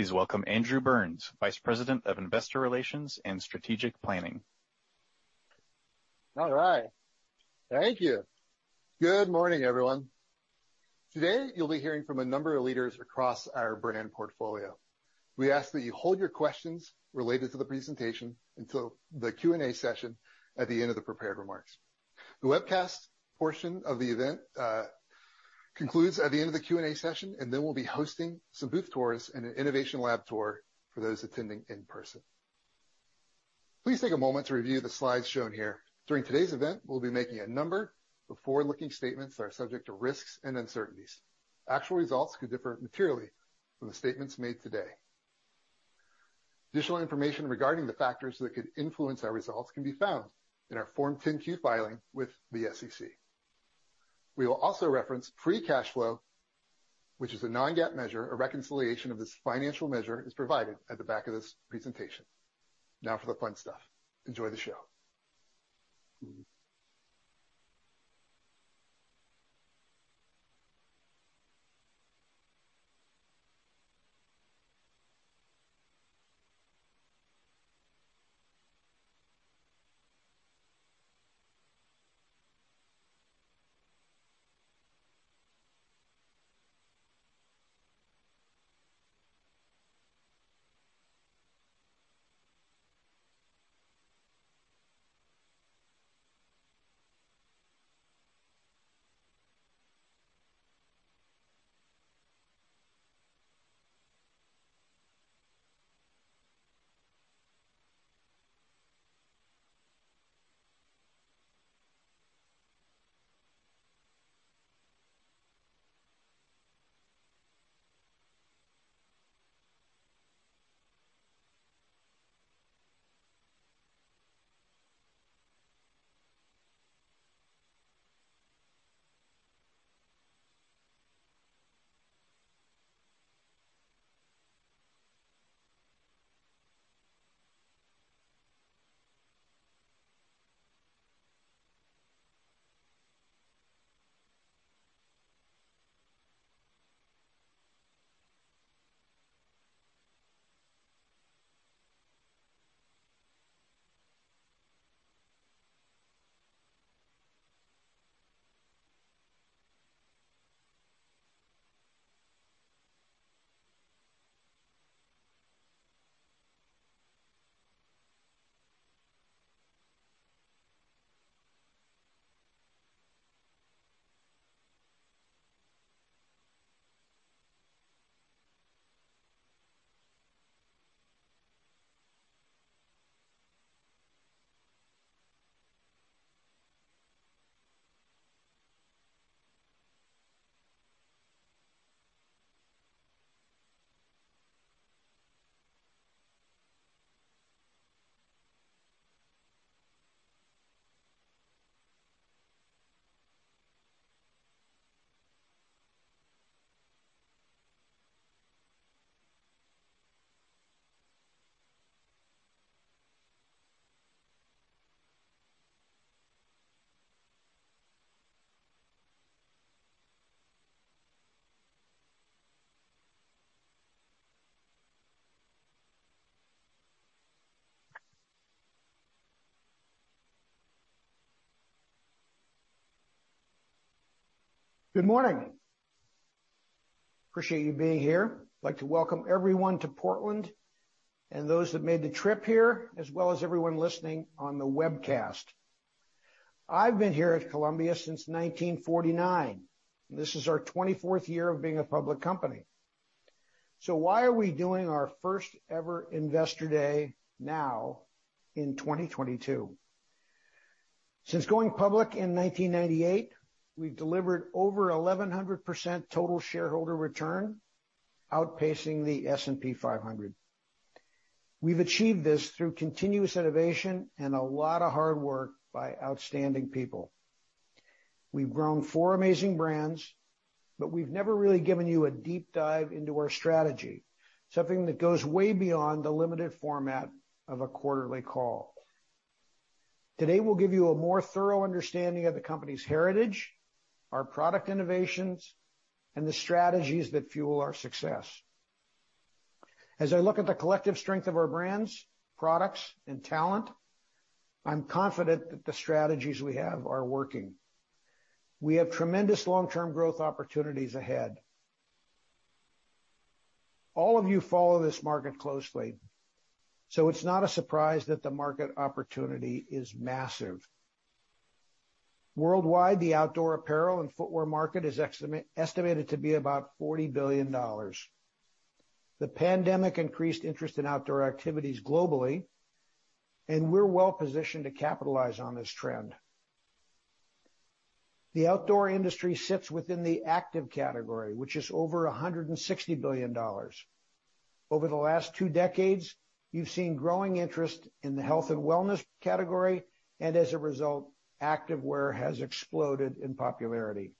Please welcome Andrew Burns, Vice President of Investor Relations and Strategic Planning. All right. Thank you. Good morning, everyone. Today, you'll be hearing from a number of leaders across our brand portfolio. We ask that you hold your questions related to the presentation until the Q&A session at the end of the prepared remarks. The webcast portion of the event concludes at the end of the Q&A session, and then we'll be hosting some booth tours and an innovation lab tour for those attending in person. Please take a moment to review the slides shown here. During today's event, we'll be making a number of forward-looking statements that are subject to risks and uncertainties. Actual results could differ materially from the statements made today. Additional information regarding the factors that could influence our results can be found in our Form 10-Q filing with the SEC. We will also reference free cash flow, which is a non-GAAP measure. A reconciliation of this financial measure is provided at the back of this presentation. Now for the fun stuff. Enjoy the show. Good morning. Appreciate you being here. I'd like to welcome everyone to Portland and those that made the trip here, as well as everyone listening on the webcast. I've been here at Columbia since 1949. This is our 24th year of being a public company. Why are we doing our first ever Investor Day now in 2022? Since going public in 1998, we've delivered over 1,100% total shareholder return, outpacing the S&P 500. We've achieved this through continuous innovation and a lot of hard work by outstanding people. We've grown four amazing brands, but we've never really given you a deep dive into our strategy, something that goes way beyond the limited format of a quarterly call. Today, we'll give you a more thorough understanding of the company's heritage, our product innovations, and the strategies that fuel our success. As I look at the collective strength of our brands, products, and talent, I'm confident that the strategies we have are working. We have tremendous long-term growth opportunities ahead. All of you follow this market closely, so it's not a surprise that the market opportunity is massive. Worldwide, the outdoor apparel and footwear market is estimated to be about $40 billion. The pandemic increased interest in outdoor activities globally, and we're well positioned to capitalize on this trend. The outdoor industry sits within the active category, which is over $160 billion. Over the last two decades, you've seen growing interest in the health and wellness category, and as a result, activewear has exploded in popularity.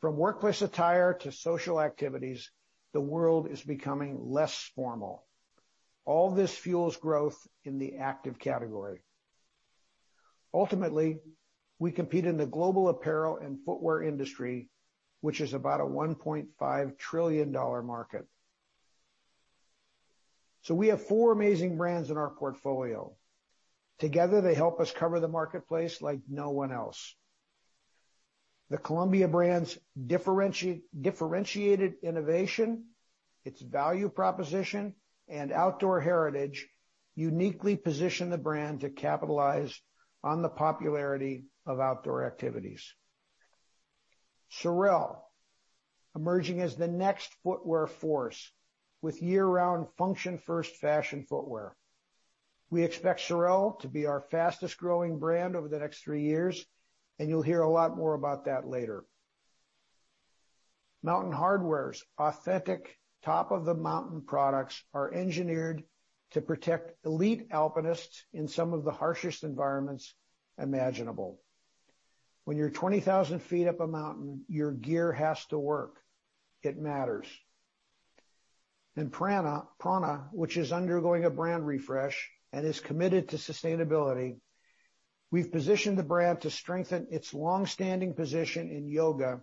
From workplace attire to social activities, the world is becoming less formal. All this fuels growth in the active category. Ultimately, we compete in the global apparel and footwear industry, which is about a $1.5 trillion market. We have four amazing brands in our portfolio. Together, they help us cover the marketplace like no one else. The Columbia brand's differentiated innovation, its value proposition, and outdoor heritage uniquely position the brand to capitalize on the popularity of outdoor activities. SOREL, emerging as the next footwear force with year-round function-first fashion footwear. We expect SOREL to be our fastest-growing brand over the next three years, and you'll hear a lot more about that later. Mountain Hardwear's authentic top-of-the-mountain products are engineered to protect elite alpinists in some of the harshest environments imaginable. When you're 20,000 ft up a mountain, your gear has to work. It matters. prAna, which is undergoing a brand refresh and is committed to sustainability, we've positioned the brand to strengthen its long-standing position in yoga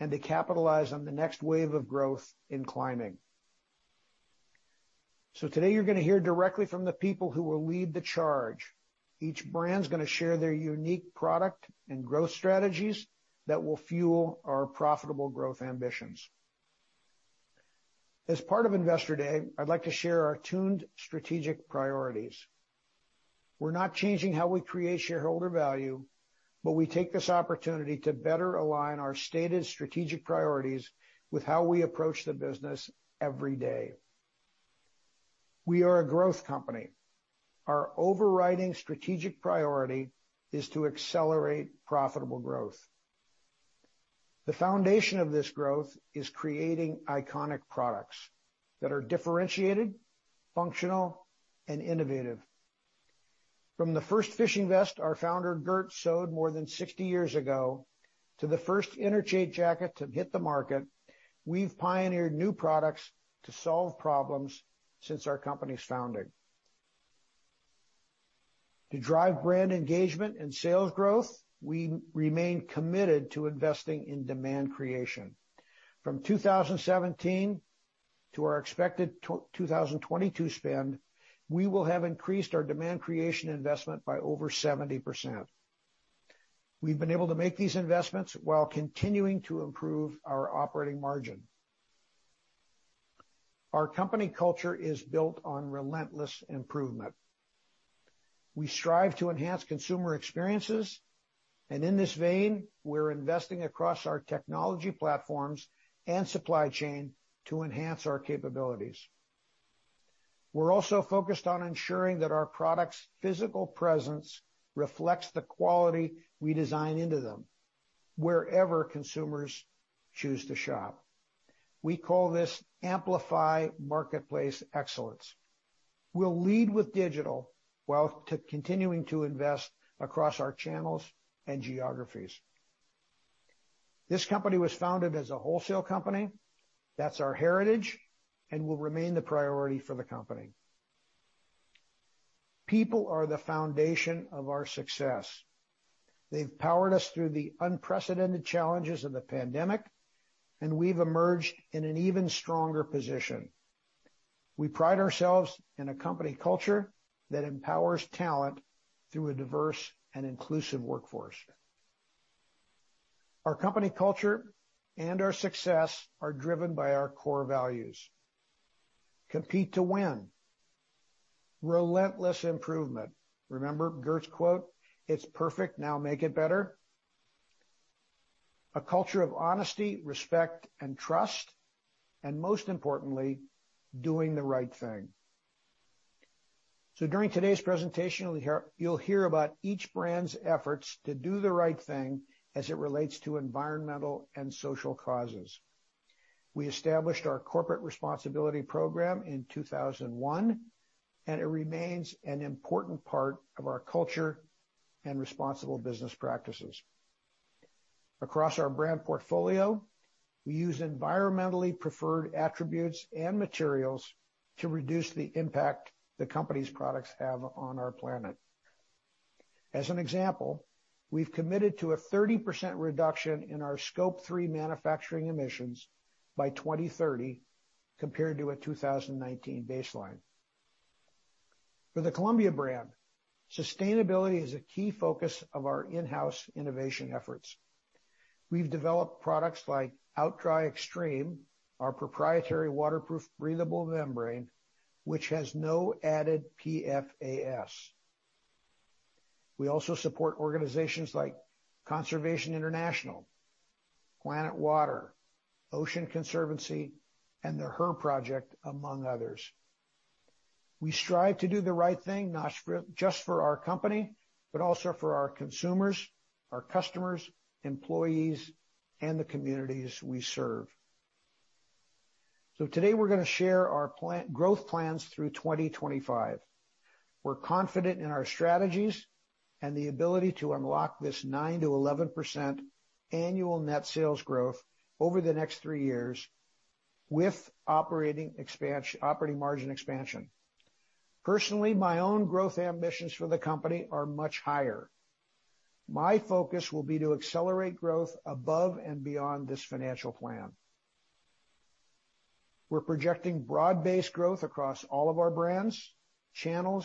and to capitalize on the next wave of growth in climbing. Today you're gonna hear directly from the people who will lead the charge. Each brand's gonna share their unique product and growth strategies that will fuel our profitable growth ambitions. As part of Investor Day, I'd like to share our tuned strategic priorities. We're not changing how we create shareholder value, but we take this opportunity to better align our stated strategic priorities with how we approach the business every day. We are a growth company. Our overriding strategic priority is to accelerate profitable growth. The foundation of this growth is creating iconic products that are differentiated, functional, and innovative. From the first fishing vest our founder, Gert, sewed more than 60 years ago, to the first Interchange jacket to hit the market, we've pioneered new products to solve problems since our company's founding. To drive brand engagement and sales growth, we remain committed to investing in demand creation. From 2017 to our expected 2022 spend, we will have increased our demand creation investment by over 70%. We've been able to make these investments while continuing to improve our operating margin. Our company culture is built on relentless improvement. We strive to enhance consumer experiences, and in this vein, we're investing across our technology platforms and supply chain to enhance our capabilities. We're also focused on ensuring that our products' physical presence reflects the quality we design into them wherever consumers choose to shop. We call this Amplify Marketplace Excellence. We'll lead with digital while continuing to invest across our channels and geographies. This company was founded as a wholesale company. That's our heritage and will remain the priority for the company. People are the foundation of our success. They've powered us through the unprecedented challenges of the pandemic, and we've emerged in an even stronger position. We pride ourselves in a company culture that empowers talent through a diverse and inclusive workforce. Our company culture and our success are driven by our core values. Compete to win. Relentless improvement. Remember Gert's quote, "It's perfect. Now make it better." A culture of honesty, respect, and trust, and most importantly, doing the right thing. During today's presentation, we'll hear, you'll hear about each brand's efforts to do the right thing as it relates to environmental and social causes. We established our corporate responsibility program in 2001, and it remains an important part of our culture and responsible business practices. Across our brand portfolio, we use environmentally preferred attributes and materials to reduce the impact the company's products have on our planet. As an example, we've committed to a 30% reduction in our Scope 3 manufacturing emissions by 2030 compared to a 2019 baseline. For the Columbia brand, sustainability is a key focus of our in-house innovation efforts. We've developed products like OutDry Extreme, our proprietary waterproof, breathable membrane, which has no added PFAS. We also support organizations like Conservation International, Planet Water, Ocean Conservancy, and the HERproject, among others. We strive to do the right thing, not just for our company, but also for our consumers, our customers, employees, and the communities we serve. Today we're gonna share our plan, growth plans through 2025. We're confident in our strategies and the ability to unlock this 9%-11% annual net sales growth over the next three years. With operating margin expansion. Personally, my own growth ambitions for the company are much higher. My focus will be to accelerate growth above and beyond this financial plan. We're projecting broad-based growth across all of our brands, channels,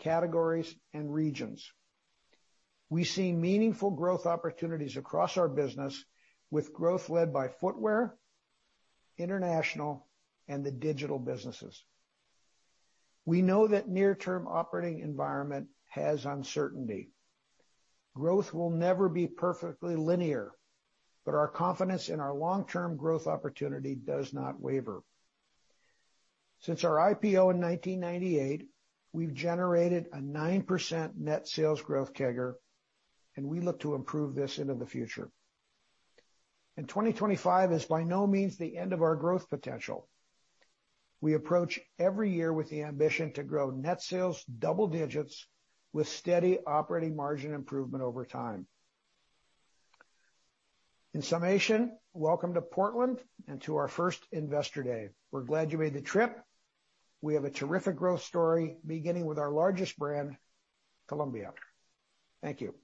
categories, and regions. We see meaningful growth opportunities across our business with growth led by footwear, international, and the digital businesses. We know that near-term operating environment has uncertainty. Growth will never be perfectly linear, but our confidence in our long-term growth opportunity does not waver. Since our IPO in 1998, we've generated a 9% net sales growth CAGR, and we look to improve this into the future. 2025 is by no means the end of our growth potential. We approach every year with the ambition to grow net sales double digits with steady operating margin improvement over time. In summation, welcome to Portland and to our first Investor Day. We're glad you made the trip. We have a terrific growth story beginning with our largest brand, Columbia. Thank you.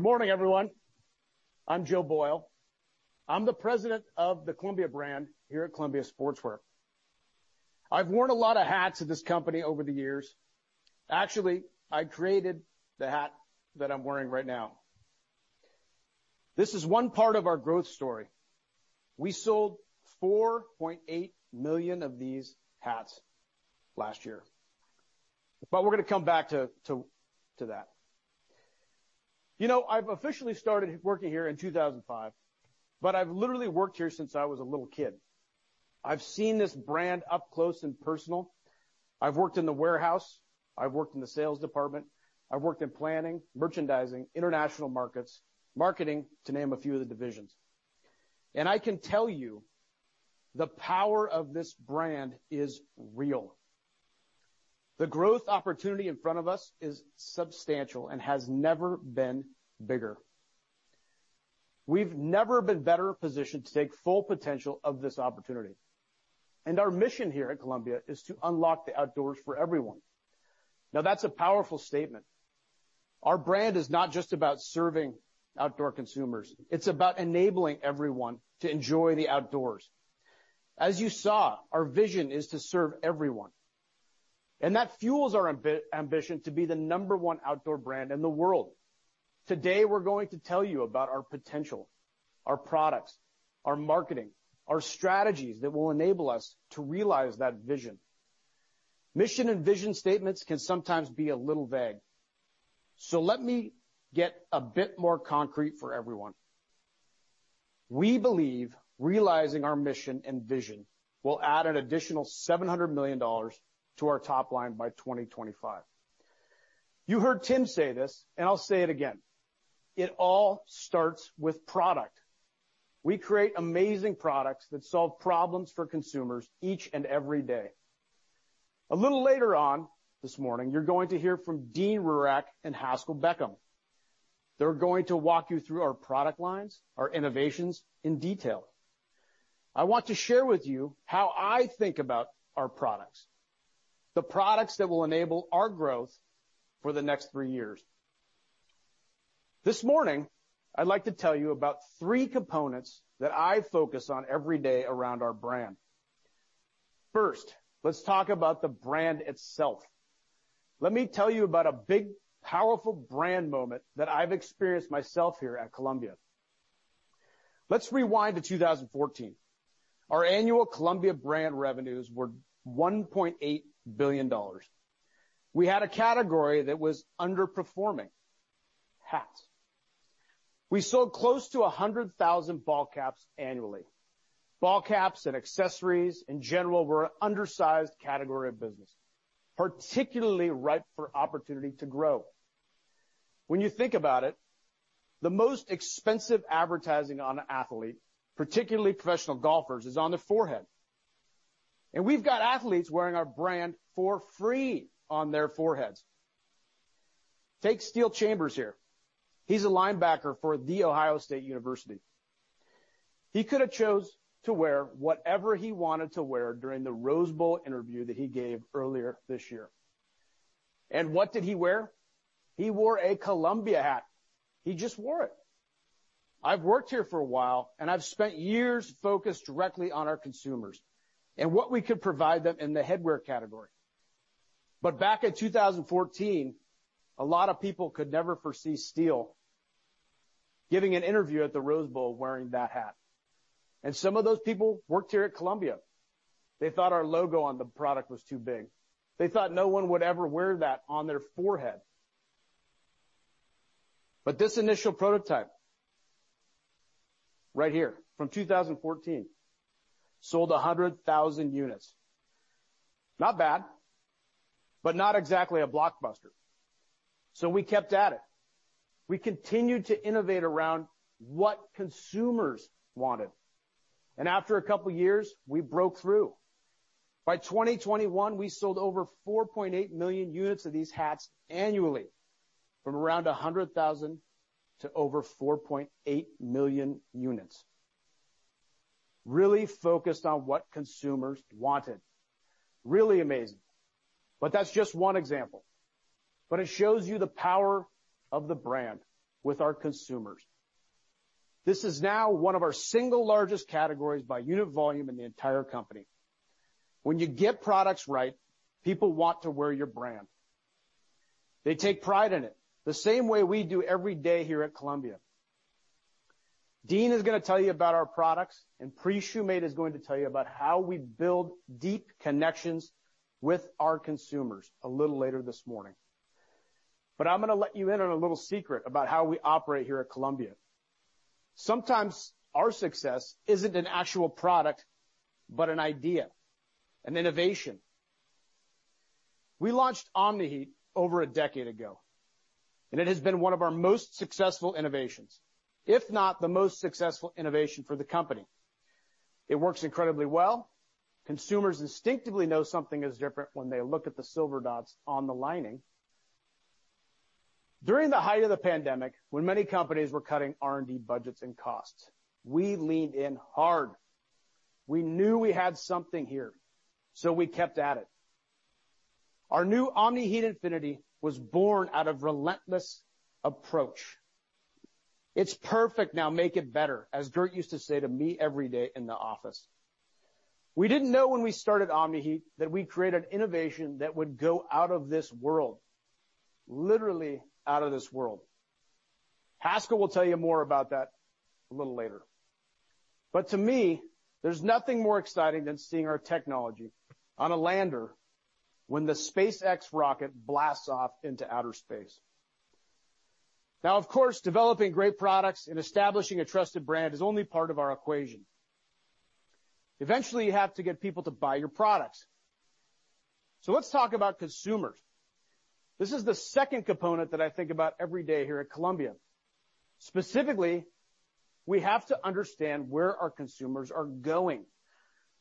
Good morning, everyone. I'm Joe Boyle. I'm the President of the Columbia brand here at Columbia Sportswear. I've worn a lot of hats at this company over the years. Actually, I created the hat that I'm wearing right now. This is one part of our growth story. We sold 4.8 million of these hats last year, but we're gonna come back to that. You know, I've officially started working here in 2005, but I've literally worked here since I was a little kid. I've seen this brand up close and personal. I've worked in the warehouse. I've worked in the sales department. I've worked in planning, merchandising, international markets, marketing, to name a few of the divisions. I can tell you, the power of this brand is real. The growth opportunity in front of us is substantial and has never been bigger. We've never been better positioned to take full potential of this opportunity. Our mission here at Columbia is to unlock the outdoors for everyone. Now, that's a powerful statement. Our brand is not just about serving outdoor consumers. It's about enabling everyone to enjoy the outdoors. As you saw, our vision is to serve everyone, and that fuels our ambition to be the number one outdoor brand in the world. Today, we're going to tell you about our potential, our products, our marketing, our strategies that will enable us to realize that vision. Mission and vision statements can sometimes be a little vague, so let me get a bit more concrete for everyone. We believe realizing our mission and vision will add an additional $700 million to our top line by 2025. You heard Tim say this, and I'll say it again. It all starts with product. We create amazing products that solve problems for consumers each and every day. A little later on this morning, you're going to hear from Dean Rurak and Haskell Beckham. They're going to walk you through our product lines, our innovations in detail. I want to share with you how I think about our products, the products that will enable our growth for the next three years. This morning, I'd like to tell you about three components that I focus on every day around our brand. First, let's talk about the brand itself. Let me tell you about a big, powerful brand moment that I've experienced myself here at Columbia. Let's rewind to 2014. Our annual Columbia brand revenues were $1.8 billion. We had a category that was underperforming. Hats. We sold close to 100,000 ball caps annually. Ball caps and accessories in general were an undersized category of business, particularly ripe for opportunity to grow. When you think about it, the most expensive advertising on an athlete, particularly professional golfers, is on the forehead. We've got athletes wearing our brand for free on their foreheads. Take Steele Chambers here. He's a linebacker for The Ohio State University. He could have chose to wear whatever he wanted to wear during the Rose Bowl interview that he gave earlier this year. What did he wear? He wore a Columbia hat. He just wore it. I've worked here for a while, and I've spent years focused directly on our consumers and what we could provide them in the headwear category. Back in 2014, a lot of people could never foresee Steele giving an interview at the Rose Bowl wearing that hat. Some of those people worked here at Columbia. They thought our logo on the product was too big. They thought no one would ever wear that on their forehead. This initial prototype right here from 2014 sold 100,000 units. Not bad, but not exactly a blockbuster. We kept at it. We continued to innovate around what consumers wanted. After a couple of years, we broke through. By 2021, we sold over 4.8 million units of these hats annually from around 100,000 to over 4.8 million units. Really focused on what consumers wanted. Really amazing. That's just one example. It shows you the power of the brand with our consumers. This is now one of our single largest categories by unit volume in the entire company. When you get products right, people want to wear your brand. They take pride in it the same way we do every day here at Columbia. Dean is gonna tell you about our products, and Pri Shumate is going to tell you about how we build deep connections with our consumers a little later this morning. I'm gonna let you in on a little secret about how we operate here at Columbia. Sometimes our success isn't an actual product, but an idea, an innovation. We launched Omni-Heat over a decade ago, and it has been one of our most successful innovations, if not the most successful innovation for the company. It works incredibly well. Consumers instinctively know something is different when they look at the silver dots on the lining. During the height of the pandemic, when many companies were cutting R&D budgets and costs, we leaned in hard. We knew we had something here, so we kept at it. Our new Omni-Heat Infinity was born out of relentless approach. "It's perfect. Now make it better," as Gert used to say to me every day in the office. We didn't know when we started Omni-Heat that we created innovation that would go out of this world. Literally out of this world. Haskell will tell you more about that a little later. To me, there's nothing more exciting than seeing our technology on a lander when the SpaceX rocket blasts off into outer space. Now, of course, developing great products and establishing a trusted brand is only part of our equation. Eventually, you have to get people to buy your products. Let's talk about consumers. This is the second component that I think about every day here at Columbia. Specifically, we have to understand where our consumers are going.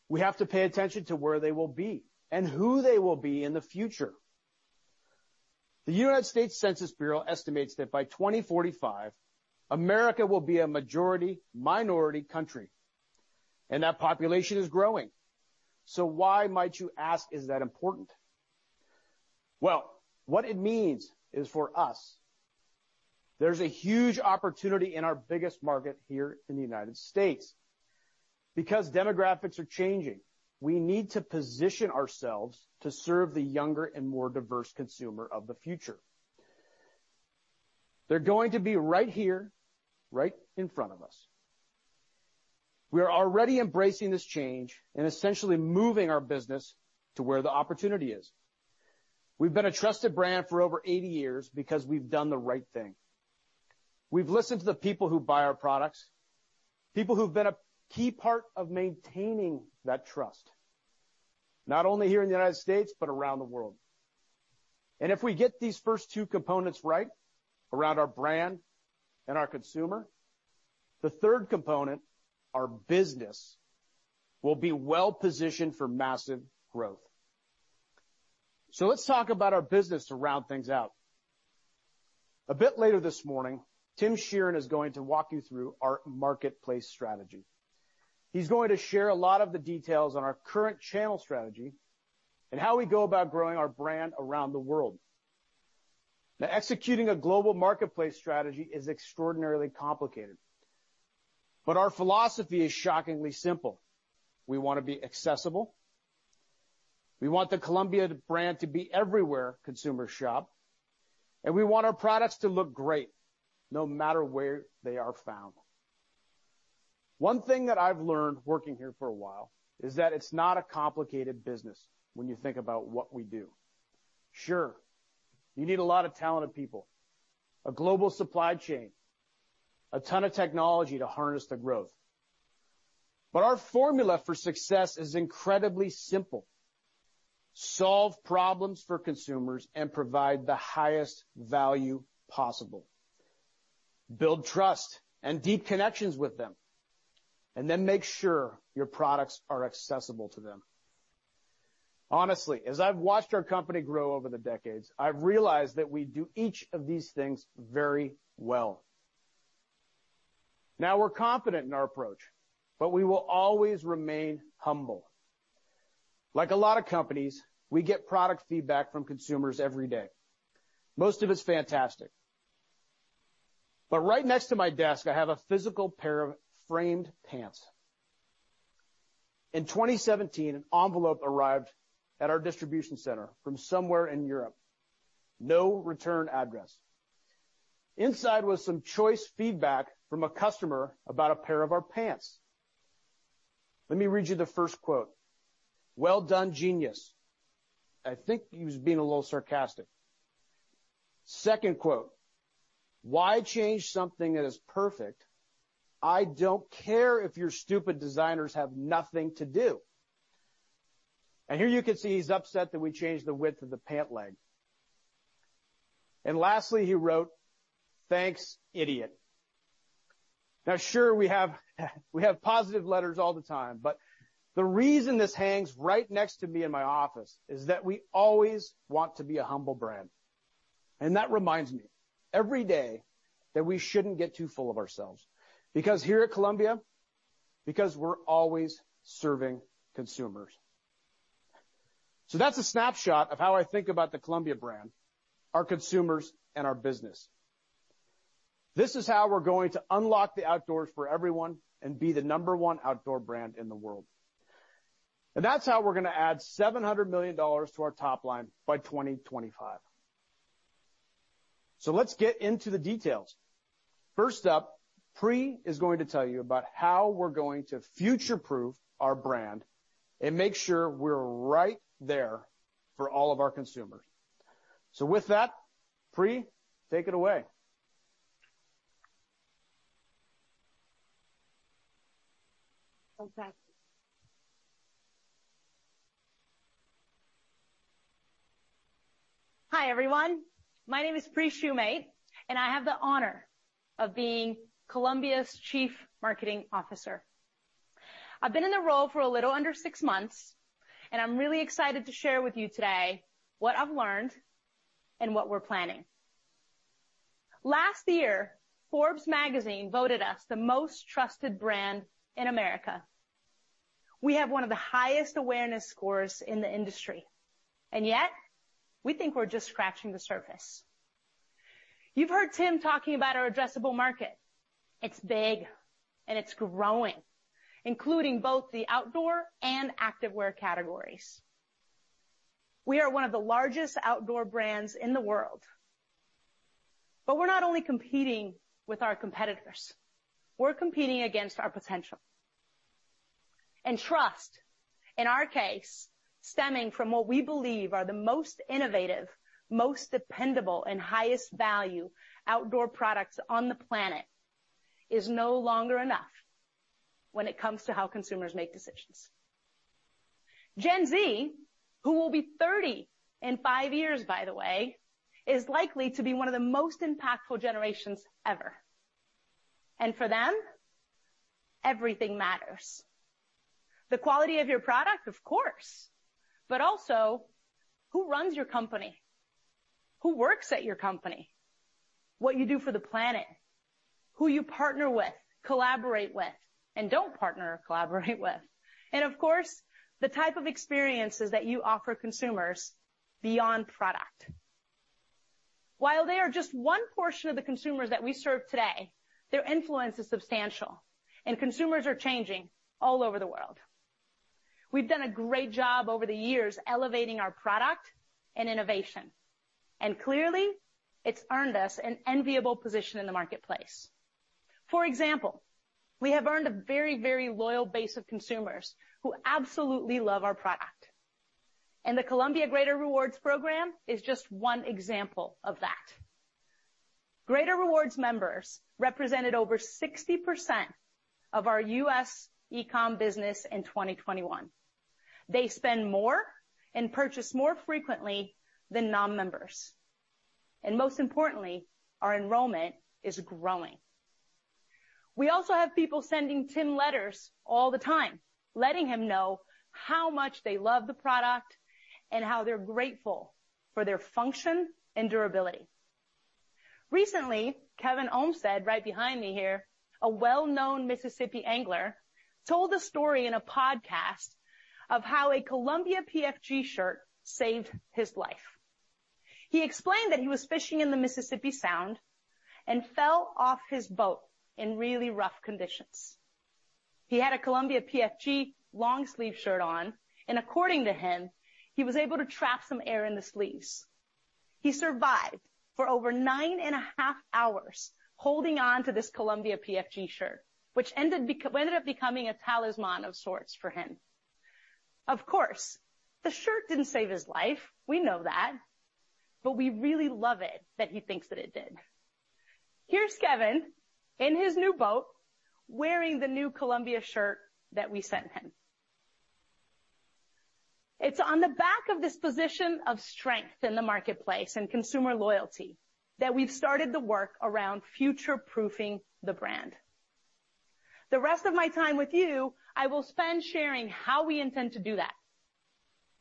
We have to pay attention to where they will be and who they will be in the future. The United States Census Bureau estimates that by 2045, America will be a majority minority country, and that population is growing. Why might you ask, is that important? Well, what it means is for us, there's a huge opportunity in our biggest market here in the United States. Because demographics are changing, we need to position ourselves to serve the younger and more diverse consumer of the future. They're going to be right here, right in front of us. We are already embracing this change and essentially moving our business to where the opportunity is. We've been a trusted brand for over 80 years because we've done the right thing. We've listened to the people who buy our products, people who've been a key part of maintaining that trust, not only here in the United States, but around the world. And if we get these first two components right around our brand and our consumer, the third component, our business, will be well-positioned for massive growth. Let's talk about our business to round things out. A bit later this morning, Tim Sheerin is going to walk you through our marketplace strategy. He's going to share a lot of the details on our current channel strategy and how we go about growing our brand around the world. Executing a global marketplace strategy is extraordinarily complicated, but our philosophy is shockingly simple. We wanna be accessible. We want the Columbia brand to be everywhere consumers shop, and we want our products to look great no matter where they are found. One thing that I've learned working here for a while is that it's not a complicated business when you think about what we do. Sure, you need a lot of talented people, a global supply chain, a ton of technology to harness the growth. Our formula for success is incredibly simple. Solve problems for consumers and provide the highest value possible. Build trust and deep connections with them, and then make sure your products are accessible to them. Honestly, as I've watched our company grow over the decades, I've realized that we do each of these things very well. Now, we're confident in our approach, but we will always remain humble. Like a lot of companies, we get product feedback from consumers every day. Most of it's fantastic. But right next to my desk, I have a physical pair of framed pants. In 2017, an envelope arrived at our distribution center from somewhere in Europe. No return address. Inside was some choice feedback from a customer about a pair of our pants. Let me read you the first quote. "Well done, genius." I think he was being a little sarcastic. Second quote, "Why change something that is perfect? I don't care if your stupid designers have nothing to do." Here you can see he's upset that we changed the width of the pant leg. Lastly, he wrote, "Thanks, idiot." Now, sure we have positive letters all the time, but the reason this hangs right next to me in my office is that we always want to be a humble brand. That reminds me every day that we shouldn't get too full of ourselves. Here at Columbia, we're always serving consumers. That's a snapshot of how I think about the Columbia brand, our consumers, and our business. This is how we're going to unlock the outdoors for everyone and be the number one outdoor brand in the world. That's how we're gonna add $700 million to our top line by 2025. Let's get into the details. First up, Pri is going to tell you about how we're going to future-proof our brand and make sure we're right there for all of our consumers. With that, Pri, take it away. Fantastic. Hi, everyone. My name is Pri Shumate, and I have the honor of being Columbia's Chief Marketing Officer. I've been in the role for a little under six months, and I'm really excited to share with you today what I've learned and what we're planning. Last year, Forbes voted us the most trusted brand in America. We have one of the highest awareness scores in the industry, and yet we think we're just scratching the surface. You've heard Tim talking about our addressable market. It's big, and it's growing, including both the outdoor and activewear categories. We are one of the largest outdoor brands in the world. We're not only competing with our competitors, we're competing against our potential. Trust, in our case, stemming from what we believe are the most innovative, most dependable, and highest value outdoor products on the planet is no longer enough when it comes to how consumers make decisions. Gen Z, who will be 30 in five years, by the way, is likely to be one of the most impactful generations ever. For them, everything matters. The quality of your product, of course, but also who runs your company, who works at your company, what you do for the planet, who you partner with, collaborate with, and don't partner or collaborate with, and of course, the type of experiences that you offer consumers beyond product. While they are just one portion of the consumers that we serve today, their influence is substantial, and consumers are changing all over the world. We've done a great job over the years elevating our product and innovation, and clearly, it's earned us an enviable position in the marketplace. For example, we have earned a very, very loyal base of consumers who absolutely love our product. The Columbia Greater Rewards program is just one example of that. Greater Rewards members represented over 60% of our U.S. e-com business in 2021. They spend more and purchase more frequently than non-members. Most importantly, our enrollment is growing. We also have people sending Tim letters all the time, letting him know how much they love the product and how they're grateful for their function and durability. Recently, Kevin Olmstead, right behind me here, a well-known Mississippi angler, told a story in a podcast of how a Columbia PFG shirt saved his life. He explained that he was fishing in the Mississippi Sound and fell off his boat in really rough conditions. He had a Columbia PFG long-sleeve shirt on, and according to him, he was able to trap some air in the sleeves. He survived for over 9.5 hours holding on to this Columbia PFG shirt, which ended up becoming a talisman of sorts for him. Of course, the shirt didn't save his life. We know that, but we really love it that he thinks that it did. Here's Kevin in his new boat wearing the new Columbia shirt that we sent him. It's on the back of this position of strength in the marketplace and consumer loyalty that we've started the work around future-proofing the brand. The rest of my time with you, I will spend sharing how we intend to do that,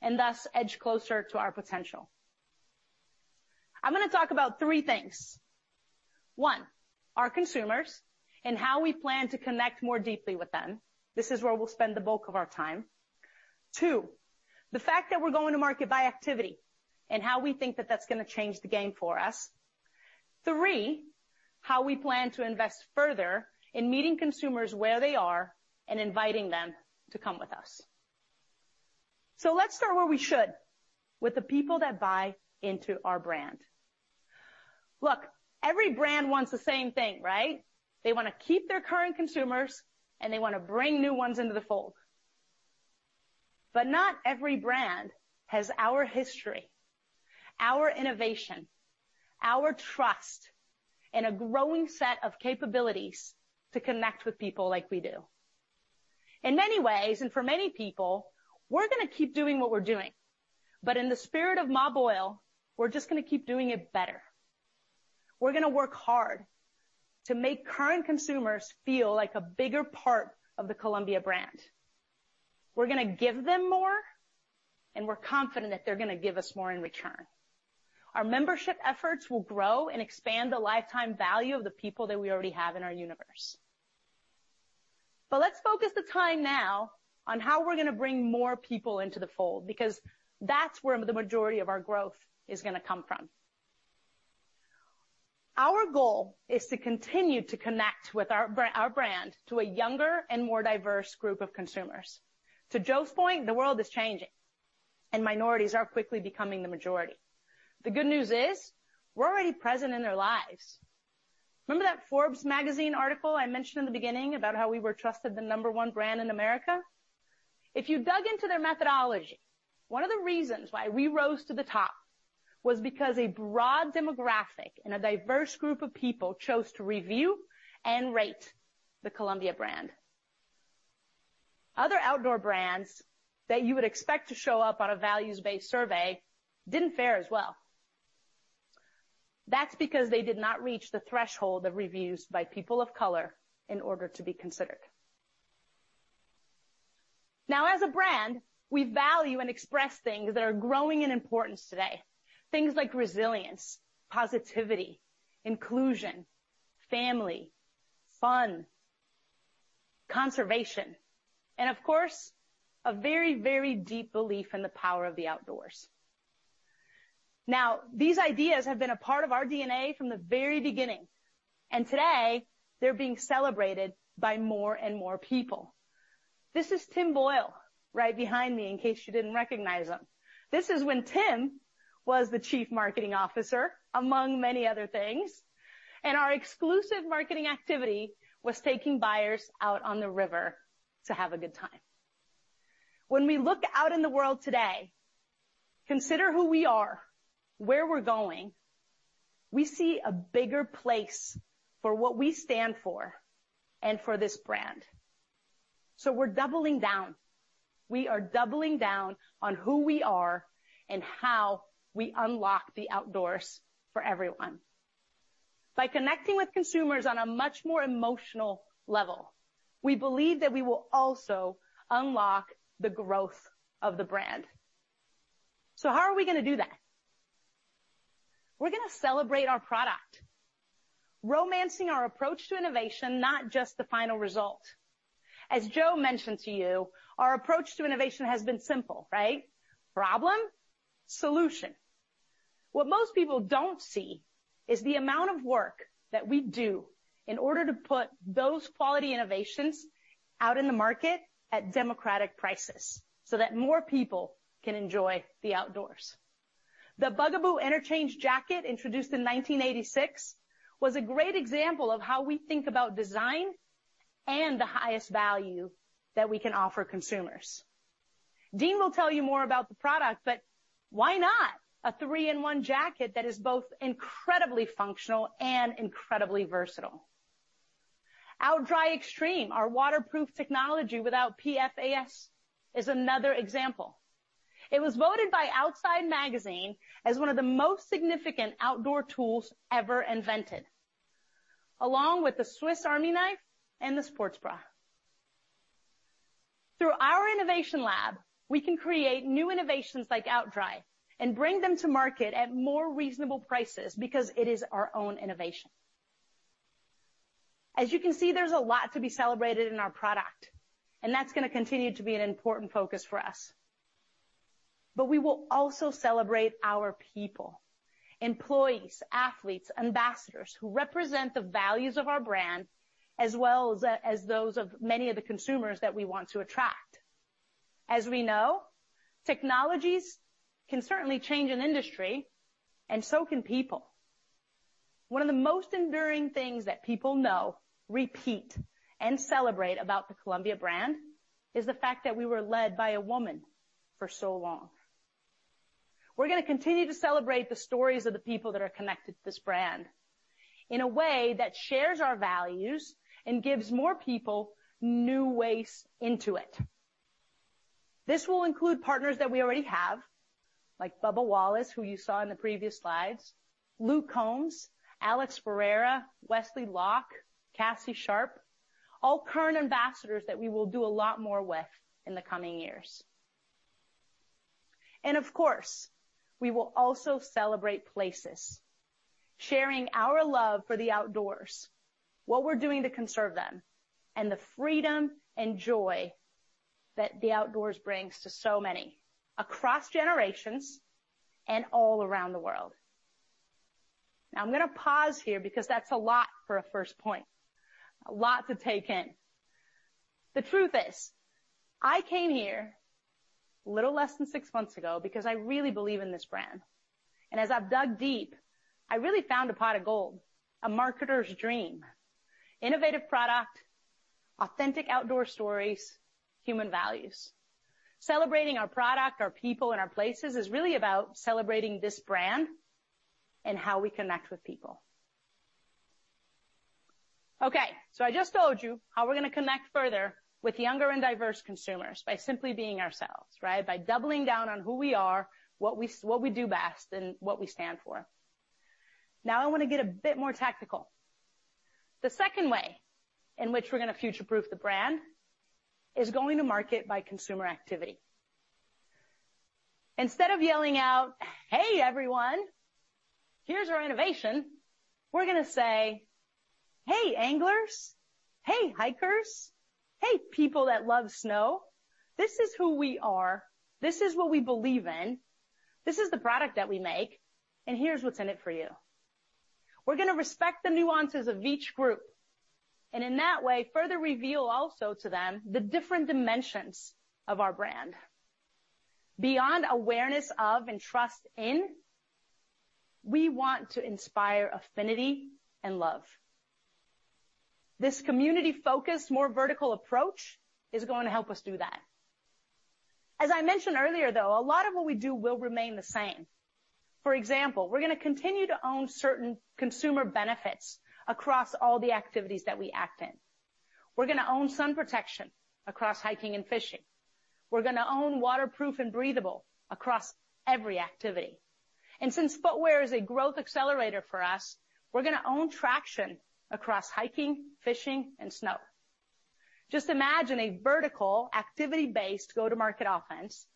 and thus edge closer to our potential. I'm gonna talk about three things. One, our consumers and how we plan to connect more deeply with them. This is where we'll spend the bulk of our time. Two, the fact that we're going to market by activity and how we think that that's gonna change the game for us. Three, how we plan to invest further in meeting consumers where they are and inviting them to come with us. Let's start where we should, with the people that buy into our brand. Look, every brand wants the same thing, right? They wanna keep their current consumers and they wanna bring new ones into the fold. Not every brand has our history, our innovation, our trust, and a growing set of capabilities to connect with people like we do. In many ways, and for many people, we're gonna keep doing what we're doing. In the spirit of Mobil, we're just gonna keep doing it better. We're gonna work hard to make current consumers feel like a bigger part of the Columbia brand. We're gonna give them more, and we're confident that they're gonna give us more in return. Our membership efforts will grow and expand the lifetime value of the people that we already have in our universe. Let's focus the time now on how we're gonna bring more people into the fold because that's where the majority of our growth is gonna come from. Our goal is to continue to connect with our brand to a younger and more diverse group of consumers. To Joe's point, the world is changing, and minorities are quickly becoming the majority. The good news is, we're already present in their lives. Remember that Forbes magazine article I mentioned in the beginning about how we were the most trusted number one brand in America? If you dug into their methodology, one of the reasons why we rose to the top was because a broad demographic and a diverse group of people chose to review and rate the Columbia brand. Other outdoor brands that you would expect to show up on a values-based survey didn't fare as well. That's because they did not reach the threshold of reviews by people of color in order to be considered. Now, as a brand, we value and express things that are growing in importance today. Things like resilience, positivity, inclusion, family, fun, conservation, and of course, a very, very deep belief in the power of the outdoors. Now, these ideas have been a part of our DNA from the very beginning, and today they're being celebrated by more and more people. This is Tim Boyle right behind me, in case you didn't recognize him. This is when Tim was the chief marketing officer, among many other things, and our exclusive marketing activity was taking buyers out on the river to have a good time. When we look out in the world today, consider who we are, where we're going, we see a bigger place for what we stand for and for this brand. We're doubling down. We are doubling down on who we are and how we unlock the outdoors for everyone. By connecting with consumers on a much more emotional level, we believe that we will also unlock the growth of the brand. How are we gonna do that? We're gonna celebrate our product, romancing our approach to innovation, not just the final result. As Joe mentioned to you, our approach to innovation has been simple, right? Problem, solution. What most people don't see is the amount of work that we do in order to put those quality innovations out in the market at democratic prices so that more people can enjoy the outdoors. The Bugaboo Interchange Jacket, introduced in 1986, was a great example of how we think about design and the highest value that we can offer consumers. Dean will tell you more about the product, but why not a three-in-one jacket that is both incredibly functional and incredibly versatile? OutDry Extreme, our waterproof technology without PFAS, is another example. It was voted by Outside Magazine as one of the most significant outdoor tools ever invented, along with the Swiss Army knife and the sports bra. Through our innovation lab, we can create new innovations like OutDry and bring them to market at more reasonable prices because it is our own innovation. As you can see, there's a lot to be celebrated in our product, and that's gonna continue to be an important focus for us. We will also celebrate our people, employees, athletes, ambassadors, who represent the values of our brand as well as those of many of the consumers that we want to attract. As we know, technologies can certainly change an industry, and so can people. One of the most enduring things that people know, repeat, and celebrate about the Columbia brand is the fact that we were led by a woman for so long. We're gonna continue to celebrate the stories of the people that are connected to this brand in a way that shares our values and gives more people new ways into it. This will include partners that we already have, like Bubba Wallace, who you saw in the previous slides, Luke Combs, Alex Ferreira, Wesley Locke, Cassie Sharpe, all current ambassadors that we will do a lot more with in the coming years. Of course, we will also celebrate places, sharing our love for the outdoors, what we're doing to conserve them, and the freedom and joy that the outdoors brings to so many across generations and all around the world. Now, I'm gonna pause here because that's a lot for a first point, a lot to take in. The truth is, I came here a little less than six months ago because I really believe in this brand. As I've dug deep, I really found a pot of gold, a marketer's dream. Innovative product, authentic outdoor stories, human values. Celebrating our product, our people, and our places is really about celebrating this brand and how we connect with people. Okay. I just told you how we're gonna connect further with younger and diverse consumers by simply being ourselves, right? By doubling down on who we are, what we do best, and what we stand for. Now I wanna get a bit more tactical. The second way in which we're gonna future-proof the brand is going to market by consumer activity. Instead of yelling out, "Hey, everyone, here's our innovation," we're gonna say, "Hey, anglers. Hey, hikers. Hey, people that love snow. This is who we are. This is what we believe in. This is the product that we make, and here's what's in it for you." We're gonna respect the nuances of each group, and in that way, further reveal also to them the different dimensions of our brand. Beyond awareness of and trust in, we want to inspire affinity and love. This community-focused, more vertical approach is going to help us do that. As I mentioned earlier, though, a lot of what we do will remain the same. For example, we're gonna continue to own certain consumer benefits across all the activities that we act in. We're gonna own sun protection across hiking and fishing. We're gonna own waterproof and breathable across every activity. Since footwear is a growth accelerator for us, we're gonna own traction across hiking, fishing, and snow. Just imagine a vertical activity-based go-to-market offense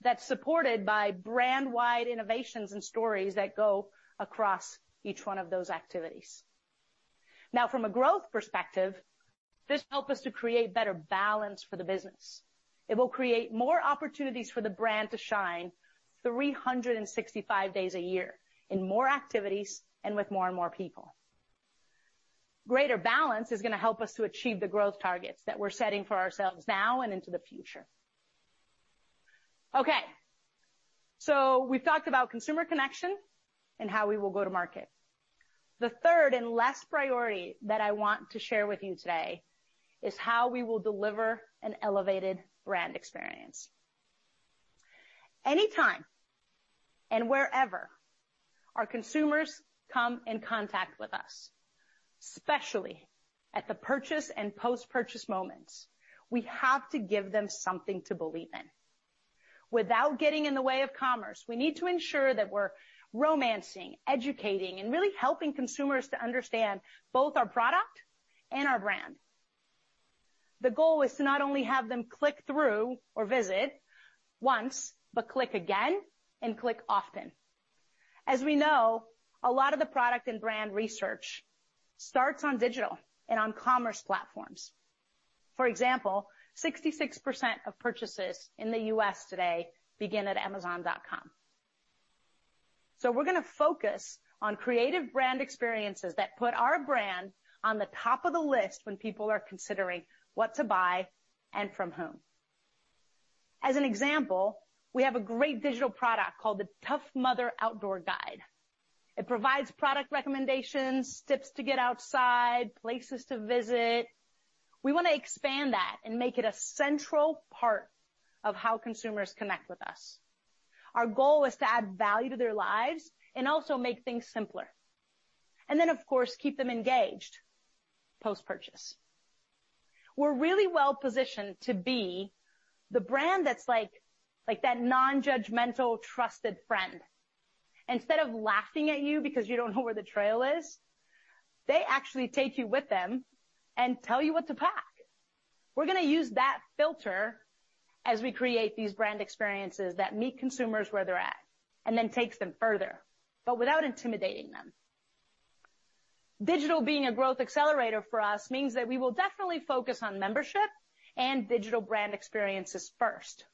that's supported by brand-wide innovations and stories that go across each one of those activities. Now, from a growth perspective, this helps us to create better balance for the business. It will create more opportunities for the brand to shine 365 days a year in more activities and with more and more people. Greater balance is gonna help us to achieve the growth targets that we're setting for ourselves now and into the future. Okay, we've talked about consumer connection and how we will go to market. The third and last priority that I want to share with you today is how we will deliver an elevated brand experience. Anytime and wherever our consumers come in contact with us, especially at the purchase and post-purchase moments, we have to give them something to believe in. Without getting in the way of commerce, we need to ensure that we're romancing, educating, and really helping consumers to understand both our product and our brand. The goal is to not only have them click through or visit once, but click again and click often. As we know, a lot of the product and brand research starts on digital and on commerce platforms. For example, 66% of purchases in the U.S. today begin at Amazon.com. We're gonna focus on creative brand experiences that put our brand on the top of the list when people are considering what to buy and from whom. As an example, we have a great digital product called the Tough Mother Outdoor Guide. It provides product recommendations, tips to get outside, places to visit. We wanna expand that and make it a central part of how consumers connect with us. Our goal is to add value to their lives and also make things simpler. Of course, keep them engaged post-purchase. We're really well-positioned to be the brand that's like that non-judgmental, trusted friend. Instead of laughing at you because you don't know where the trail is, they actually take you with them and tell you what to pack. We're gonna use that filter as we create these brand experiences that meet consumers where they're at and then takes them further, but without intimidating them. Digital being a growth accelerator for us means that we will definitely focus on membership and digital brand experiences first.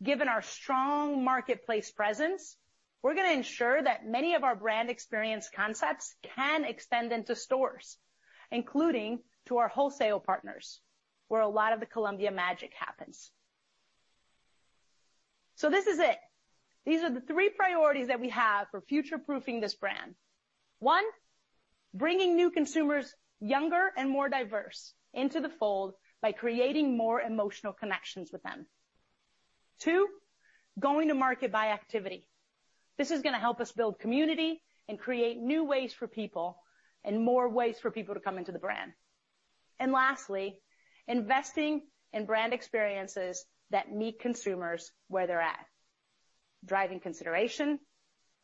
Given our strong marketplace presence, we're gonna ensure that many of our brand experience concepts can extend into stores, including to our wholesale partners, where a lot of the Columbia magic happens. This is it. These are the three priorities that we have for future-proofing this brand. One, bringing new consumers, younger and more diverse into the fold by creating more emotional connections with them. Two, going to market by activity. This is gonna help us build community and create new ways for people and more ways for people to come into the brand. Lastly, investing in brand experiences that meet consumers where they're at. Driving consideration,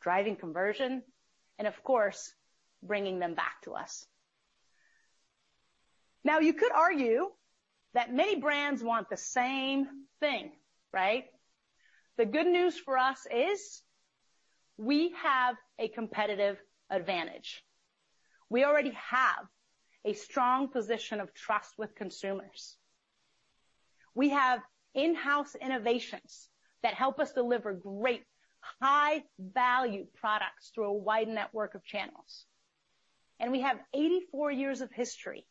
driving conversion, and of course, bringing them back to us. Now, you could argue that many brands want the same thing, right? The good news for us is we have a competitive advantage. We already have a strong position of trust with consumers. We have in-house innovations that help us deliver great, high-value products through a wide network of channels. We have 84 years of history,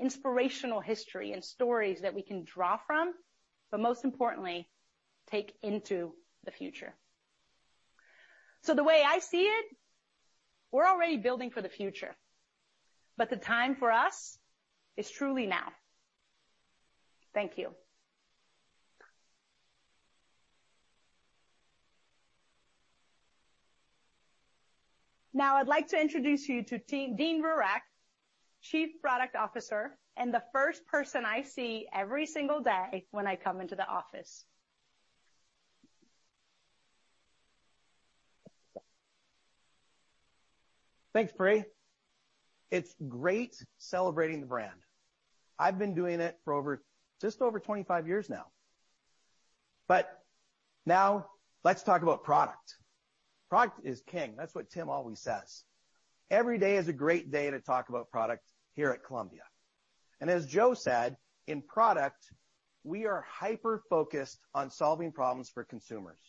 inspirational history and stories that we can draw from, but most importantly, take into the future. The way I see it, we're already building for the future, but the time for us is truly now. Thank you. Now, I'd like to introduce you to Dean Rurak, Chief Product Officer and the first person I see every single day when I come into the office. Thanks, Pri. It's great celebrating the brand. I've been doing it for just over 25 years now. Now let's talk about product. Product is king. That's what Tim always says. Every day is a great day to talk about product here at Columbia. As Joe said, in product, we are hyper-focused on solving problems for consumers.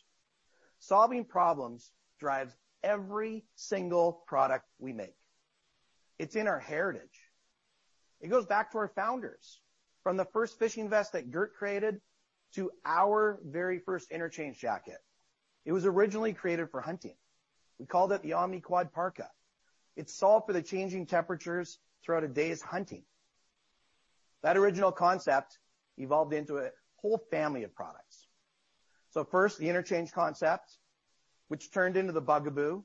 Solving problems drives every single product we make. It's in our heritage. It goes back to our founders. From the first fishing vest that Gert created to our very first Interchange jacket. It was originally created for hunting. We called it the Omni-Quad Parka. It solved for the changing temperatures throughout a day's hunting. That original concept evolved into a whole family of products. First, the Interchange concept, which turned into the Bugaboo,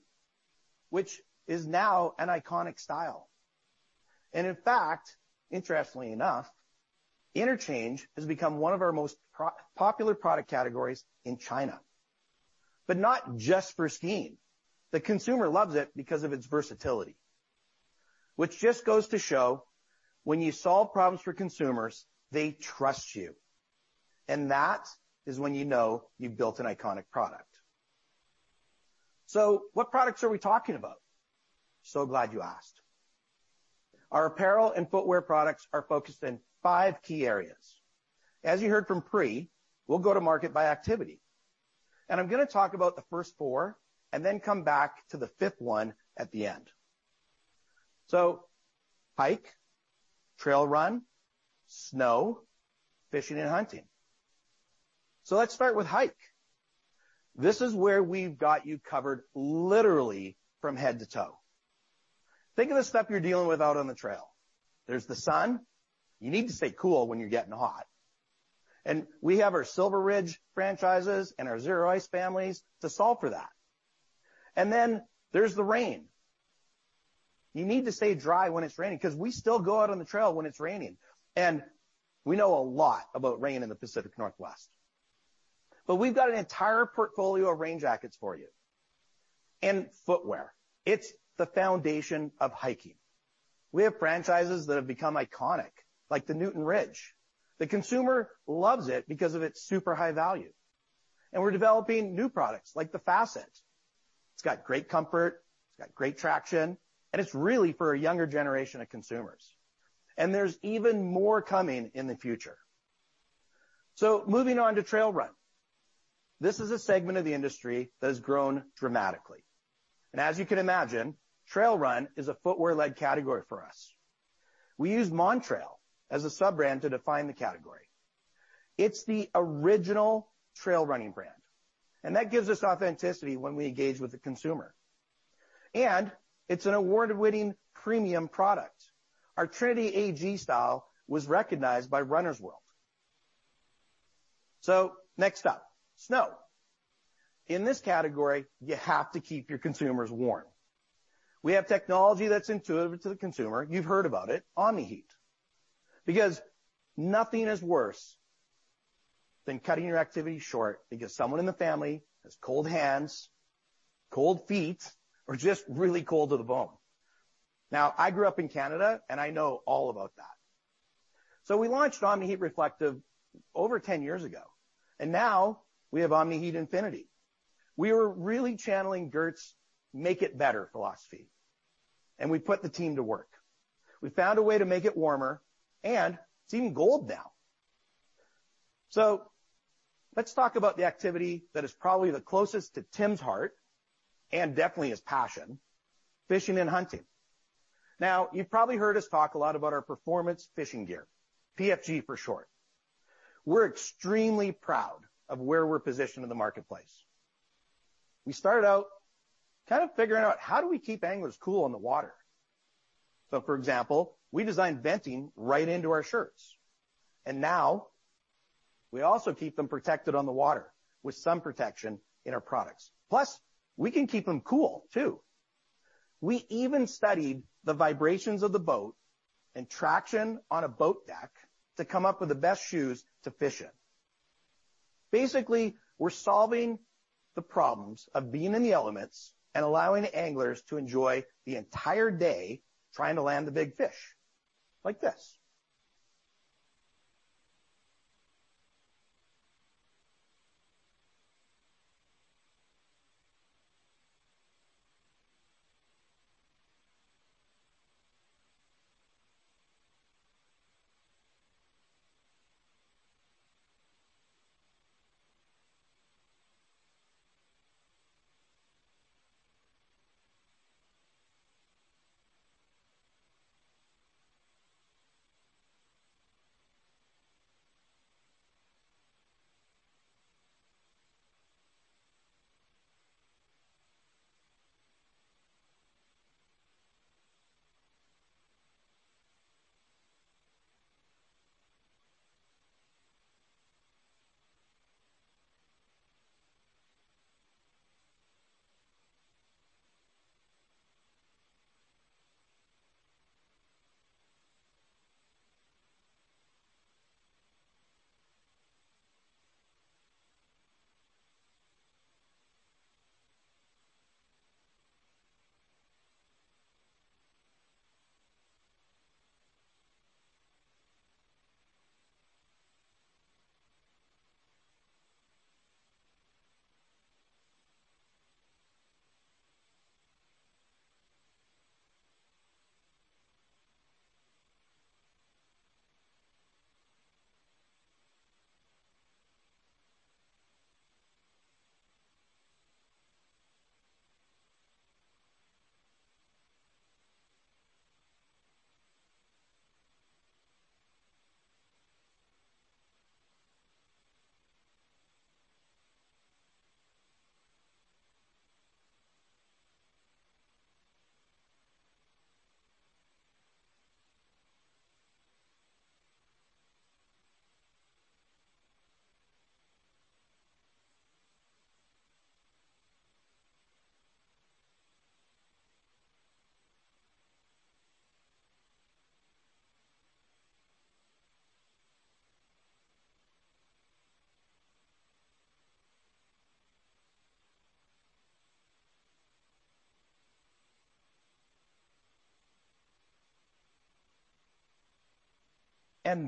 which is now an iconic style. In fact, interestingly enough, Interchange has become one of our most popular product categories in China, but not just for skiing. The consumer loves it because of its versatility. Which just goes to show when you solve problems for consumers, they trust you. That is when you know you've built an iconic product. What products are we talking about? Glad you asked. Our apparel and footwear products are focused in five key areas. As you heard from Pri, we'll go to market by activity. I'm gonna talk about the first four and then come back to the fifth one at the end. Hike, trail run, snow, fishing and hunting. Let's start with hike. This is where we've got you covered, literally from head to toe. Think of the stuff you're dealing with out on the trail. There's the sun. You need to stay cool when you're getting hot. We have our Silver Ridge franchises and our Zero Rules families to solve for that. Then there's the rain. You need to stay dry when it's raining 'cause we still go out on the trail when it's raining, and we know a lot about rain in the Pacific Northwest. We've got an entire portfolio of rain jackets for you. Footwear. It's the foundation of hiking. We have franchises that have become iconic, like the Newton Ridge. The consumer loves it because of its super high value. We're developing new products like the Facet. It's got great comfort, it's got great traction, and it's really for a younger generation of consumers. There's even more coming in the future. Moving on to trail run. This is a segment of the industry that has grown dramatically. As you can imagine, trail run is a footwear-led category for us. We use Montrail as a sub-brand to define the category. It's the original trail running brand, and that gives us authenticity when we engage with the consumer. It's an award-winning premium product. Our Trinity AG style was recognized by Runner's World. Next up, snow. In this category, you have to keep your consumers warm. We have technology that's intuitive to the consumer. You've heard about it, Omni-Heat. Because nothing is worse than cutting your activity short because someone in the family has cold hands, cold feet, or just really cold to the bone. Now, I grew up in Canada, and I know all about that. We launched Omni-Heat Reflective over 10 years ago, and now we have Omni-Heat Infinity. We were really channeling Gert's make-it-better philosophy, and we put the team to work. We found a way to make it warmer, and it's even gold now. Let's talk about the activity that is probably the closest to Tim's heart and definitely his passion, fishing and hunting. Now, you've probably heard us talk a lot about our performance fishing gear, PFG for short. We're extremely proud of where we're positioned in the marketplace. We started out kind of figuring out how do we keep anglers cool in the water? So, for example, we designed venting right into our shirts, and now we also keep them protected on the water with some protection in our products. Plus, we can keep them cool too. We even studied the vibrations of the boat and traction on a boat deck to come up with the best shoes to fish in. Basically, we're solving the problems of being in the elements and allowing the anglers to enjoy the entire day trying to land the big fish like this.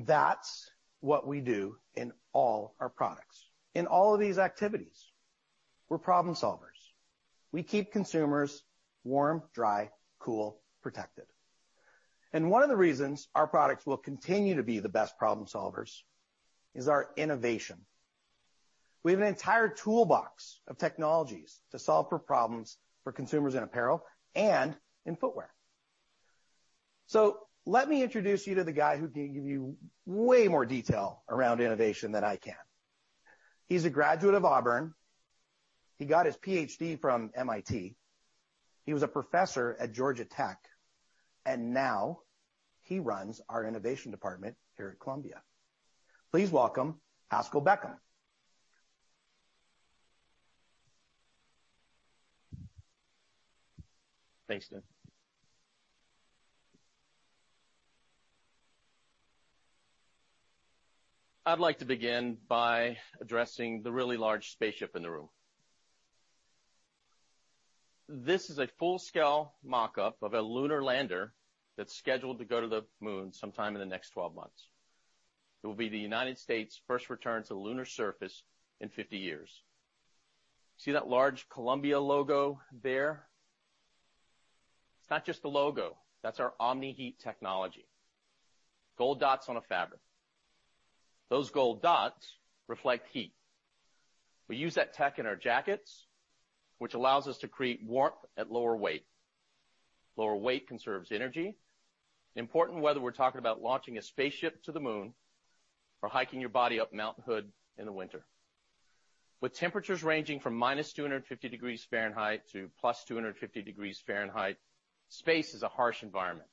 That's what we do in all our products. In all of these activities, we're problem-solvers. We keep consumers warm, dry, cool, protected. One of the reasons our products will continue to be the best problem-solvers is our innovation. We have an entire toolbox of technologies to solve for problems for consumers in apparel and in footwear. Let me introduce you to the guy who can give you way more detail around innovation than I can. He's a graduate of Auburn. He got his PhD from MIT. He was a professor at Georgia Tech, and now he runs our innovation department here at Columbia. Please welcome Haskell Beckham. Thanks, Dean. I'd like to begin by addressing the really large spaceship in the room. This is a full-scale mock-up of a lunar lander that's scheduled to go to the moon sometime in the next 12 months. It will be the United States' first return to the lunar surface in 50 years. See that large Columbia logo there? It's not just the logo. That's our Omni-Heat technology. Gold dots on a fabric. Those gold dots reflect heat. We use that tech in our jackets, which allows us to create warmth at lower weight. Lower weight conserves energy. Important whether we're talking about launching a spaceship to the moon or hiking your body up Mount Hood in the winter. With temperatures ranging from -250 to +250 degrees Fahrenheit, space is a harsh environment.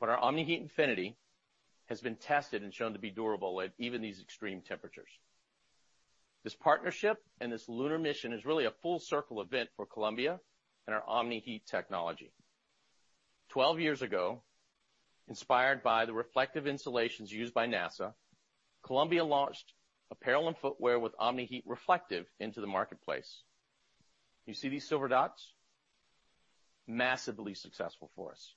Our Omni-Heat Infinity has been tested and shown to be durable at even these extreme temperatures. This partnership and this lunar mission is really a full circle event for Columbia and our Omni-Heat technology. 12 years ago, inspired by the reflective insulations used by NASA, Columbia launched apparel and footwear with Omni-Heat Reflective into the marketplace. You see these silver dots? Massively successful for us.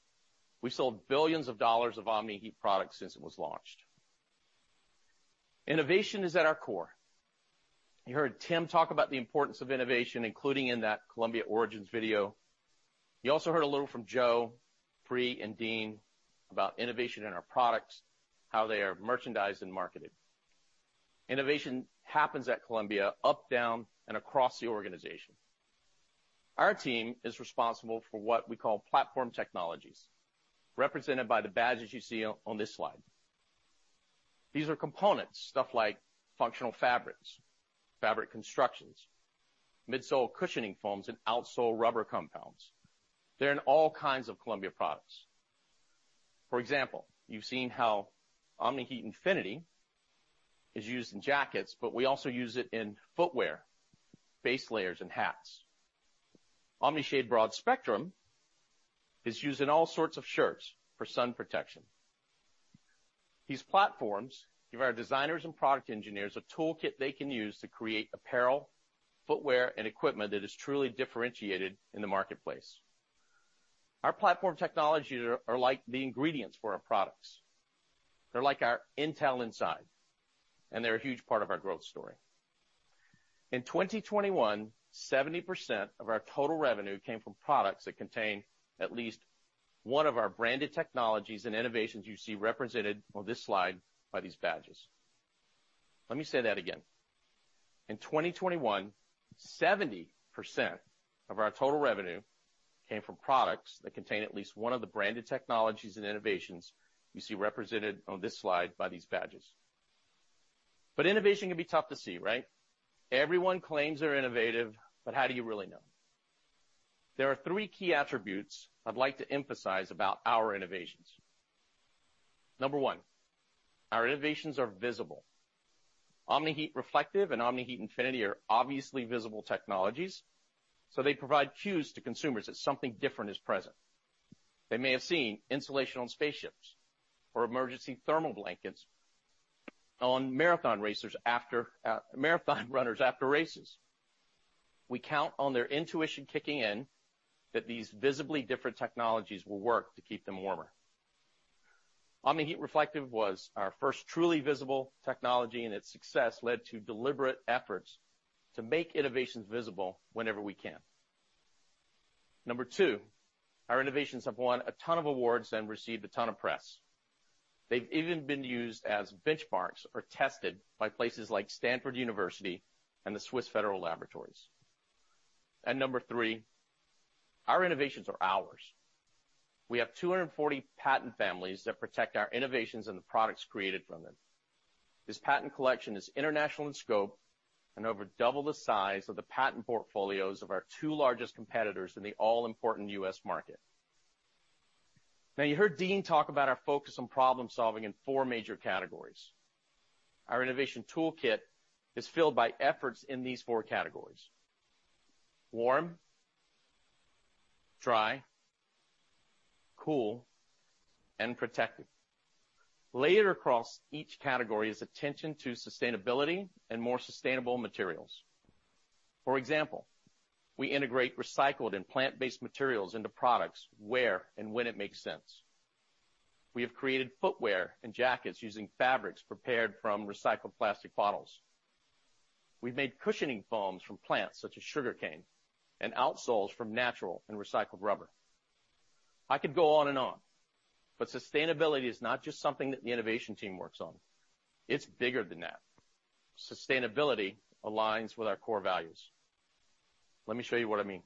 We sold billions of dollars of Omni-Heat products since it was launched. Innovation is at our core. You heard Tim talk about the importance of innovation, including in that Columbia Origins video. You also heard a little from Joe, Pri, and Dean about innovation in our products, how they are merchandised and marketed. Innovation happens at Columbia up, down, and across the organization. Our team is responsible for what we call platform technologies, represented by the badges you see on this slide. These are components, stuff like functional fabrics, fabric constructions, midsole cushioning foams, and outsole rubber compounds. They're in all kinds of Columbia products. For example, you've seen how Omni-Heat Infinity is used in jackets, but we also use it in footwear, base layers, and hats. Omni-Shade Broad Spectrum is used in all sorts of shirts for sun protection. These platforms give our designers and product engineers a toolkit they can use to create apparel, footwear, and equipment that is truly differentiated in the marketplace. Our platform technologies are like the ingredients for our products. They're like our Intel Inside, and they're a huge part of our growth story. In 2021, 70% of our total revenue came from products that contain at least one of our branded technologies and innovations you see represented on this slide by these badges. Let me say that again. In 2021, 70% of our total revenue came from products that contain at least one of the branded technologies and innovations you see represented on this slide by these badges. Innovation can be tough to see, right? Everyone claims they're innovative, but how do you really know? There are three key attributes I'd like to emphasize about our innovations. Number one, our innovations are visible. Omni-Heat Reflective and Omni-Heat Infinity are obviously visible technologies, so they provide cues to consumers that something different is present. They may have seen insulation on spaceships or emergency thermal blankets on marathon runners after races. We count on their intuition kicking in that these visibly different technologies will work to keep them warmer. Omni-Heat Reflective was our first truly visible technology, and its success led to deliberate efforts to make innovations visible whenever we can. Number two, our innovations have won a ton of awards and received a ton of press. They've even been used as benchmarks or tested by places like Stanford University and the Swiss Federal Laboratories. Number three, our innovations are ours. We have 240 patent families that protect our innovations and the products created from them. This patent collection is international in scope and over double the size of the patent portfolios of our two largest competitors in the all-important U.S. market. Now, you heard Dean talk about our focus on problem-solving in four major categories. Our innovation toolkit is filled by efforts in these four categories, warm, dry, cool, and protected. Layered across each category is attention to sustainability and more sustainable materials. For example, we integrate recycled and plant-based materials into products where and when it makes sense. We have created footwear and jackets using fabrics prepared from recycled plastic bottles. We've made cushioning foams from plants such as sugarcane and outsoles from natural and recycled rubber. I could go on and on, but sustainability is not just something that the innovation team works on. It's bigger than that. Sustainability aligns with our core values. Let me show you what I mean.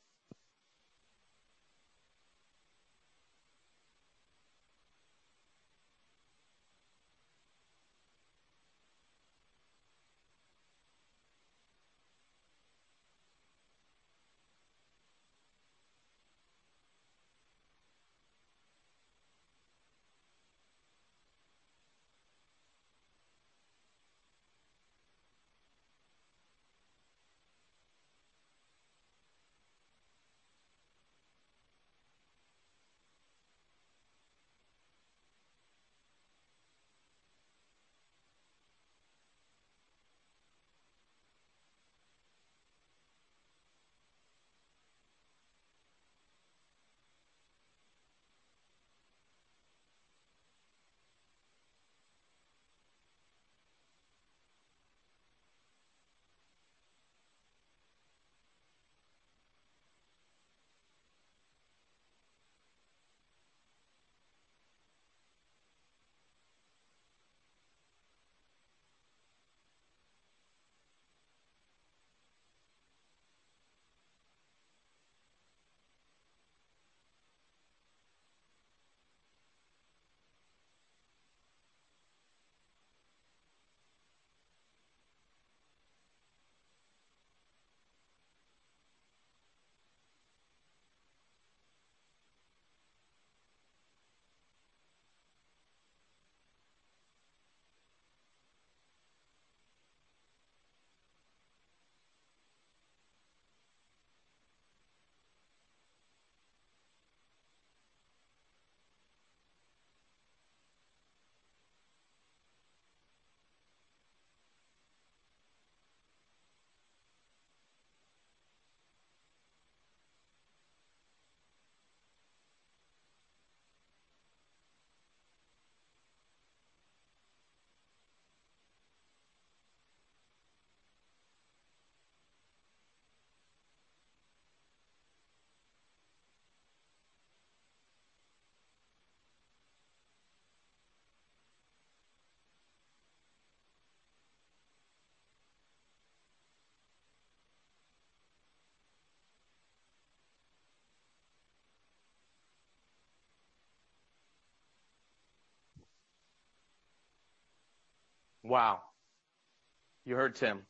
Wow. You heard Tim.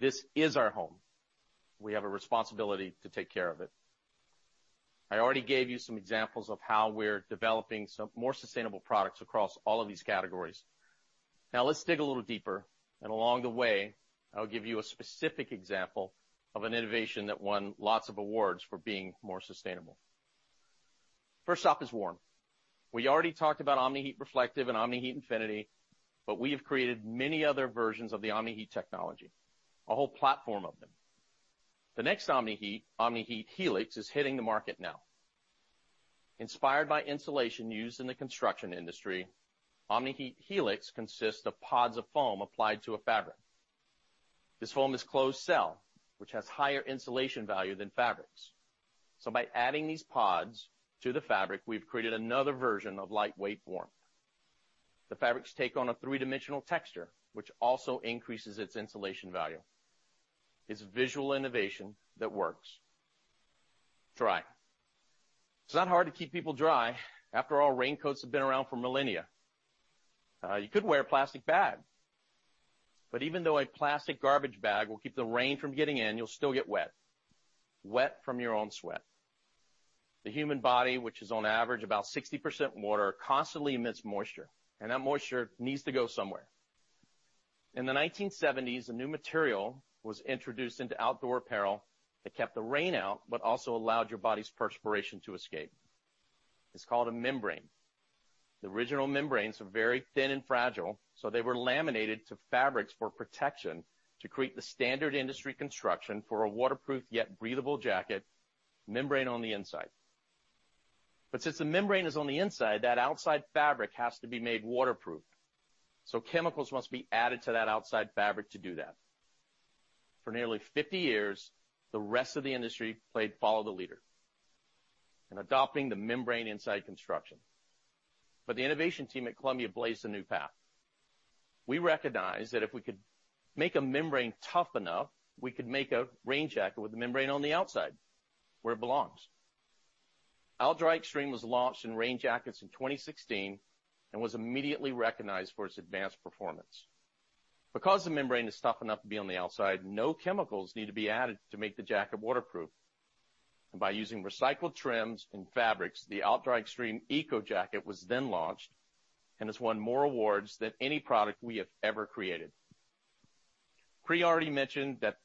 This is our home. We have a responsibility to take care of it. I already gave you some examples of how we're developing some more sustainable products across all of these categories. Now let's dig a little deeper, and along the way, I'll give you a specific example of an innovation that won lots of awards for being more sustainable. First up is warm. We already talked about Omni-Heat Reflective and Omni-Heat Infinity, but we have created many other versions of the Omni-Heat technology, a whole platform of them. The next Omni-Heat, Omni-Heat Helix, is hitting the market now. Inspired by insulation used in the construction industry, Omni-Heat Helix consists of pods of foam applied to a fabric. This foam is closed cell, which has higher insulation value than fabrics. So by adding these pods to the fabric, we've created another version of lightweight warmth. The fabrics take on a three-dimensional texture, which also increases its insulation value. It's visual innovation that works. Dry. It's not hard to keep people dry. After all, raincoats have been around for millennia. You could wear a plastic bag, but even though a plastic garbage bag will keep the rain from getting in, you'll still get wet. Wet from your own sweat. The human body, which is on average about 60% water, constantly emits moisture, and that moisture needs to go somewhere. In the 1970s, a new material was introduced into outdoor apparel that kept the rain out, but also allowed your body's perspiration to escape. It's called a membrane. The original membranes were very thin and fragile, so they were laminated to fabrics for protection to create the standard industry construction for a waterproof yet breathable jacket, membrane on the inside. Since the membrane is on the inside, that outside fabric has to be made waterproof. Chemicals must be added to that outside fabric to do that. For nearly 50 years, the rest of the industry played follow the leader in adopting the membrane inside construction. The innovation team at Columbia blazed a new path. We recognized that if we could make a membrane tough enough, we could make a rain jacket with a membrane on the outside where it belongs. OutDry Extreme was launched in rain jackets in 2016 and was immediately recognized for its advanced performance. Because the membrane is tough enough to be on the outside, no chemicals need to be added to make the jacket waterproof. By using recycled trims and fabrics, the OutDry Extreme ECO jacket was then launched and has won more awards than any product we have ever created. Pri Shumate already mentioned that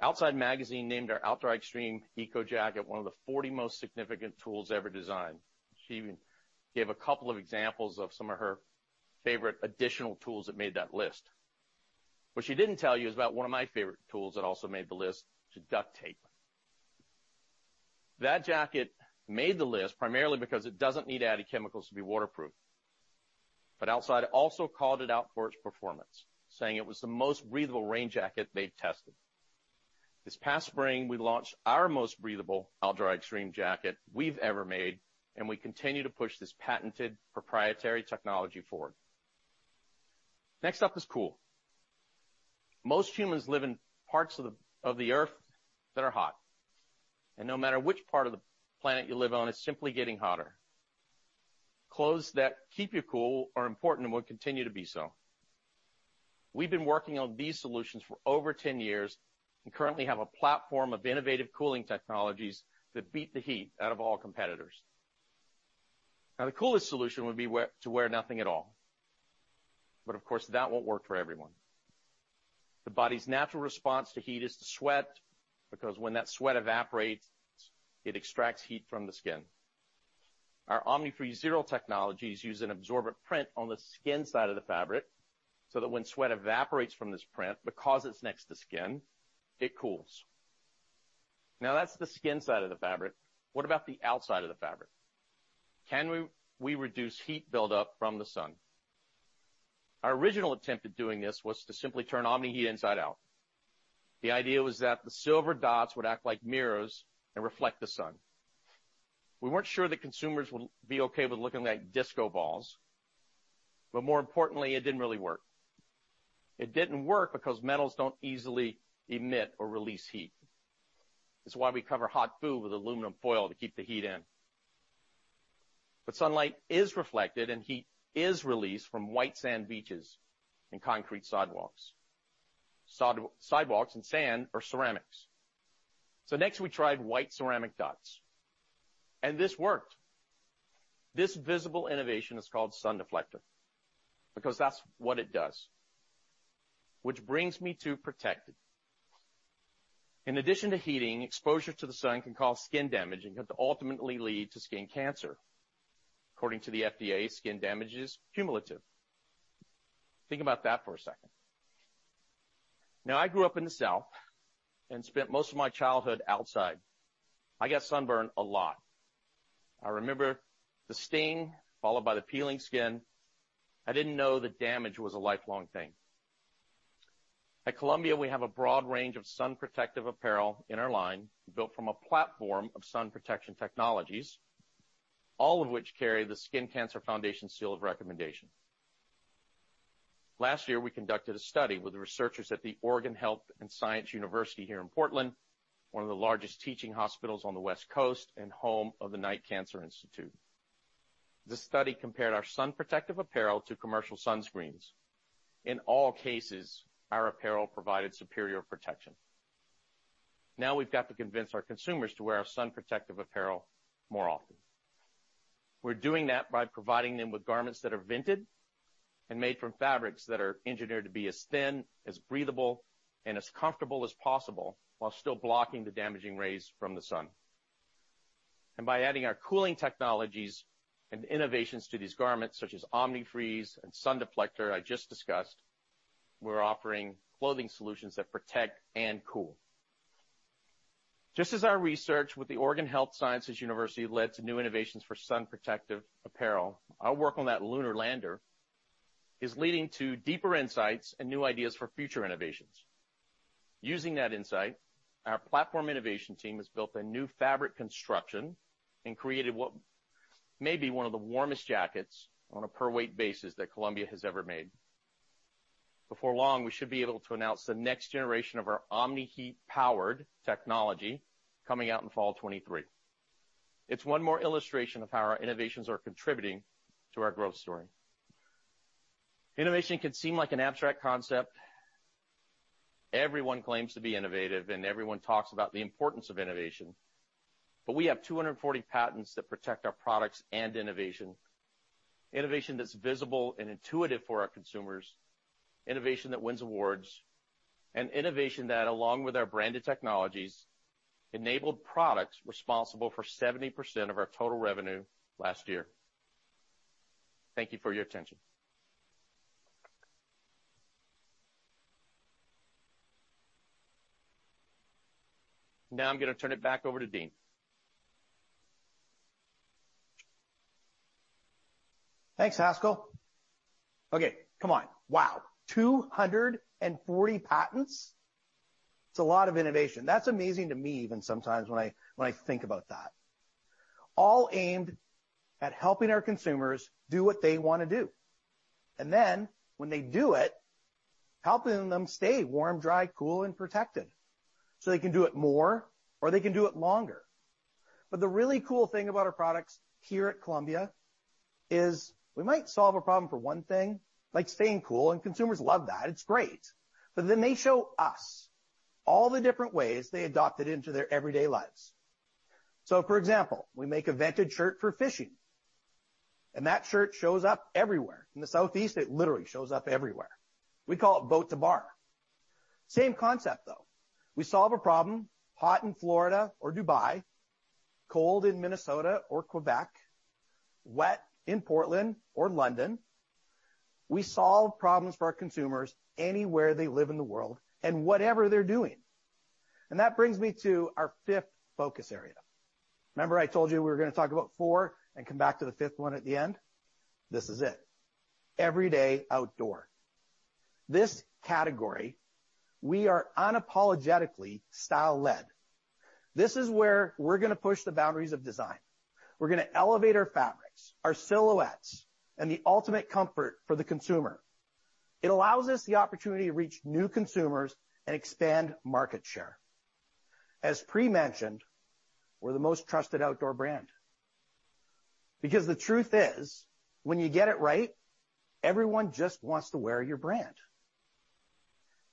Outside Magazine named our OutDry Extreme ECO jacket one of the 40 most significant tools ever designed. She even gave a couple of examples of some of her favorite additional tools that made that list. What she didn't tell you is about one of my favorite tools that also made the list, is duct tape. That jacket made the list primarily because it doesn't need added chemicals to be waterproof. Outside also called it out for its performance, saying it was the most breathable rain jacket they'd tested. This past spring, we launched our most breathable OutDry Extreme jacket we've ever made, and we continue to push this patented proprietary technology forward. Next up is cool. Most humans live in parts of the Earth that are hot. No matter which part of the planet you live on, it's simply getting hotter. Clothes that keep you cool are important and will continue to be so. We've been working on these solutions for over 10 years and currently have a platform of innovative cooling technologies that beat the heat out of all competitors. Now, the coolest solution would be to wear nothing at all. But of course, that won't work for everyone. The body's natural response to heat is to sweat, because when that sweat evaporates, it extracts heat from the skin. Our Omni-Freeze Zero technology is used in absorbent print on the skin side of the fabric so that when sweat evaporates from this print, because it's next to skin, it cools. Now that's the skin side of the fabric. What about the outside of the fabric? Can we reduce heat buildup from the sun? Our original attempt at doing this was to simply turn Omni-Heat inside out. The idea was that the silver dots would act like mirrors and reflect the sun. We weren't sure that consumers would be okay with looking like disco balls, but more importantly, it didn't really work. It didn't work because metals don't easily emit or release heat. It's why we cover hot food with aluminum foil to keep the heat in. Sunlight is reflected and heat is released from white sand beaches and concrete sidewalks. Sidewalks and sand are ceramics. Next we tried white ceramic dots, and this worked. This visible innovation is called Sun Deflector because that's what it does. Which brings me to protected. In addition to heating, exposure to the sun can cause skin damage and can ultimately lead to skin cancer. According to the FDA, skin damage is cumulative. Think about that for a second. Now, I grew up in the South and spent most of my childhood outside. I got sunburned a lot. I remember the sting followed by the peeling skin. I didn't know the damage was a lifelong thing. At Columbia, we have a broad range of sun protective apparel in our line built from a platform of sun protection technologies, all of which carry the Skin Cancer Foundation seal of recommendation. Last year, we conducted a study with the researchers at the Oregon Health & Science University here in Portland, one of the largest teaching hospitals on the West Coast and home of the Knight Cancer Institute. This study compared our sun protective apparel to commercial sunscreens. In all cases, our apparel provided superior protection. Now we've got to convince our consumers to wear our sun protective apparel more often. We're doing that by providing them with garments that are vented and made from fabrics that are engineered to be as thin, as breathable, and as comfortable as possible while still blocking the damaging rays from the sun. By adding our cooling technologies and innovations to these garments, such as Omni-Freeze and Sun Deflector I just discussed, we're offering clothing solutions that protect and cool. Just as our research with the Oregon Health & Science University led to new innovations for sun protective apparel, our work on that lunar lander is leading to deeper insights and new ideas for future innovations. Using that insight, our platform innovation team has built a new fabric construction and created what may be one of the warmest jackets on a per weight basis that Columbia has ever made. Before long, we should be able to announce the next generation of our Omni-Heat powered technology coming out in fall 2023. It's one more illustration of how our innovations are contributing to our growth story. Innovation can seem like an abstract concept. Everyone claims to be innovative, and everyone talks about the importance of innovation. We have 240 patents that protect our products and innovation. Innovation that's visible and intuitive for our consumers, innovation that wins awards, and innovation that, along with our branded technologies, enabled products responsible for 70% of our total revenue last year. Thank you for your attention. Now I'm gonna turn it back over to Dean. Thanks, Haskell. Okay. Come on. Wow. 240 patents? It's a lot of innovation. That's amazing to me even sometimes when I think about that. All aimed at helping our consumers do what they wanna do. When they do it, helping them stay warm, dry, cool, and protected so they can do it more or they can do it longer. The really cool thing about our products here at Columbia is we might solve a problem for one thing, like staying cool, and consumers love that, it's great. They show us all the different ways they adopt it into their everyday lives. For example, we make a vented shirt for fishing, and that shirt shows up everywhere. In the Southeast, it literally shows up everywhere. We call it boat to bar. Same concept, though. We solve a problem, hot in Florida or Dubai, cold in Minnesota or Quebec, wet in Portland or London. We solve problems for our consumers anywhere they live in the world and whatever they're doing. That brings me to our fifth focus area. Remember I told you we were gonna talk about four and come back to the fifth one at the end? This is it. Everyday outdoor. This category, we are unapologetically style led. This is where we're gonna push the boundaries of design. We're gonna elevate our fabrics, our silhouettes, and the ultimate comfort for the consumer. It allows us the opportunity to reach new consumers and expand market share. As Pri mentioned, we're the most trusted outdoor brand. Because the truth is, when you get it right, everyone just wants to wear your brand.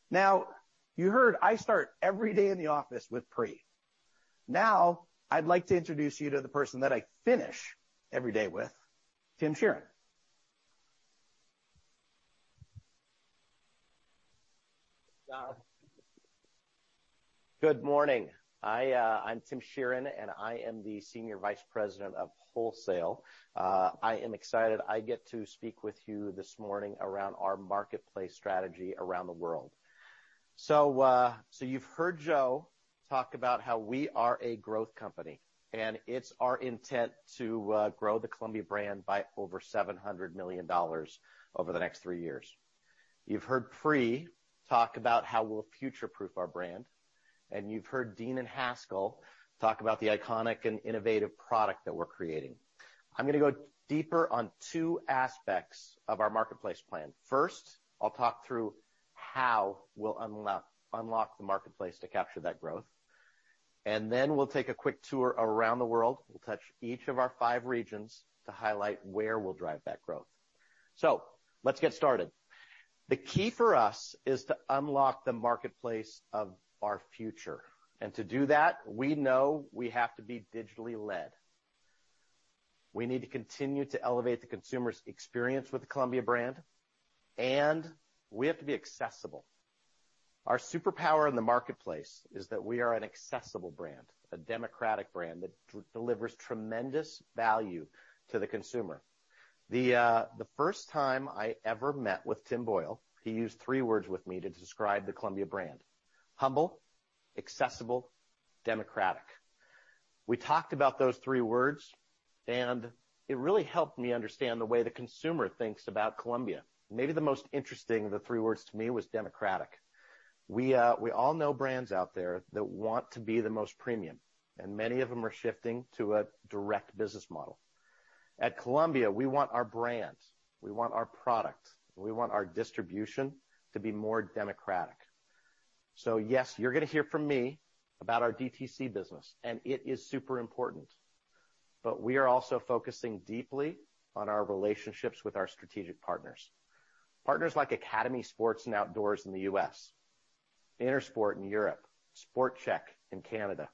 Now, you heard I start every day in the office with Pri. Now I'd like to introduce you to the person that I finish every day with, Tim Sheerin. Good morning. I'm Tim Sheerin, and I am the Senior Vice President of Wholesale. I am excited I get to speak with you this morning around our marketplace strategy around the world. You've heard Joe talk about how we are a growth company, and it's our intent to grow the Columbia brand by over $700 million over the next three years. You've heard Pri talk about how we'll future-proof our brand, and you've heard Dean and Haskell talk about the iconic and innovative product that we're creating. I'm gonna go deeper on two aspects of our marketplace plan. First, I'll talk through how we'll unlock the marketplace to capture that growth. We'll take a quick tour around the world. We'll touch each of our five regions to highlight where we'll drive that growth. Let's get started. The key for us is to unlock the marketplace of our future. To do that, we know we have to be digitally led. We need to continue to elevate the consumer's experience with the Columbia brand, and we have to be accessible. Our superpower in the marketplace is that we are an accessible brand, a democratic brand that delivers tremendous value to the consumer. The first time I ever met with Tim Boyle, he used three words with me to describe the Columbia brand. Humble, accessible, democratic. We talked about those three words, and it really helped me understand the way the consumer thinks about Columbia. Maybe the most interesting of the three words to me was democratic. We all know brands out there that want to be the most premium, and many of them are shifting to a direct business model. At Columbia, we want our brand, we want our product, and we want our distribution to be more democratic. Yes, you're gonna hear from me about our DTC business, and it is super important. We are also focusing deeply on our relationships with our strategic partners. Partners like Academy Sports + Outdoors in the U.S., INTERSPORT in Europe, Sport Chek in Canada.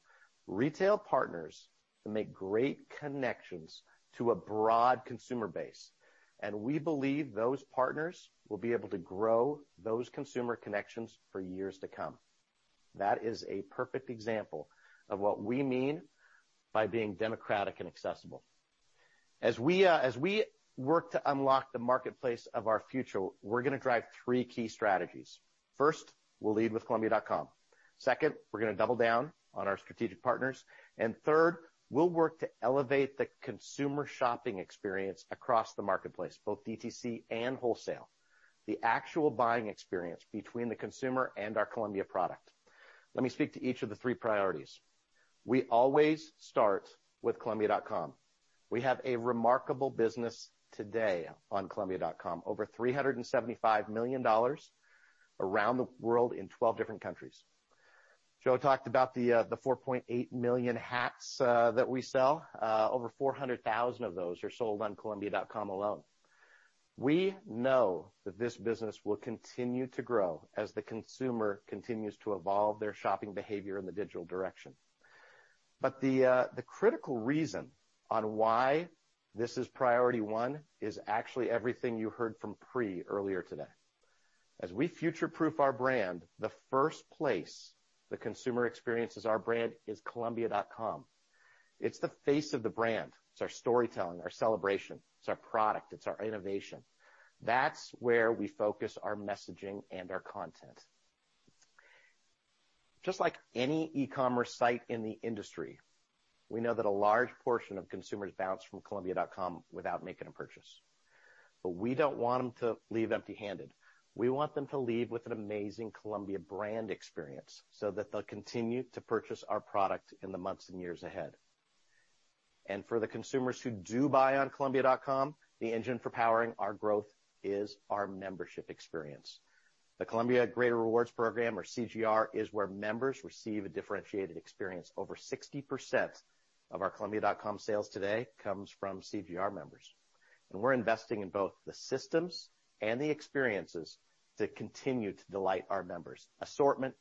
Retail partners that make great connections to a broad consumer base, and we believe those partners will be able to grow those consumer connections for years to come. That is a perfect example of what we mean by being democratic and accessible. As we work to unlock the marketplace of our future, we're gonna drive three key strategies. First, we'll lead with Columbia.com. Second, we're gonna double down on our strategic partners. Third, we'll work to elevate the consumer shopping experience across the marketplace, both DTC and wholesale. The actual buying experience between the consumer and our Columbia product. Let me speak to each of the three priorities. We always start with Columbia.com. We have a remarkable business today on Columbia.com, over $375 million around the world in 12 different countries. Joe talked about the 4.8 million hats that we sell. Over 400,000 of those are sold on Columbia.com alone. We know that this business will continue to grow as the consumer continues to evolve their shopping behavior in the digital direction. The critical reason why this is priority one is actually everything you heard from Pri earlier today. As we future-proof our brand, the first place the consumer experiences our brand is Columbia.com. It's the face of the brand. It's our storytelling, our celebration, it's our product, it's our innovation. That's where we focus our messaging and our content. Just like any e-commerce site in the industry, we know that a large portion of consumers bounce from Columbia.com without making a purchase. But we don't want them to leave empty-handed. We want them to leave with an amazing Columbia brand experience, so that they'll continue to purchase our product in the months and years ahead. For the consumers who do buy on Columbia.com, the engine for powering our growth is our membership experience. The Columbia Greater Rewards program or CGR is where members receive a differentiated experience. Over 60% of our Columbia.com sales today comes from CGR members. We're investing in both the systems and the experiences that continue to delight our members. Assortment,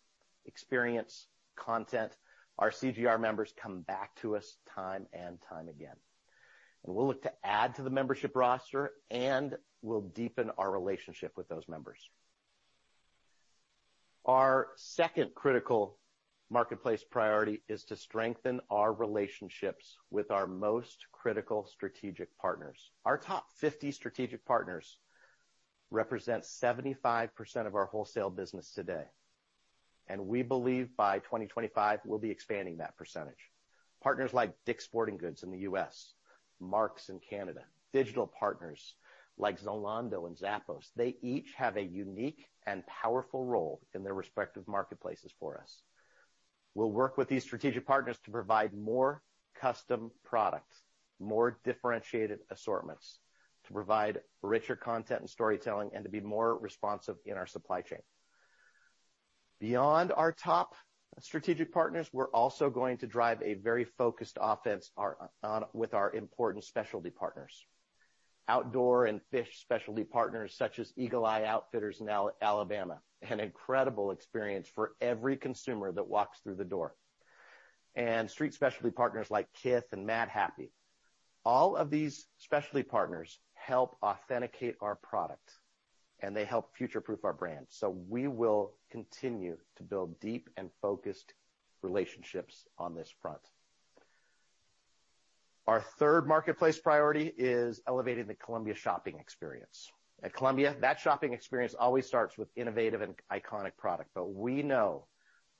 experience, content. Our CGR members come back to us time and time again. We'll look to add to the membership roster, and we'll deepen our relationship with those members. Our second critical marketplace priority is to strengthen our relationships with our most critical strategic partners. Our top 50 strategic partners represent 75% of our wholesale business today. We believe by 2025, we'll be expanding that percentage. Partners like Dick's Sporting Goods in the U.S., Mark's in Canada, digital partners like Zalando and Zappos. They each have a unique and powerful role in their respective marketplaces for us. We'll work with these strategic partners to provide more custom products, more differentiated assortments, to provide richer content and storytelling, and to be more responsive in our supply chain. Beyond our top strategic partners, we're also going to drive a very focused offensive with our important specialty partners. Outdoor and fishing specialty partners such as Eagle Eye Outfitters in Alabama, an incredible experience for every consumer that walks through the door. Street specialty partners like Kith and Madhappy. All of these specialty partners help authenticate our product, and they help future-proof our brand. We will continue to build deep and focused relationships on this front. Our third marketplace priority is elevating the Columbia shopping experience. At Columbia, that shopping experience always starts with innovative and iconic product. We know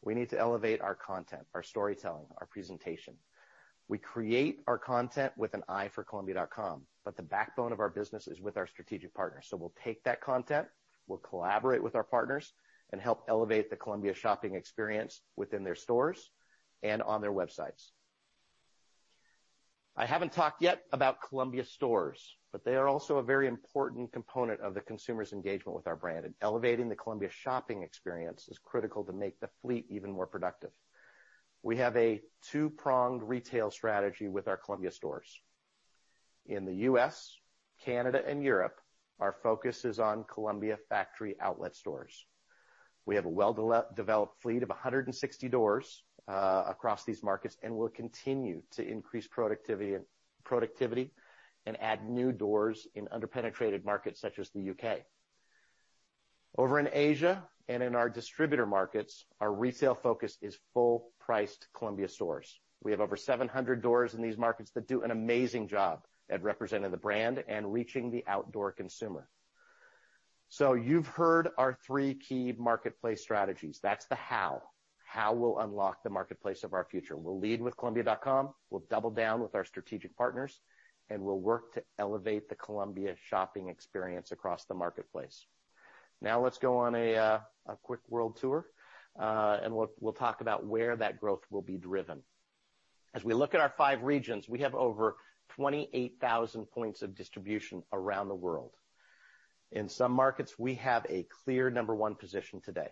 we need to elevate our content, our storytelling, our presentation. We create our content with an eye for columbia.com, but the backbone of our business is with our strategic partners. We'll take that content, we'll collaborate with our partners, and help elevate the Columbia shopping experience within their stores and on their websites. I haven't talked yet about Columbia stores, but they are also a very important component of the consumer's engagement with our brand, and elevating the Columbia shopping experience is critical to make the fleet even more productive. We have a two-pronged retail strategy with our Columbia stores. In the U.S., Canada and Europe, our focus is on Columbia factory outlet stores. We have a well-developed fleet of 160 doors across these markets, and we'll continue to increase productivity and add new doors in under-penetrated markets such as the U.K. Over in Asia and in our distributor markets, our retail focus is full-priced Columbia stores. We have over 700 doors in these markets that do an amazing job at representing the brand and reaching the outdoor consumer. You've heard our three key marketplace strategies. That's the how. How we'll unlock the marketplace of our future. We'll lead with columbia.com, we'll double down with our strategic partners, and we'll work to elevate the Columbia shopping experience across the marketplace. Now let's go on a quick world tour, and we'll talk about where that growth will be driven. As we look at our five regions, we have over 28,000 points of distribution around the world. In some markets, we have a clear number one position today.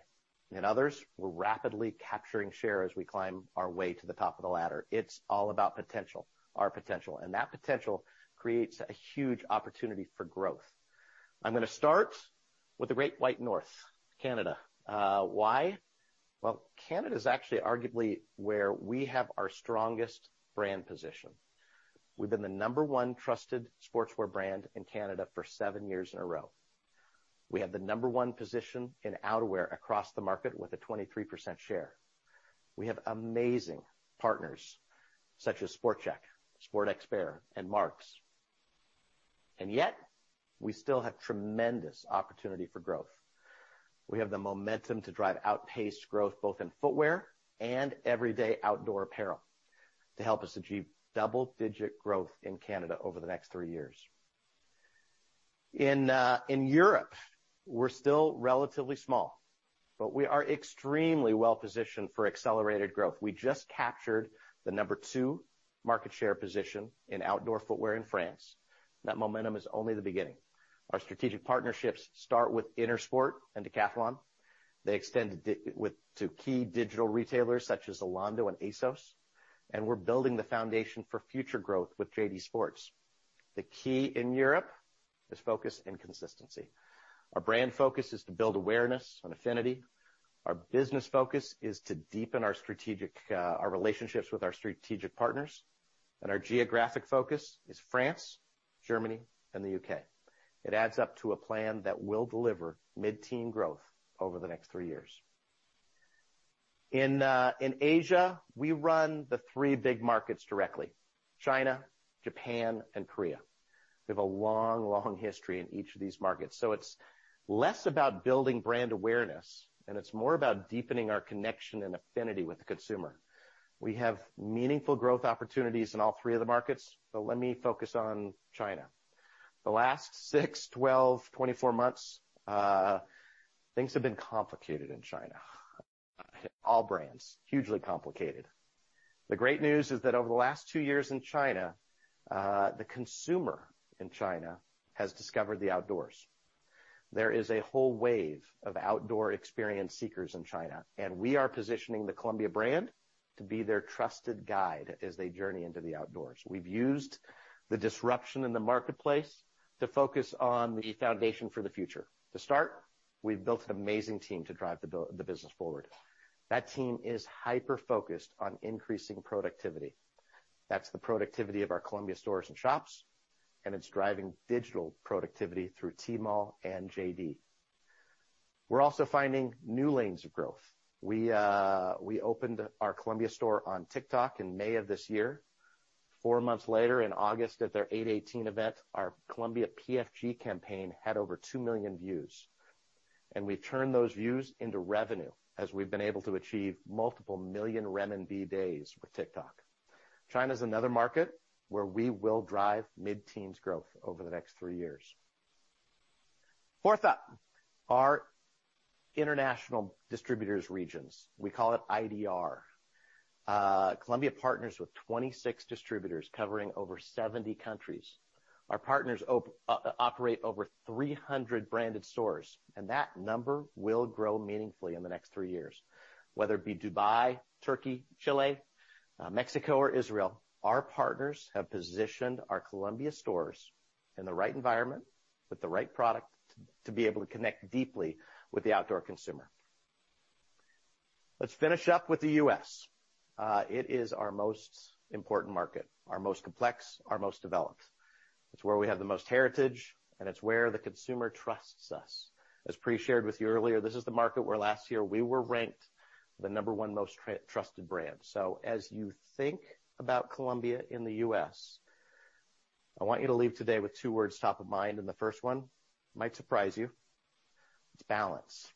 In others, we're rapidly capturing share as we climb our way to the top of the ladder. It's all about potential, our potential, and that potential creates a huge opportunity for growth. I'm gonna start with the great white North, Canada. Why? Well, Canada is actually arguably where we have our strongest brand position. We've been the number one trusted sportswear brand in Canada for seven years in a row. We have the number one position in outerwear across the market with a 23% share. We have amazing partners such as Sport Chek, Sports Experts, and Mark's. Yet, we still have tremendous opportunity for growth. We have the momentum to drive outpaced growth both in footwear and everyday outdoor apparel to help us achieve double-digit growth in Canada over the next three years. In Europe, we're still relatively small, but we are extremely well positioned for accelerated growth. We just captured the number two market share position in outdoor footwear in France. That momentum is only the beginning. Our strategic partnerships start with Intersport and Decathlon. They extend to key digital retailers such as Zalando and ASOS, and we're building the foundation for future growth with JD Sports. The key in Europe is focus and consistency. Our brand focus is to build awareness and affinity. Our business focus is to deepen our strategic relationships with our strategic partners. Our geographic focus is France, Germany, and the U.K. It adds up to a plan that will deliver mid-teen growth over the next three years. In Asia, we run the three big markets directly, China, Japan, and Korea. We have a long history in each of these markets. It's less about building brand awareness, and it's more about deepening our connection and affinity with the consumer. We have meaningful growth opportunities in all three of the markets, but let me focus on China. The last six, 12, 24 months, things have been complicated in China. All brands, hugely complicated. The great news is that over the last two years in China, the consumer in China has discovered the outdoors. There is a whole wave of outdoor experience seekers in China, and we are positioning the Columbia brand to be their trusted guide as they journey into the outdoors. We've used the disruption in the marketplace to focus on the foundation for the future. To start, we've built an amazing team to drive the business forward. That team is hyper-focused on increasing productivity. That's the productivity of our Columbia stores and shops, and it's driving digital productivity through Tmall and JD. We're also finding new lanes of growth. We opened our Columbia store on TikTok in May of this year. Four months later, in August, at their 8-18 event, our Columbia PFG campaign had over 2 million views. We've turned those views into revenue as we've been able to achieve multiple million renminbi days with TikTok. China's another market where we will drive mid-teens growth over the next three years. Fourth up, our international distributor regions. We call it IDR. Columbia partners with 26 distributors covering over 70 countries. Our partners operate over 300 branded stores, and that number will grow meaningfully in the next three years. Whether it be Dubai, Turkey, Chile, Mexico or Israel, our partners have positioned our Columbia stores in the right environment with the right product to be able to connect deeply with the outdoor consumer. Let's finish up with the U.S. It is our most important market, our most complex, our most developed. It's where we have the most heritage, and it's where the consumer trusts us. As Pri shared with you earlier, this is the market where last year we were ranked the number one most trusted brand. As you think about Columbia in the U.S., I want you to leave today with two words top of mind, and the first one might surprise you. It's balance.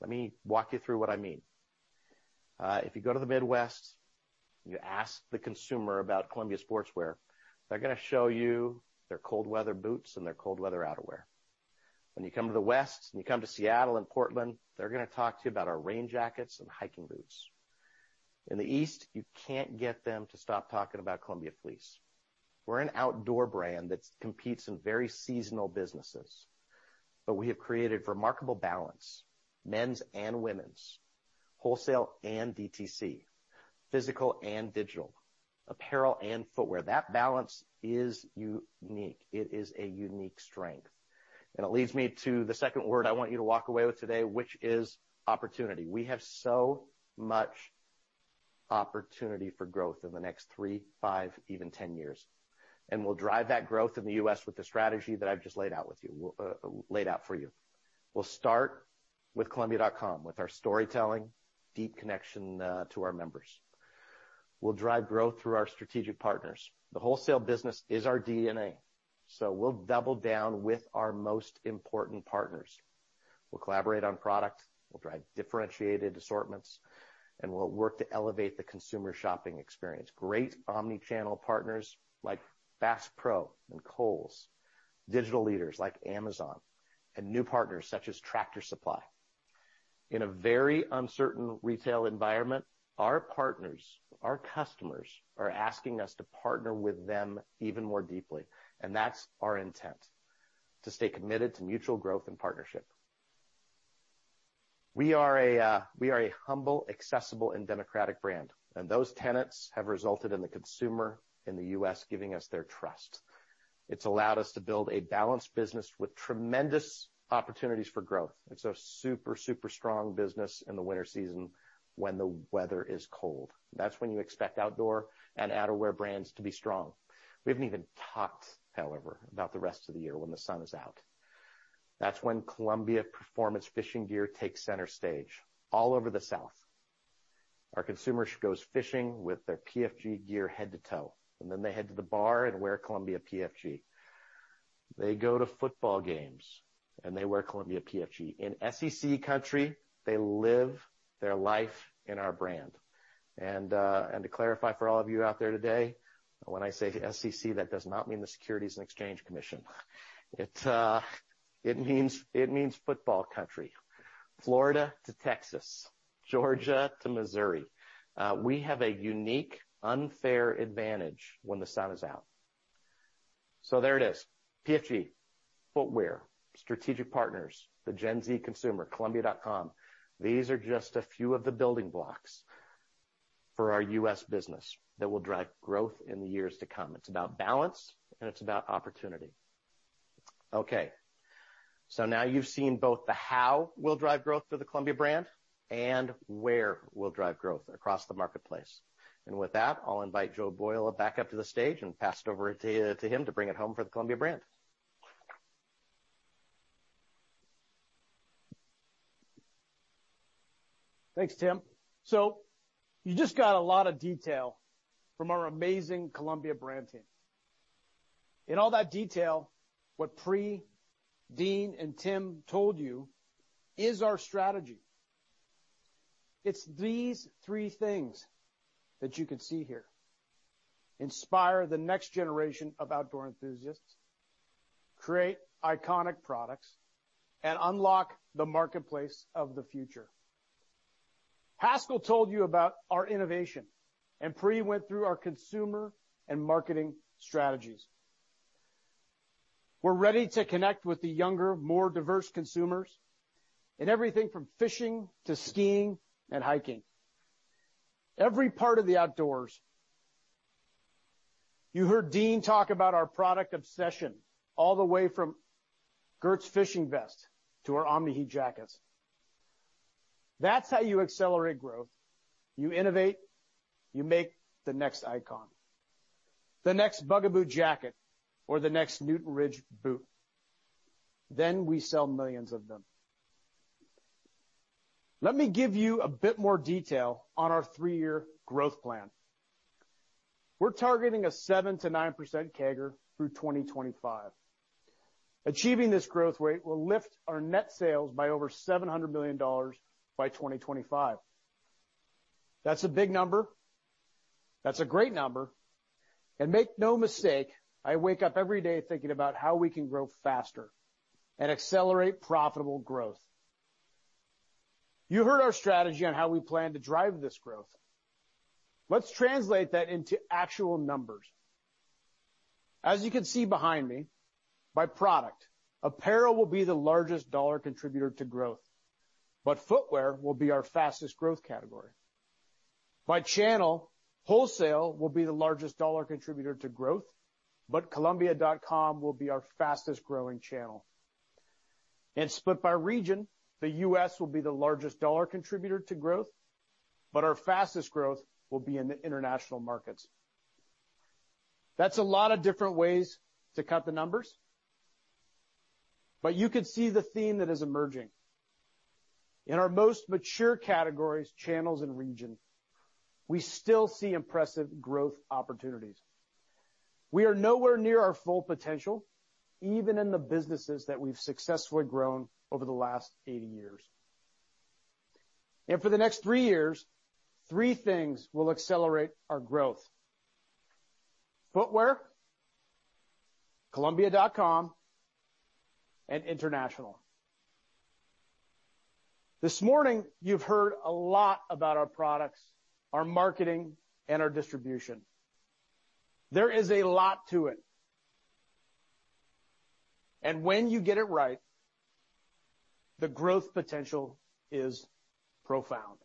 Let me walk you through what I mean. If you go to the Midwest and you ask the consumer about Columbia Sportswear, they're gonna show you their cold weather boots and their cold weather outerwear. When you come to the West and you come to Seattle and Portland, they're gonna talk to you about our rain jackets and hiking boots. In the East, you can't get them to stop talking about Columbia fleece. We're an outdoor brand that competes in very seasonal businesses, but we have created remarkable balance. Men's and women's, wholesale and DTC, physical and digital, apparel and footwear. That balance is unique. It is a unique strength. It leads me to the second word I want you to walk away with today, which is opportunity. We have so much opportunity for growth in the next three, five, even ten years. We'll drive that growth in the U.S. with the strategy that I've just laid out for you. We'll start with columbia.com, with our storytelling, deep connection to our members. We'll drive growth through our strategic partners. The wholesale business is our DNA, so we'll double down with our most important partners. We'll collaborate on product, we'll drive differentiated assortments, and we'll work to elevate the consumer shopping experience. Great omni-channel partners like Bass Pro and Kohl's, digital leaders like Amazon, and new partners such as Tractor Supply. In a very uncertain retail environment, our partners, our customers are asking us to partner with them even more deeply, and that's our intent. To stay committed to mutual growth and partnership. We are a humble, accessible, and democratic brand, and those tenets have resulted in the consumer in the U.S. giving us their trust. It's allowed us to build a balanced business with tremendous opportunities for growth. It's a super strong business in the winter season when the weather is cold. That's when you expect outdoor and outerwear brands to be strong. We haven't even talked, however, about the rest of the year when the sun is out. That's when Columbia Performance Fishing Gear takes center stage all over the South. Our consumer goes fishing with their PFG gear head to toe, and then they head to the bar and wear Columbia PFG. They go to football games, and they wear Columbia PFG. In SEC country, they live their life in our brand. To clarify for all of you out there today, when I say SEC, that does not mean the Securities and Exchange Commission. It means football country. Florida to Texas, Georgia to Missouri. We have a unique, unfair advantage when the sun is out. There it is. PFG, footwear, strategic partners, the Gen Z consumer, columbia.com. These are just a few of the building blocks for our U.S. business that will drive growth in the years to come. It's about balance, and it's about opportunity. Okay. Now you've seen both the how we'll drive growth for the Columbia brand and where we'll drive growth across the marketplace. With that, I'll invite Joe Boyle back up to the stage and pass it over to him to bring it home for the Columbia brand. Thanks, Tim. You just got a lot of detail from our amazing Columbia brand team. In all that detail, what Pri, Dean, and Tim told you is our strategy. It's these three things that you can see here. Inspire the next generation of outdoor enthusiasts, create iconic products, and unlock the marketplace of the future. Haskell told you about our innovation, and Pri went through our consumer and marketing strategies. We're ready to connect with the younger, more diverse consumers in everything from fishing to skiing and hiking. Every part of the outdoors. You heard Dean talk about our product obsession all the way from Gert's fishing vest to our Omni-Heat jackets. That's how you accelerate growth. You innovate, you make the next icon. The next Bugaboo jacket or the next Newton Ridge boot. We sell millions of them. Let me give you a bit more detail on our three-year growth plan. We're targeting a 7%-9% CAGR through 2025. Achieving this growth rate will lift our net sales by over $700 million by 2025. That's a big number. That's a great number. Make no mistake, I wake up every day thinking about how we can grow faster and accelerate profitable growth. You heard our strategy on how we plan to drive this growth. Let's translate that into actual numbers. As you can see behind me, by product, apparel will be the largest dollar contributor to growth, but footwear will be our fastest growth category. By channel, wholesale will be the largest dollar contributor to growth, but columbia.com will be our fastest-growing channel. Split by region, the U.S. will be the largest dollar contributor to growth, but our fastest growth will be in the international markets. That's a lot of different ways to cut the numbers, but you could see the theme that is emerging. In our most mature categories, channels, and region, we still see impressive growth opportunities. We are nowhere near our full potential, even in the businesses that we've successfully grown over the last 80 years. For the next three years, three things will accelerate our growth. Footwear, columbia.com, and international. This morning, you've heard a lot about our products, our marketing, and our distribution. There is a lot to it. When you get it right, the growth potential is profound.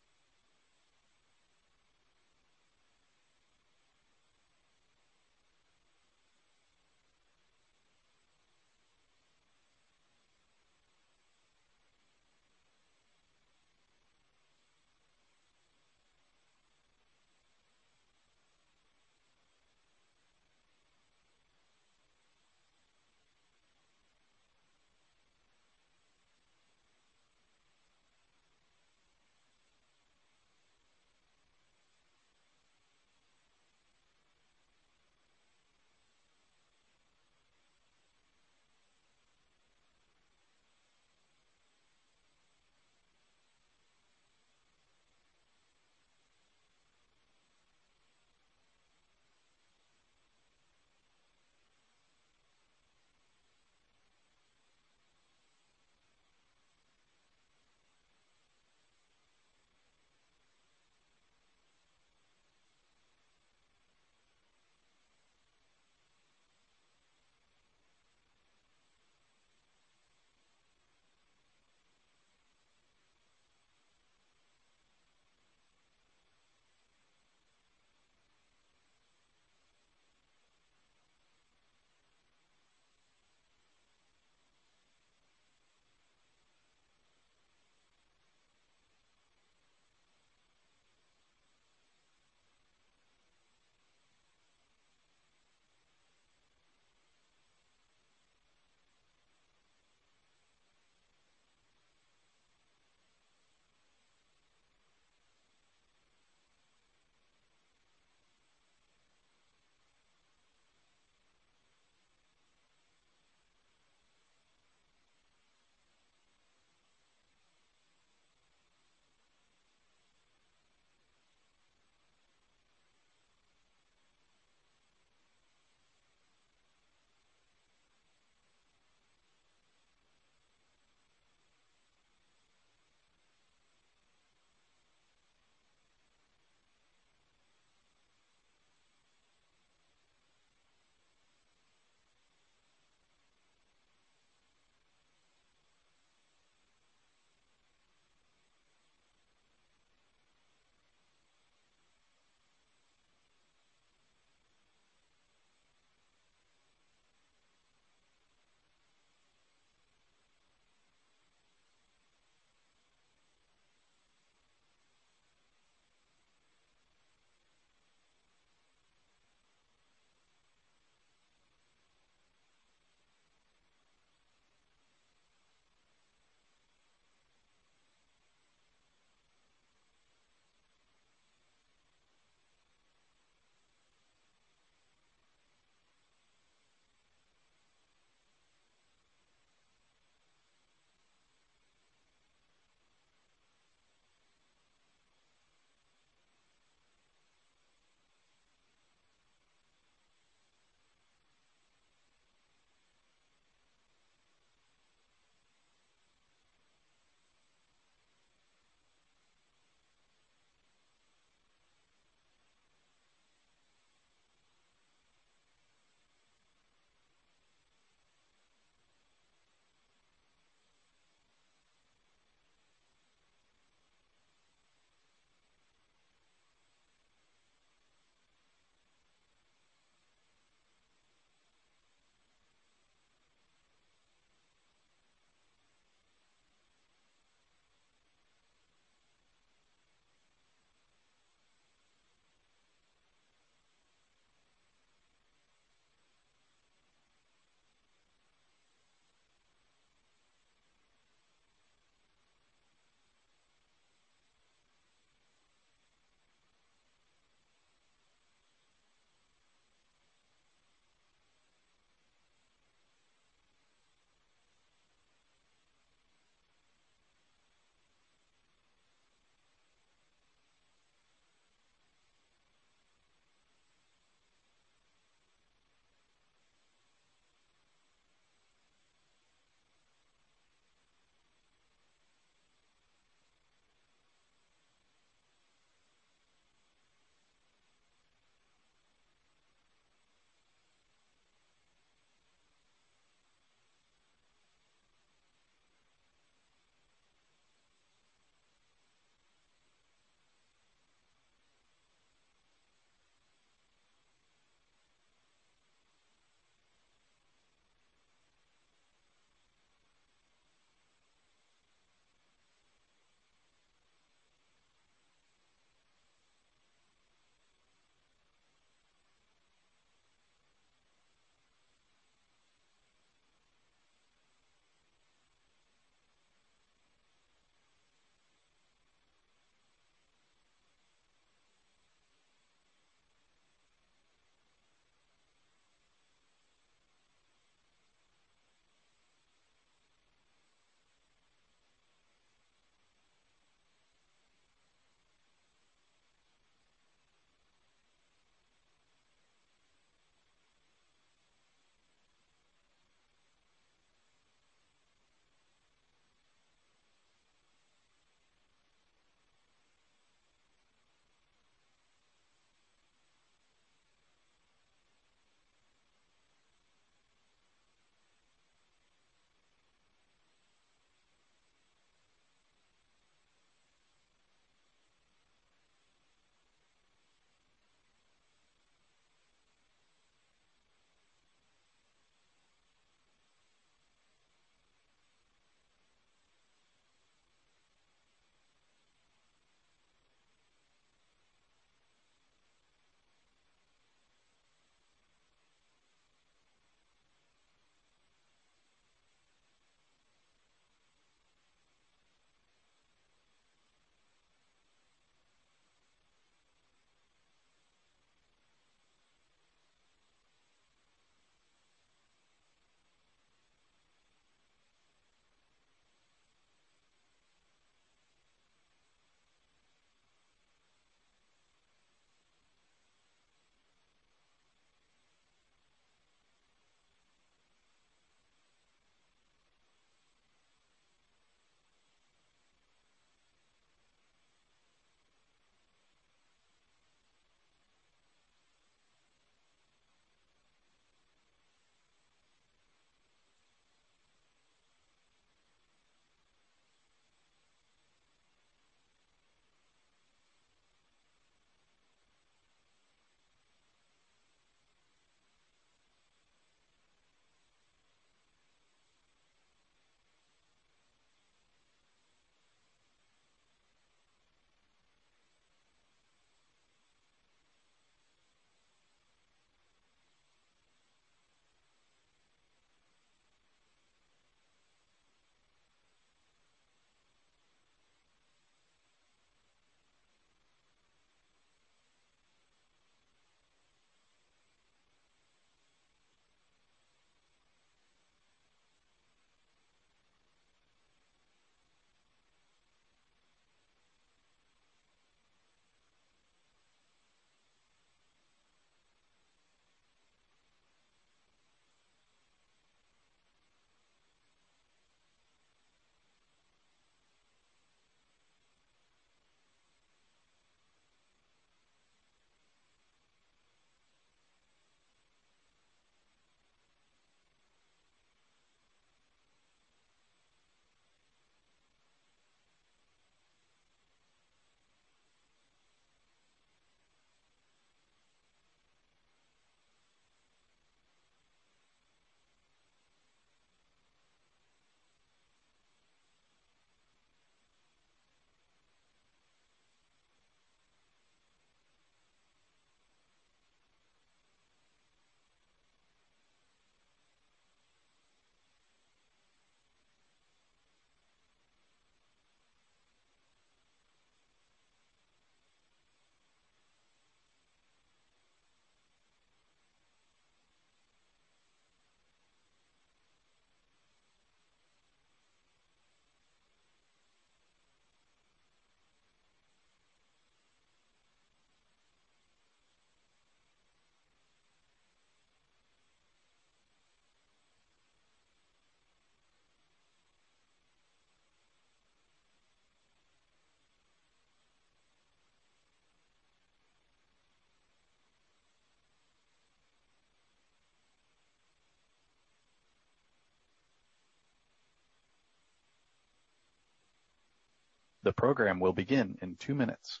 The program will begin in two minutes.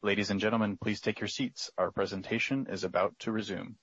Ladies and gentlemen, please take your seats. Our presentation is about to resume.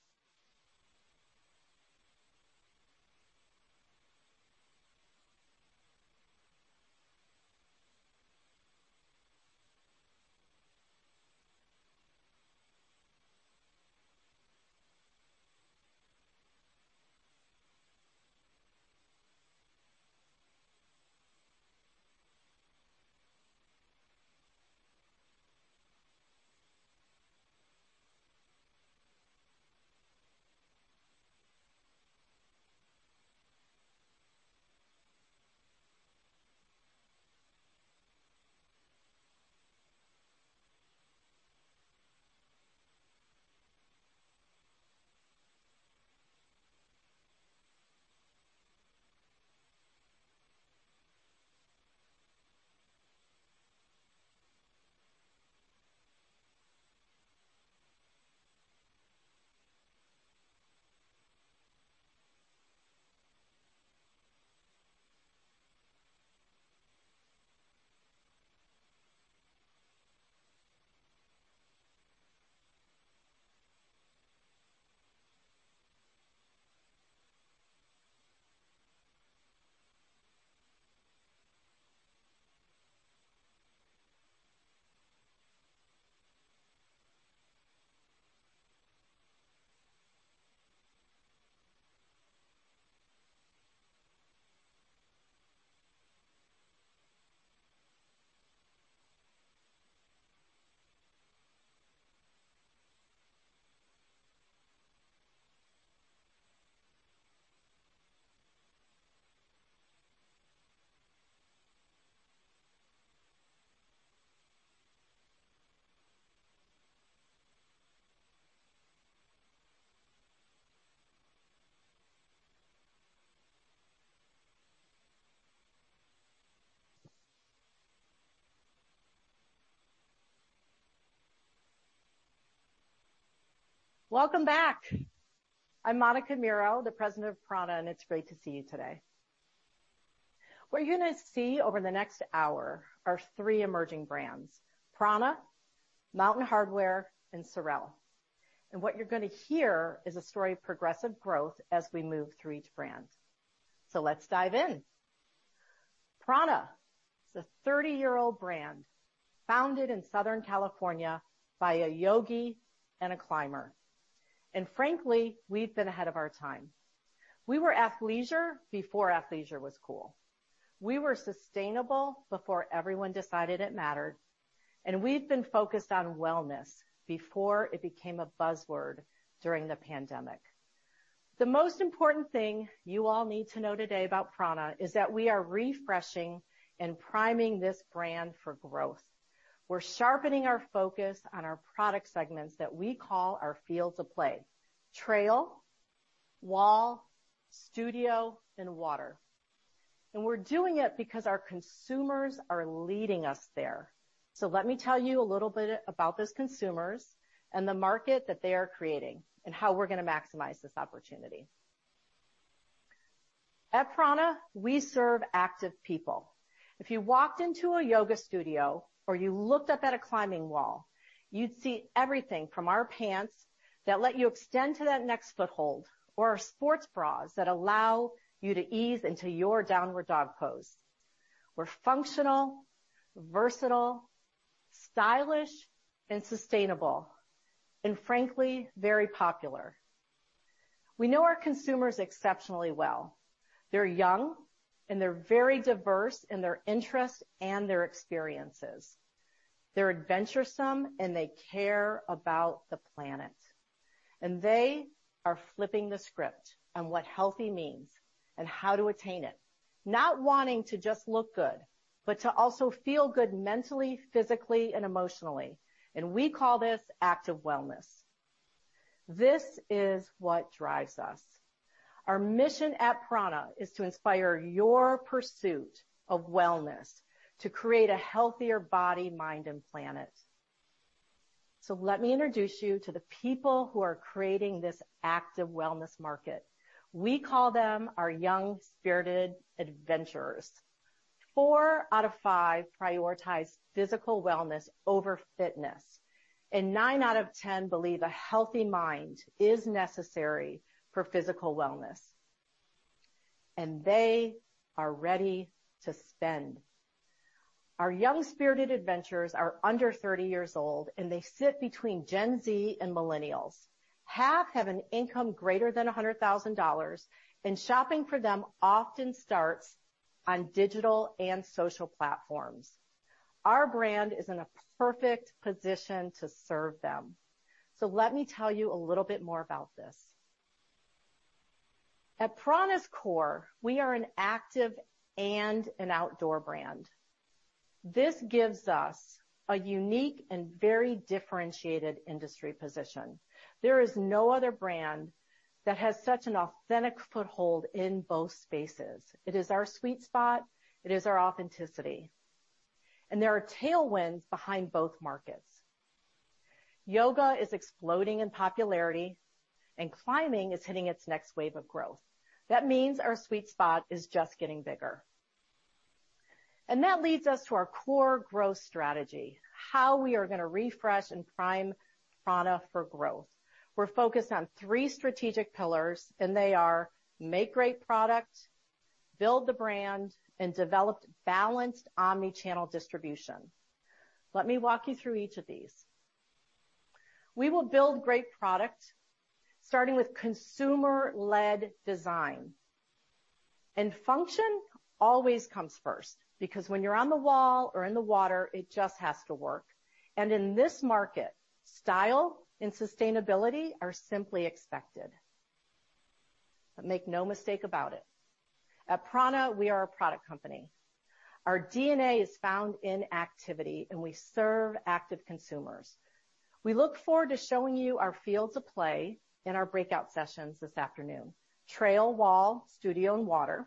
Welcome back. I'm Monica Mirro, the President of prAna, and it's great to see you today. What you're gonna see over the next hour are three emerging brands, prAna, Mountain Hardwear, and SOREL. What you're gonna hear is a story of progressive growth as we move through each brand. Let's dive in. prAna is a 30-year-old brand founded in Southern California by a yogi and a climber. Frankly, we've been ahead of our time. We were athleisure before athleisure was cool. We were sustainable before everyone decided it mattered, and we've been focused on wellness before it became a buzzword during the pandemic. The most important thing you all need to know today about prAna is that we are refreshing and priming this brand for growth. We're sharpening our focus on our product segments that we call our fields of play, trail, wall, studio, and water. We're doing it because our consumers are leading us there. Let me tell you a little bit about those consumers and the market that they are creating, and how we're gonna maximize this opportunity. At prAna, we serve active people. If you walked into a yoga studio or you looked up at a climbing wall, you'd see everything from our pants that let you extend to that next foothold or our sports bras that allow you to ease into your downward dog pose. We're functional, versatile, stylish, and sustainable, and frankly, very popular. We know our consumers exceptionally well. They're young, and they're very diverse in their interests and their experiences. They're adventuresome, and they care about the planet, and they are flipping the script on what healthy means and how to attain it. Not wanting to just look good, but to also feel good mentally, physically, and emotionally. We call this active wellness. This is what drives us. Our mission at prAna is to inspire your pursuit of wellness to create a healthier body, mind, and planet. Let me introduce you to the people who are creating this active wellness market. We call them our young-spirited adventurers. Four out of five prioritize physical wellness over fitness, and nine out of ten believe a healthy mind is necessary for physical wellness. They are ready to spend. Our young-spirited adventurers are under 30 years old, and they sit between Gen Z and millennials. Half have an income greater than $100,000, and shopping for them often starts on digital and social platforms. Our brand is in a perfect position to serve them. Let me tell you a little bit more about this. At prAna's core, we are an active and an outdoor brand. This gives us a unique and very differentiated industry position. There is no other brand that has such an authentic foothold in both spaces. It is our sweet spot. It is our authenticity, and there are tailwinds behind both markets. Yoga is exploding in popularity, and climbing is hitting its next wave of growth. That means our sweet spot is just getting bigger. That leads us to our core growth strategy, how we are gonna refresh and prime prAna for growth. We're focused on three strategic pillars, and they are make great product, build the brand, and develop balanced omni-channel distribution. Let me walk you through each of these. We will build great product starting with consumer-led design. Function always comes first, because when you're on the wall or in the water, it just has to work. In this market, style and sustainability are simply expected. Make no mistake about it, at prAna, we are a product company. Our DNA is found in activity, and we serve active consumers. We look forward to showing you our fields of play in our breakout sessions this afternoon, trail, wall, studio, and water.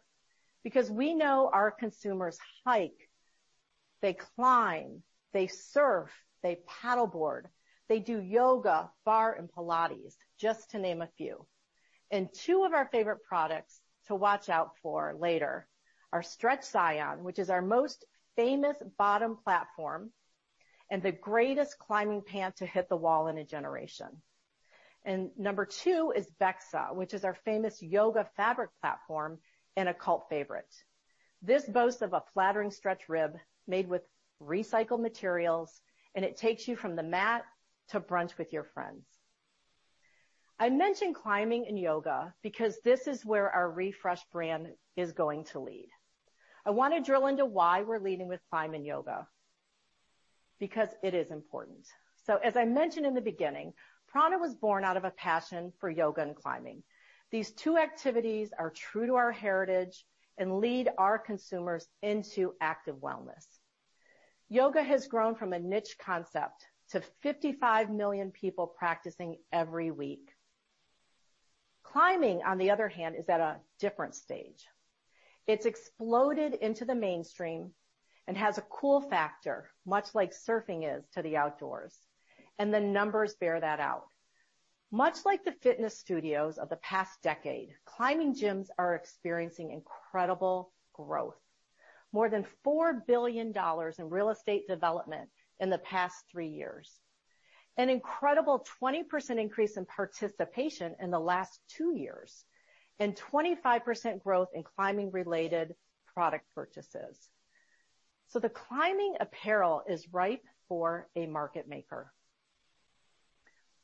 Because we know our consumers hike, they climb, they surf, they paddleboard, they do yoga, barre, and Pilates, just to name a few. Two of our favorite products to watch out for later are Stretch Zion, which is our most famous bottom platform, and the greatest climbing pant to hit the wall in a generation. Number two is Becksa, which is our famous yoga fabric platform and a cult favorite. This boasts of a flattering stretch rib made with recycled materials, and it takes you from the mat to brunch with your friends. I mentioned climbing and yoga because this is where our refreshed brand is going to lead. I wanna drill into why we're leading with climb and yoga, because it is important. As I mentioned in the beginning, prAna was born out of a passion for yoga and climbing. These two activities are true to our heritage and lead our consumers into active wellness. Yoga has grown from a niche concept to 55 million people practicing every week. Climbing, on the other hand, is at a different stage. It's exploded into the mainstream and has a cool factor, much like surfing is to the outdoors, and the numbers bear that out. Much like the fitness studios of the past decade, climbing gyms are experiencing incredible growth. More than $4 billion in real estate development in the past three years. An incredible 20% increase in participation in the last two years, and 25% growth in climbing-related product purchases. The climbing apparel is ripe for a market maker.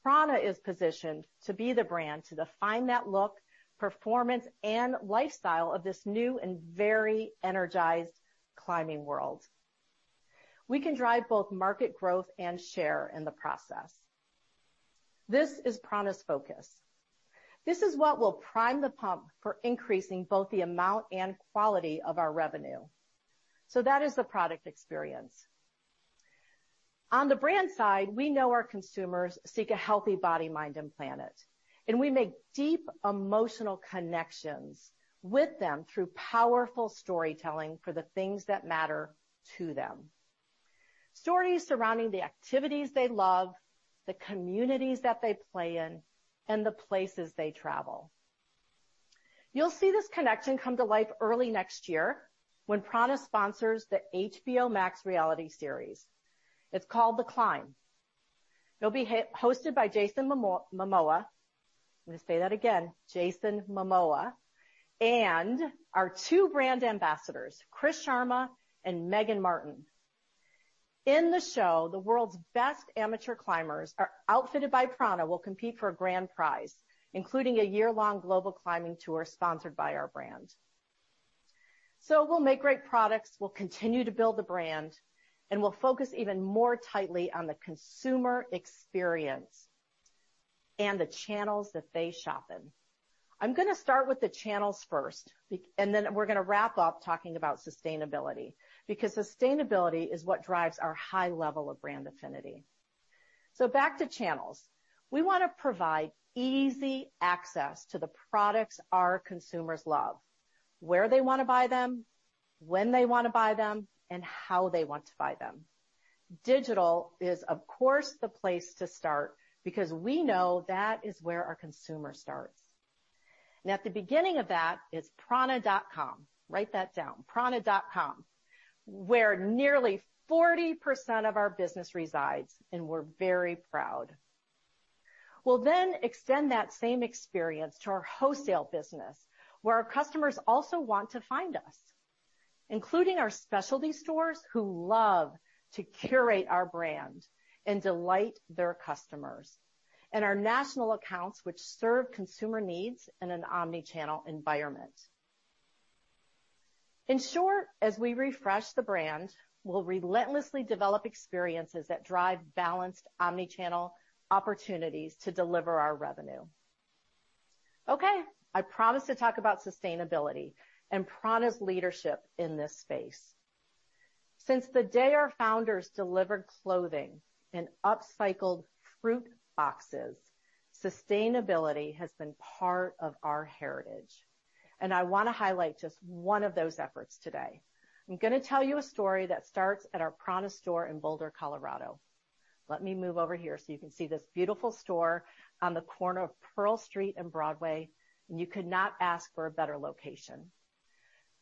prAna is positioned to be the brand to define that look, performance, and lifestyle of this new and very energized climbing world. We can drive both market growth and share in the process. This is prAna's focus. This is what will prime the pump for increasing both the amount and quality of our revenue. That is the product experience. On the brand side, we know our consumers seek a healthy body, mind, and planet, and we make deep emotional connections with them through powerful storytelling for the things that matter to them. Stories surrounding the activities they love, the communities that they play in, and the places they travel. You'll see this connection come to life early next year when prAna sponsors the HBO Max reality series. It's called The Climb. It'll be hosted by Jason Momoa. I'm gonna say that again, Jason Momoa, and our two brand ambassadors, Chris Sharma and Meagan Martin. In the show, the world's best amateur climbers are outfitted by prAna, will compete for a grand prize, including a year-long global climbing tour sponsored by our brand. We'll make great products, we'll continue to build the brand, and we'll focus even more tightly on the consumer experience and the channels that they shop in. I'm gonna start with the channels first and then we're gonna wrap up talking about sustainability, because sustainability is what drives our high level of brand affinity. Back to channels. We wanna provide easy access to the products our consumers love. Where they wanna buy them, when they wanna buy them, and how they want to buy them. Digital is, of course, the place to start because we know that is where our consumer starts. At the beginning of that is prAna.com. Write that down, prAna.com, where nearly 40% of our business resides, and we're very proud. We'll then extend that same experience to our wholesale business, where our customers also want to find us, including our specialty stores who love to curate our brand and delight their customers. Our national accounts, which serve consumer needs in an omnichannel environment. In short, as we refresh the brand, we'll relentlessly develop experiences that drive balanced omnichannel opportunities to deliver our revenue. Okay, I promised to talk about sustainability and prAna's leadership in this space. Since the day our founders delivered clothing in upcycled fruit boxes, sustainability has been part of our heritage, and I wanna highlight just one of those efforts today. I'm gonna tell you a story that starts at our prAna store in Boulder, Colorado. Let me move over here so you can see this beautiful store on the corner of Pearl Street and Broadway, and you could not ask for a better location.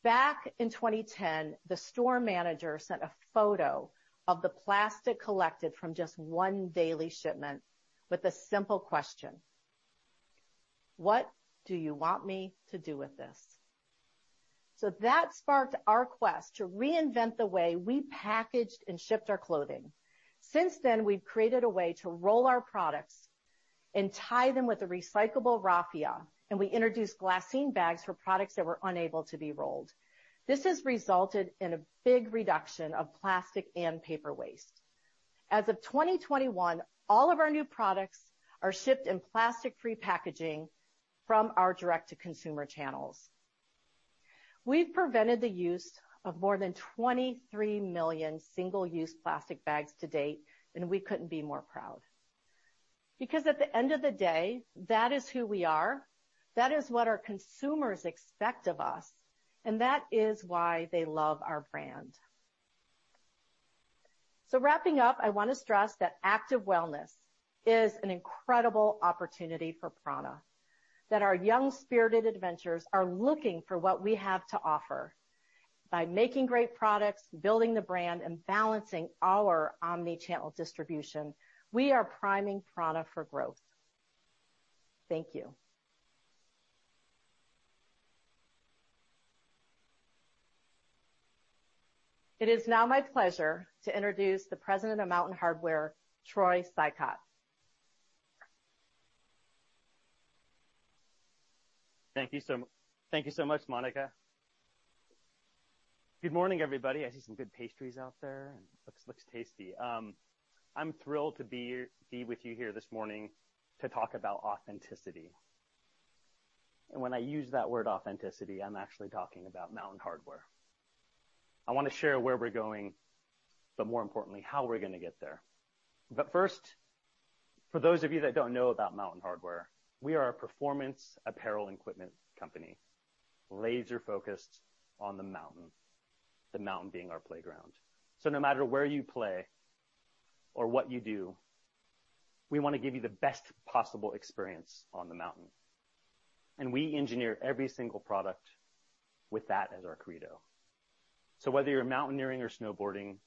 Back in 2010, the store manager sent a photo of the plastic collected from just one daily shipment with a simple question: "What do you want me to do with this?" That sparked our quest to reinvent the way we packaged and shipped our clothing. Since then, we've created a way to roll our products and tie them with a recyclable raffia, and we introduced glassine bags for products that were unable to be rolled. This has resulted in a big reduction of plastic and paper waste. As of 2021, all of our new products are shipped in plastic-free packaging from our direct-to-consumer channels. We've prevented the use of more than 23 million single-use plastic bags to date, and we couldn't be more proud. Because at the end of the day, that is who we are, that is what our consumers expect of us, and that is why they love our brand. Wrapping up, I wanna stress that active wellness is an incredible opportunity for prAna. That our young-spirited adventurers are looking for what we have to offer. By making great products, building the brand, and balancing our omnichannel distribution, we are priming prAna for growth. Thank you. It is now my pleasure to introduce the President of Mountain Hardwear, Troy Sicotte. Thank you so much, Monica. Good morning, everybody. I see some good pastries out there and looks tasty. I'm thrilled to be with you here this morning to talk about authenticity. When I use that word authenticity, I'm actually talking about Mountain Hardwear. I wanna share where we're going, but more importantly, how we're gonna get there. First, for those of you that don't know about Mountain Hardwear, we are a performance apparel equipment company, laser-focused on the mountain, the mountain being our playground. No matter where you play or what you do, we wanna give you the best possible experience on the mountain. We engineer every single product with that as our credo. Whether you're mountaineering or snowboarding,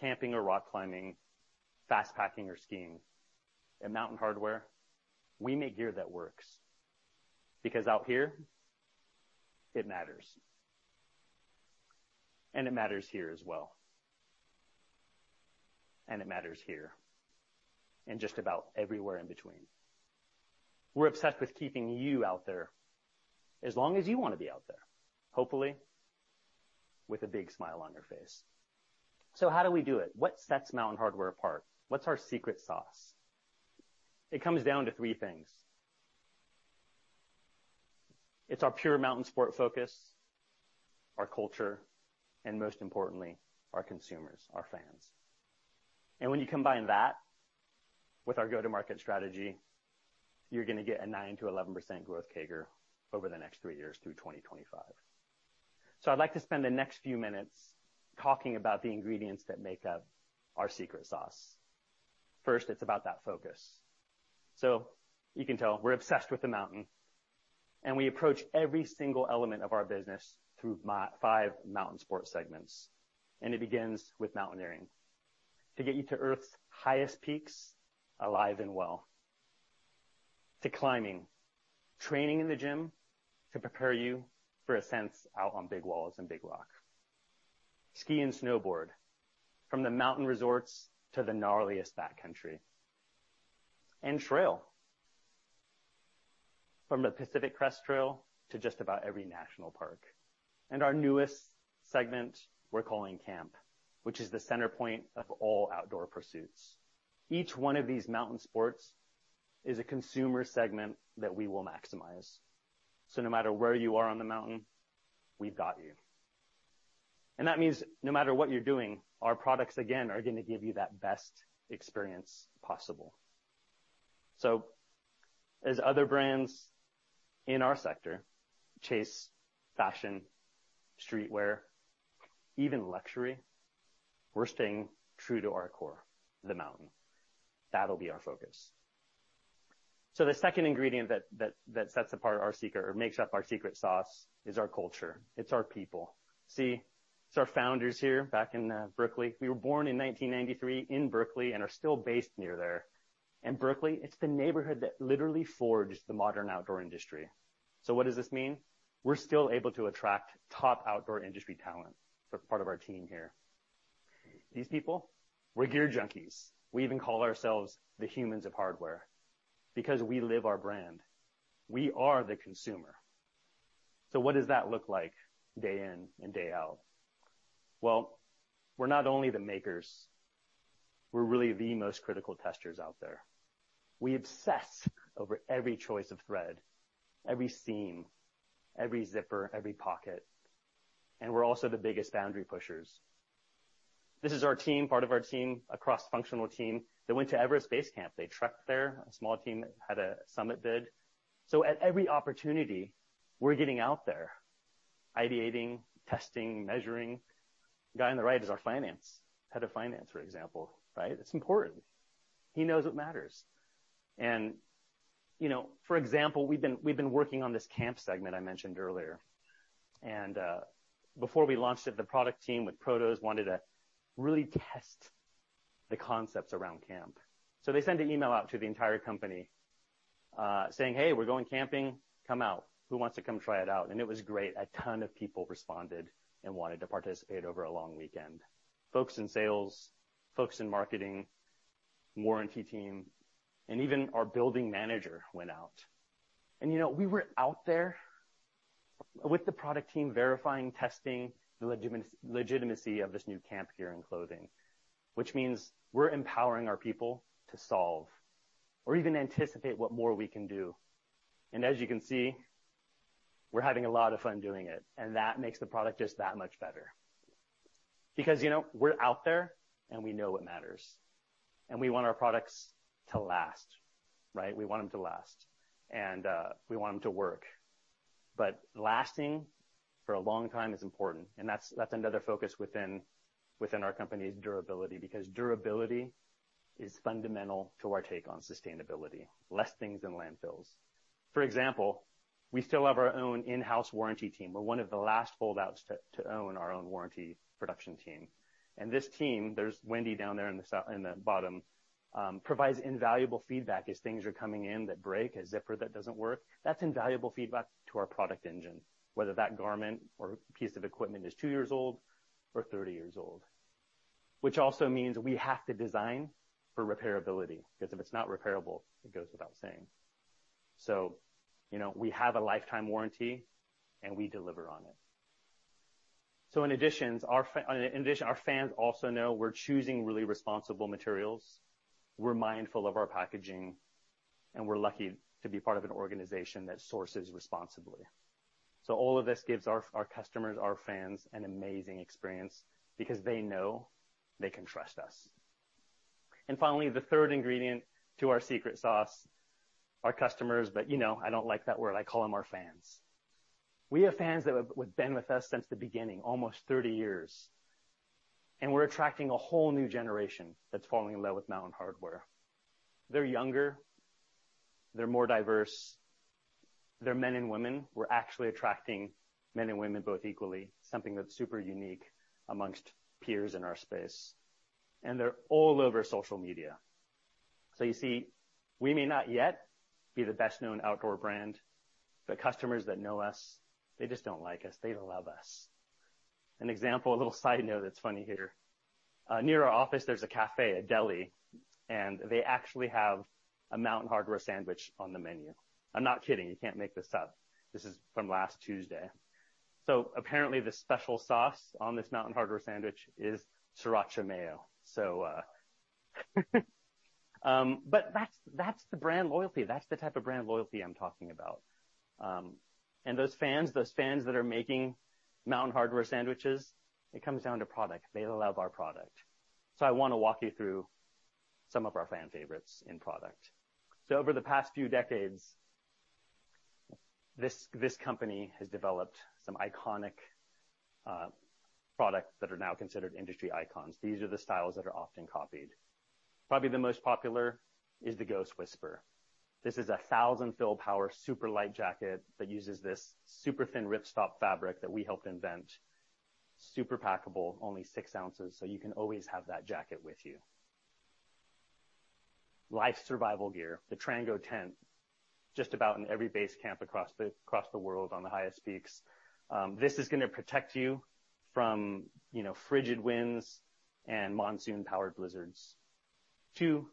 camping or rock climbing, fast packing or skiing. At Mountain Hardwear, we make gear that works, because out here, it matters. It matters here as well. It matters here, and just about everywhere in between. We're obsessed with keeping you out there as long as you want to be out there, hopefully with a big smile on your face. How do we do it? What sets Mountain Hardwear apart? What's our secret sauce? It comes down to three things. It's our pure mountain sport focus, our culture, and most importantly, our consumers, our fans. When you combine that with our go-to-market strategy, you're gonna get a 9%-11% growth CAGR over the next three years through 2025. I'd like to spend the next few minutes talking about the ingredients that make up our secret sauce. First, it's about that focus. You can tell we're obsessed with the mountain, and we approach every single element of our business through five mountain sport segments, and it begins with mountaineering to get you to Earth's highest peaks, alive and well. Climbing, training in the gym to prepare you for ascents out on big walls and big rock. Ski and snowboard, from the mountain resorts to the gnarliest backcountry. Trail, from the Pacific Crest Trail to just about every national park. Our newest segment we're calling camp, which is the center point of all outdoor pursuits. Each one of these mountain sports is a consumer segment that we will maximize. No matter where you are on the mountain, we've got you. That means no matter what you're doing, our products again are gonna give you that best experience possible. As other brands in our sector chase fashion, streetwear, even luxury, we're staying true to our core, the mountain. That'll be our focus. The second ingredient that sets apart our secret or makes up our secret sauce is our culture. It's our people. See, it's our founders here back in Berkeley. We were born in 1993 in Berkeley and are still based near there. Berkeley, it's the neighborhood that literally forged the modern outdoor industry. What does this mean? We're still able to attract top outdoor industry talent for part of our team here. These people, we're gear junkies. We even call ourselves the humans of Hardwear because we live our brand. We are the consumer. What does that look like day in and day out? Well, we're not only the makers, we're really the most critical testers out there. We obsess over every choice of thread, every seam, every zipper, every pocket, and we're also the biggest boundary pushers. This is our team, part of our team, a cross-functional team that went to Everest Base Camp. They trekked there. A small team had a summit bid. At every opportunity, we're getting out there, ideating, testing, measuring. The guy on the right is our finance, head of finance, for example, right? It's important. He knows what matters. You know, for example, we've been working on this camp segment I mentioned earlier, and before we launched it, the product team with prototypes wanted to really test the concepts around camp. They sent an email out to the entire company, saying, "Hey, we're going camping. Come out. Who wants to come try it out?" It was great. A ton of people responded and wanted to participate over a long weekend. Folks in sales, folks in marketing, warranty team, and even our building manager went out. You know, we were out there with the product team verifying, testing the legitimacy of this new camp gear and clothing, which means we're empowering our people to solve or even anticipate what more we can do. As you can see, we're having a lot of fun doing it, and that makes the product just that much better. Because, you know, we're out there, and we know what matters, and we want our products to last, right? We want them to last, and we want them to work. Lasting for a long time is important, and that's another focus within our company's durability because durability is fundamental to our take on sustainability. Less things in landfills. For example, we still have our own in-house warranty team. We're one of the last holdouts to own our own warranty production team. This team, there's Wendy down there in the bottom, provides invaluable feedback as things are coming in that break, a zipper that doesn't work. That's invaluable feedback to our product engine, whether that garment or piece of equipment is two years old or 30 years old. Which also means we have to design for repairability, because if it's not repairable, it goes without saying. You know, we have a lifetime warranty, and we deliver on it. In addition, our fans also know we're choosing really responsible materials. We're mindful of our packaging, and we're lucky to be part of an organization that sources responsibly. All of this gives our customers, our fans an amazing experience because they know they can trust us. Finally, the third ingredient to our secret sauce, our customers. You know, I don't like that word. I call them our fans. We have fans that have been with us since the beginning, almost 30 years, and we're attracting a whole new generation that's falling in love with Mountain Hardwear. They're younger, they're more diverse. They're men and women. We're actually attracting men and women both equally, something that's super unique amongst peers in our space. They're all over social media. You see, we may not yet be the best-known outdoor brand, but customers that know us, they just don't like us, they love us. An example, a little side note that's funny here. Near our office, there's a cafe, a deli, and they actually have a Mountain Hardwear sandwich on the menu. I'm not kidding. You can't make this up. This is from last Tuesday. Apparently, the special sauce on this Mountain Hardwear sandwich is sriracha mayo. But that's the brand loyalty. That's the type of brand loyalty I'm talking about. And those fans that are making Mountain Hardwear sandwiches, it comes down to product. They love our product. I wanna walk you through some of our fan favorites in product. Over the past few decades, this company has developed some iconic products that are now considered industry icons. These are the styles that are often copied. Probably the most popular is the Ghost Whisperer. This is 1,000 fill power, super light jacket that uses this super thin ripstop fabric that we helped invent. Super packable, only 6 ounces, so you can always have that jacket with you. Life survival gear, the Trango tent, just about in every base camp across the world on the highest peaks. This is gonna protect you from, you know, frigid winds and monsoon-powered blizzards. To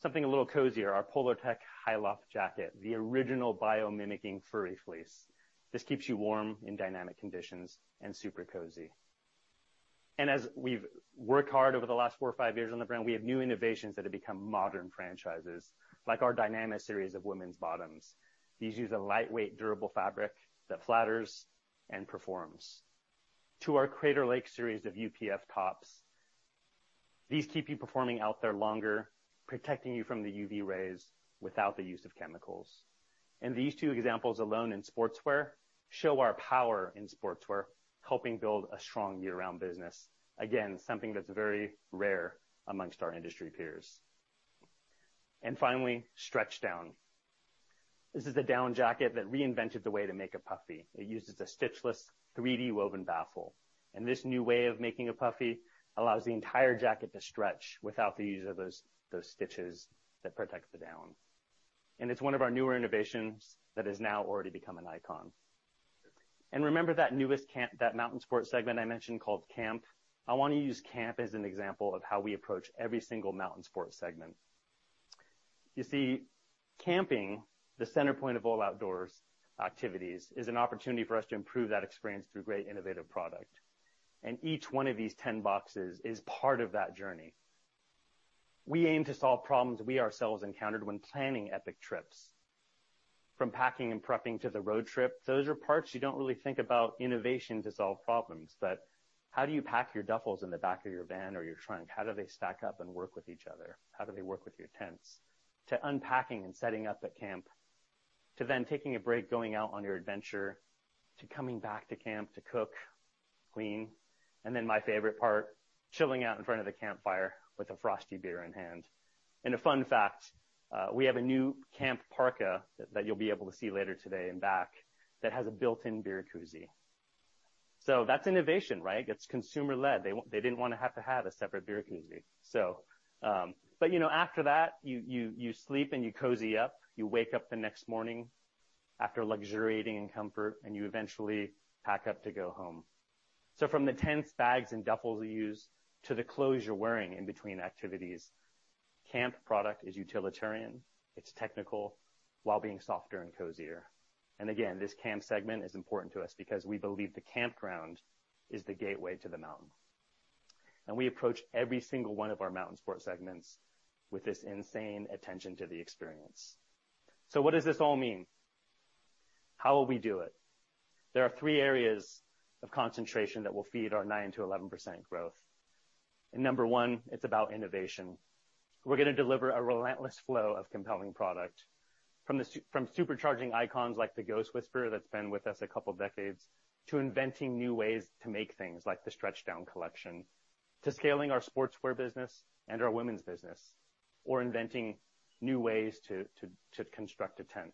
something a little cozier, our Polartec High Loft jacket, the original bio-mimicking furry fleece. This keeps you warm in dynamic conditions and super cozy. As we've worked hard over the last four or five years on the brand, we have new innovations that have become modern franchises, like our Dynama series of women's bottoms. These use a lightweight, durable fabric that flatters and performs. To our Crater Lake series of UPF tops, these keep you performing out there longer, protecting you from the UV rays without the use of chemicals. These two examples alone in sportswear show our power in sportswear, helping build a strong year-round business. Again, something that's very rare amongst our industry peers. Finally, Stretchdown. This is a down jacket that reinvented the way to make a puffy. It uses a stitch-less 3D woven baffle, and this new way of making a puffy allows the entire jacket to stretch without the use of those stitches that protect the down. It's one of our newer innovations that has now already become an icon. Remember that newest camp that mountain sports segment I mentioned called Camp? I wanna use Camp as an example of how we approach every single mountain sports segment. You see, camping, the center point of all outdoor activities, is an opportunity for us to improve that experience through great innovative product. Each one of these 10 boxes is part of that journey. We aim to solve problems we ourselves encountered when planning epic trips, from packing and prepping to the road trip. Those are parts you don't really think about innovation to solve problems, but how do you pack your duffels in the back of your van or your trunk? How do they stack up and work with each other? How do they work with your tents? To unpacking and setting up at camp, to then taking a break, going out on your adventure, to coming back to camp to cook, clean, and then my favorite part, chilling out in front of the campfire with a frosty beer in hand. A fun fact, we have a new camp parka that you'll be able to see later today in back that has a built-in beer koozie. That's innovation, right? That's consumer-led. They didn't wanna have to have a separate beer koozie. But you know, after that, you sleep and you cozy up. You wake up the next morning after luxuriating in comfort, and you eventually pack up to go home. From the tents, bags and duffels you use to the clothes you're wearing in between activities, Camp product is utilitarian, it's technical, while being softer and cozier. Again, this Camp segment is important to us because we believe the campground is the gateway to the mountain. We approach every single one of our mountain sports segments with this insane attention to the experience. What does this all mean? How will we do it? There are three areas of concentration that will feed our 9%-11% growth. Number one, it's about innovation. We're gonna deliver a relentless flow of compelling product from supercharging icons like the Ghost Whisperer that's been with us a couple decades, to inventing new ways to make things like the Stretchdown collection, to scaling our sportswear business and our women's business, or inventing new ways to construct a tent.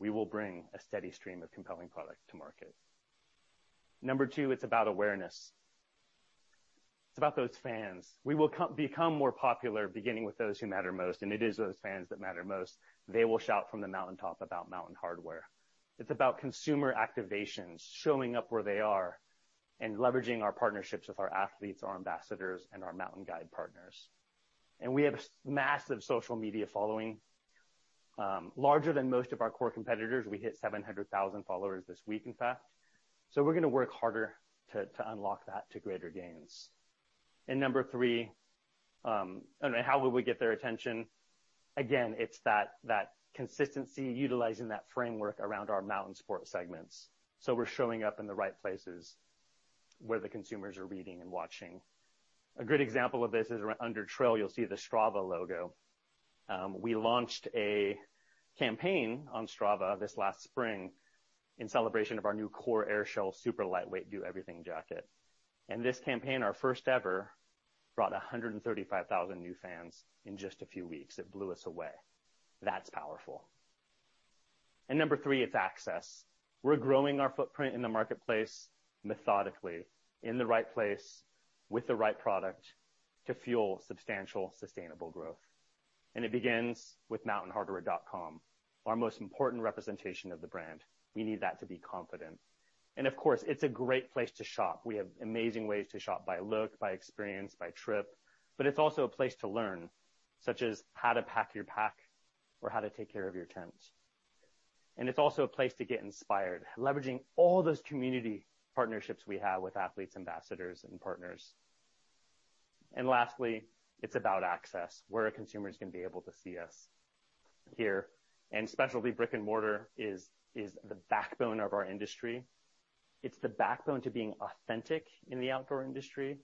We will bring a steady stream of compelling product to market. Number two, it's about awareness. It's about those fans. We will become more popular, beginning with those who matter most, and it is those fans that matter most. They will shout from the mountaintop about Mountain Hardwear. It's about consumer activations, showing up where they are, and leveraging our partnerships with our athletes, our ambassadors, and our mountain guide partners. We have a massive social media following, larger than most of our core competitors. We hit 700,000 followers this week, in fact. We're gonna work harder to unlock that to greater gains. Number three, and how will we get their attention? Again, it's that consistency, utilizing that framework around our mountain sports segments. We're showing up in the right places where the consumers are reading and watching. A good example of this is Montrail, you'll see the Strava logo. We launched a campaign on Strava this last spring in celebration of our new Kor AirShell super lightweight do-everything jacket. This campaign, our first ever, brought 135,000 new fans in just a few weeks. It blew us away. That's powerful. Number three, it's access. We're growing our footprint in the marketplace methodically, in the right place, with the right product to fuel substantial sustainable growth. It begins with mountainhardwear.com, our most important representation of the brand. We need that to be confident. Of course, it's a great place to shop. We have amazing ways to shop by look, by experience, by trip, but it's also a place to learn, such as how to pack your pack or how to take care of your tents. It's also a place to get inspired, leveraging all those community partnerships we have with athletes, ambassadors, and partners. Lastly, it's about access, where our consumers can be able to see us here. Specialty brick-and-mortar is the backbone of our industry. It's the backbone to being authentic in the outdoor industry.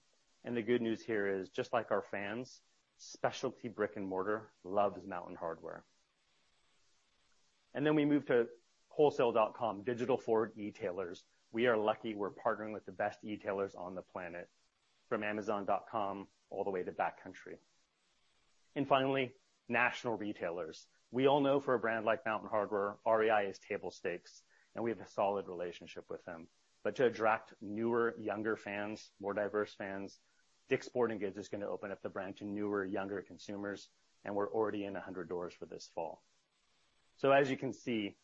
The good news here is, just like our fans, specialty brick-and-mortar loves Mountain Hardwear. Then we move to wholesale.com, digital-forward e-tailers. We are lucky we're partnering with the best e-tailers on the planet, from Amazon.com all the way to Backcountry. Finally, national retailers. We all know for a brand like Mountain Hardwear, REI is table stakes, and we have a solid relationship with them. To attract newer, younger fans, more diverse fans, Dick's Sporting Goods is gonna open up the brand to newer, younger consumers, and we're already in 100 doors for this fall. As you can see,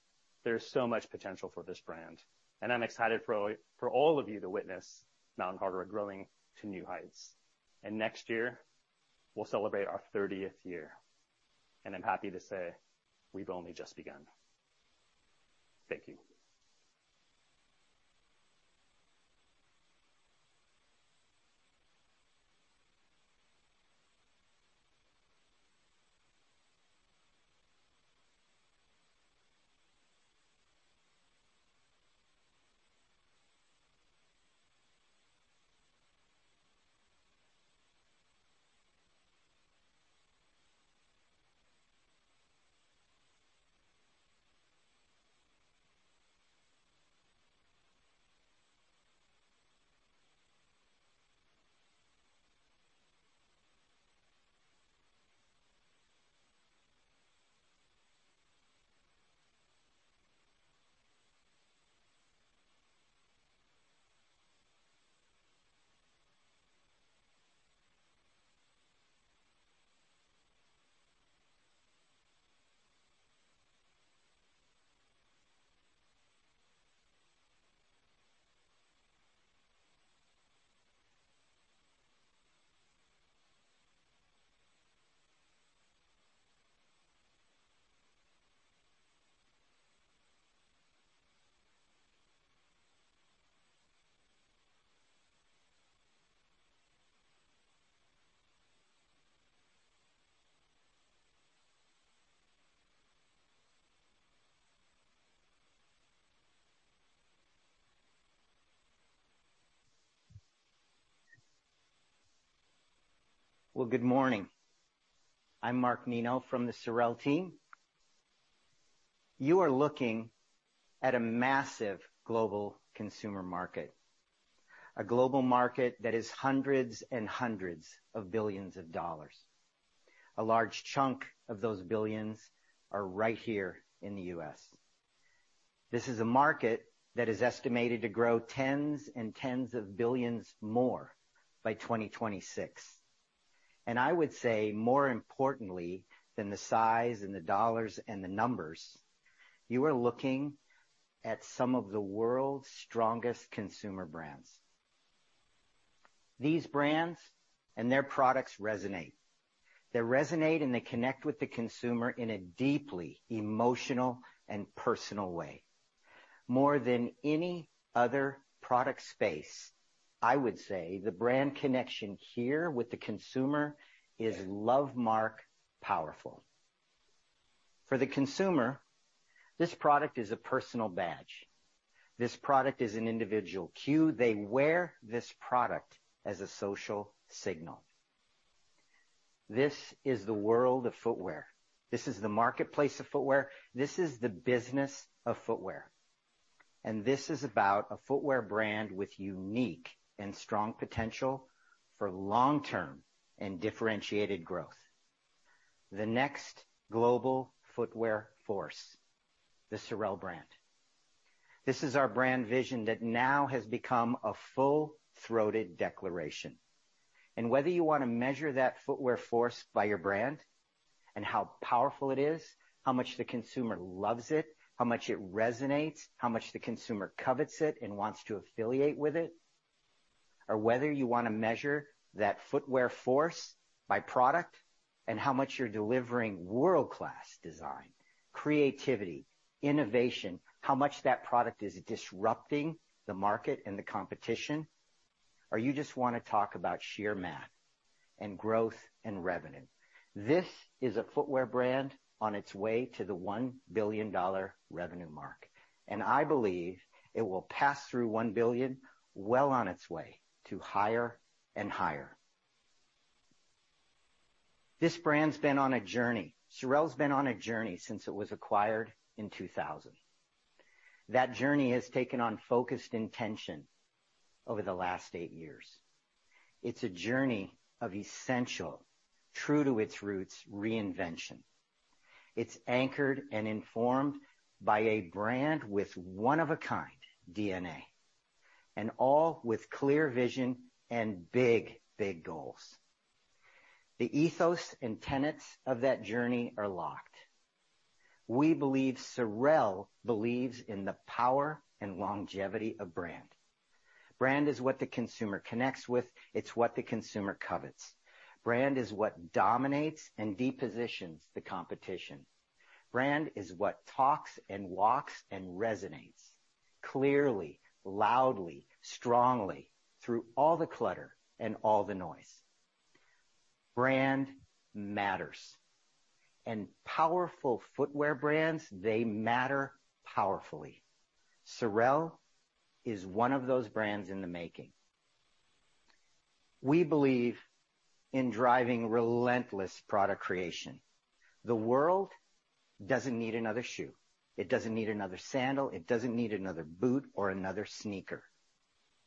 there's so much potential for this brand. I'm excited for all of you to witness Mountain Hardwear growing to new heights. Next year, we'll celebrate our thirtieth year. I'm happy to say we've only just begun. Thank you. Well, good morning. I'm Mark Nenow from the SOREL team. You are looking at a massive global consumer market, a global market that is hundreds and hundreds of billions of dollars. A large chunk of those billions are right here in the U.S. This is a market that is estimated to grow tens and tens of billions more by 2026. I would say, more importantly than the size and the dollars and the numbers, you are looking at some of the world's strongest consumer brands. These brands and their products resonate. They resonate, and they connect with the consumer in a deeply emotional and personal way. More than any other product space, I would say the brand connection here with the consumer is lovemark powerful. For the consumer, this product is a personal badge. This product is an individual cue. They wear this product as a social signal. This is the world of footwear. This is the marketplace of footwear. This is the business of footwear. This is about a footwear brand with unique and strong potential for long-term and differentiated growth. The next global footwear force, the SOREL brand. This is our brand vision that now has become a full-throated declaration. Whether you wanna measure that footwear force by your brand and how powerful it is, how much the consumer loves it, how much it resonates, how much the consumer covets it and wants to affiliate with it, or whether you wanna measure that footwear force by product and how much you're delivering world-class design, creativity, innovation, how much that product is disrupting the market and the competition, or you just wanna talk about sheer math and growth and revenue. This is a footwear brand on its way to the $1 billion revenue mark. I believe it will pass through $1 billion well on its way to higher and higher. This brand's been on a journey. SOREL's been on a journey since it was acquired in 2000. That journey has taken on focused intention over the last eight years. It's a journey of essential true to its roots reinvention. It's anchored and informed by a brand with one of a kind DNA, and all with clear vision and big, big goals. The ethos and tenets of that journey are locked. We believe SOREL believes in the power and longevity of brand. Brand is what the consumer connects with. It's what the consumer covets. Brand is what dominates and repositions the competition. Brand is what talks and walks and resonates clearly, loudly, strongly through all the clutter and all the noise. Brand matters, and powerful footwear brands, they matter powerfully. SOREL is one of those brands in the making. We believe in driving relentless product creation. The world doesn't need another shoe. It doesn't need another sandal. It doesn't need another boot or another sneaker.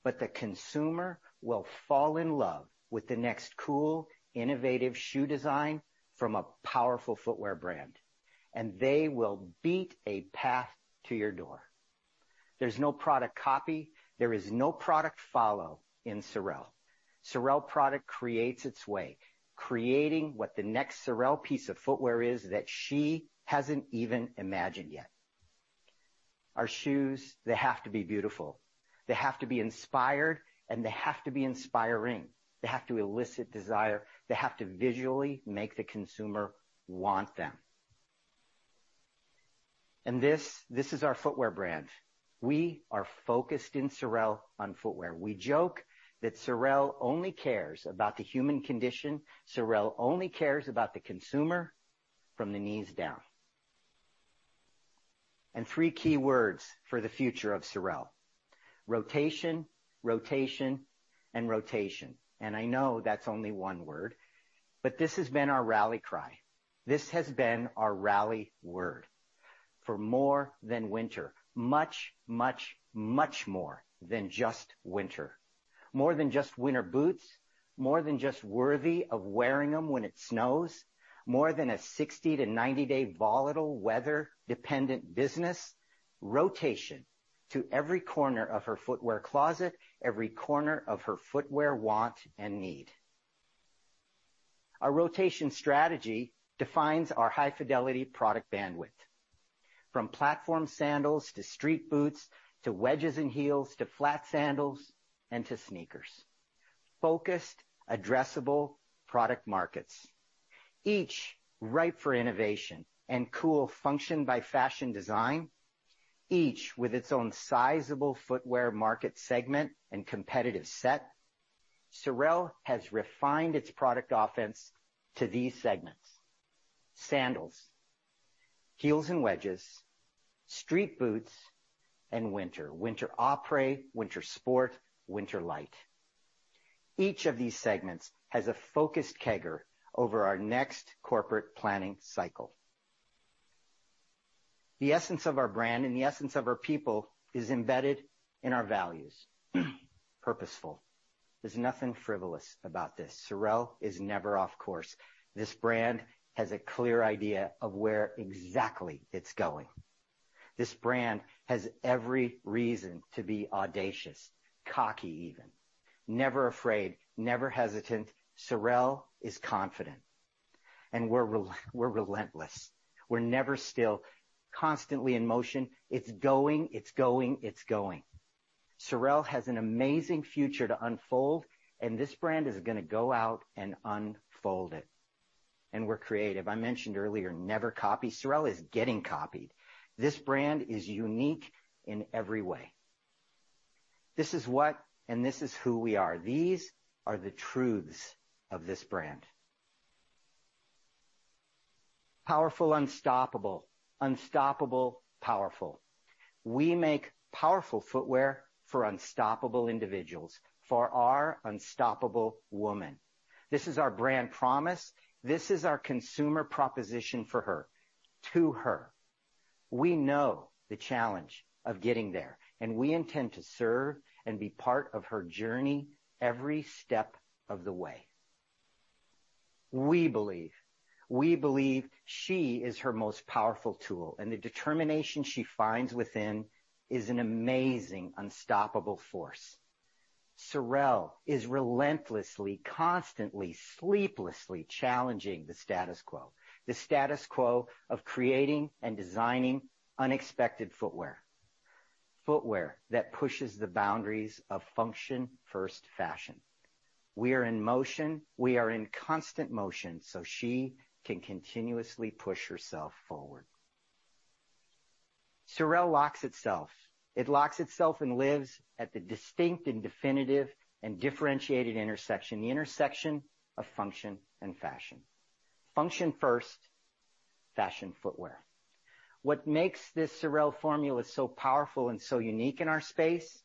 The consumer will fall in love with the next cool, innovative shoe design from a powerful footwear brand, and they will beat a path to your door. There's no product copy. There is no product follow in SOREL. SOREL product creates its way, creating what the next SOREL piece of footwear is that she hasn't even imagined yet. Our shoes, they have to be beautiful. They have to be inspired, and they have to be inspiring. They have to elicit desire. They have to visually make the consumer want them. This, this is our footwear brand. We are focused in SOREL on footwear. We joke that SOREL only cares about the human condition. SOREL only cares about the consumer from the knees down. Three key words for the future of SOREL, rotation, and rotation. I know that's only one word, but this has been our rally cry. This has been our rally word. For more than winter. Much, much, much more than just winter. More than just winter boots, more than just worthy of wearing them when it snows. More than a 60-90-day volatile weather-dependent business. Rotation to every corner of her footwear closet, every corner of her footwear want and need. Our rotation strategy defines our high-fidelity product bandwidth. From platform sandals to street boots, to wedges and heels, to flat sandals and to sneakers. Focused, addressable product markets, each ripe for innovation and cool function by fashion design, each with its own sizable footwear market segment and competitive set. SOREL has refined its product offense to these segments, sandals, heels and wedges, street boots, and winter. Winter apres, winter sport, winter light. Each of these segments has a focused CAGR over our next corporate planning cycle. The essence of our brand and the essence of our people is embedded in our values. Purposeful. There's nothing frivolous about this. SOREL is never off course. This brand has a clear idea of where exactly it's going. This brand has every reason to be audacious, cocky even. Never afraid, never hesitant. SOREL is confident, and we're relentless. We're never still, constantly in motion. It's going, it's going, it's going. SOREL has an amazing future to unfold, and this brand is gonna go out and unfold it. We're creative. I mentioned earlier, never copy. SOREL is getting copied. This brand is unique in every way. This is what and this is who we are. These are the truths of this brand. Powerful, unstoppable. Unstoppable, powerful. We make powerful footwear for unstoppable individuals, for our unstoppable woman. This is our brand promise. This is our consumer proposition for her, to her. We know the challenge of getting there, and we intend to serve and be part of her journey every step of the way. We believe. We believe she is her most powerful tool, and the determination she finds within is an amazing, unstoppable force. SOREL is relentlessly, constantly, sleeplessly challenging the status quo. The status quo of creating and designing unexpected footwear. Footwear that pushes the boundaries of function first fashion. We are in motion. We are in constant motion so she can continuously push herself forward. SOREL locks itself. It locks itself and lives at the distinct and definitive and differentiated intersection, the intersection of function and fashion. Function first fashion footwear. What makes this SOREL formula so powerful and so unique in our space?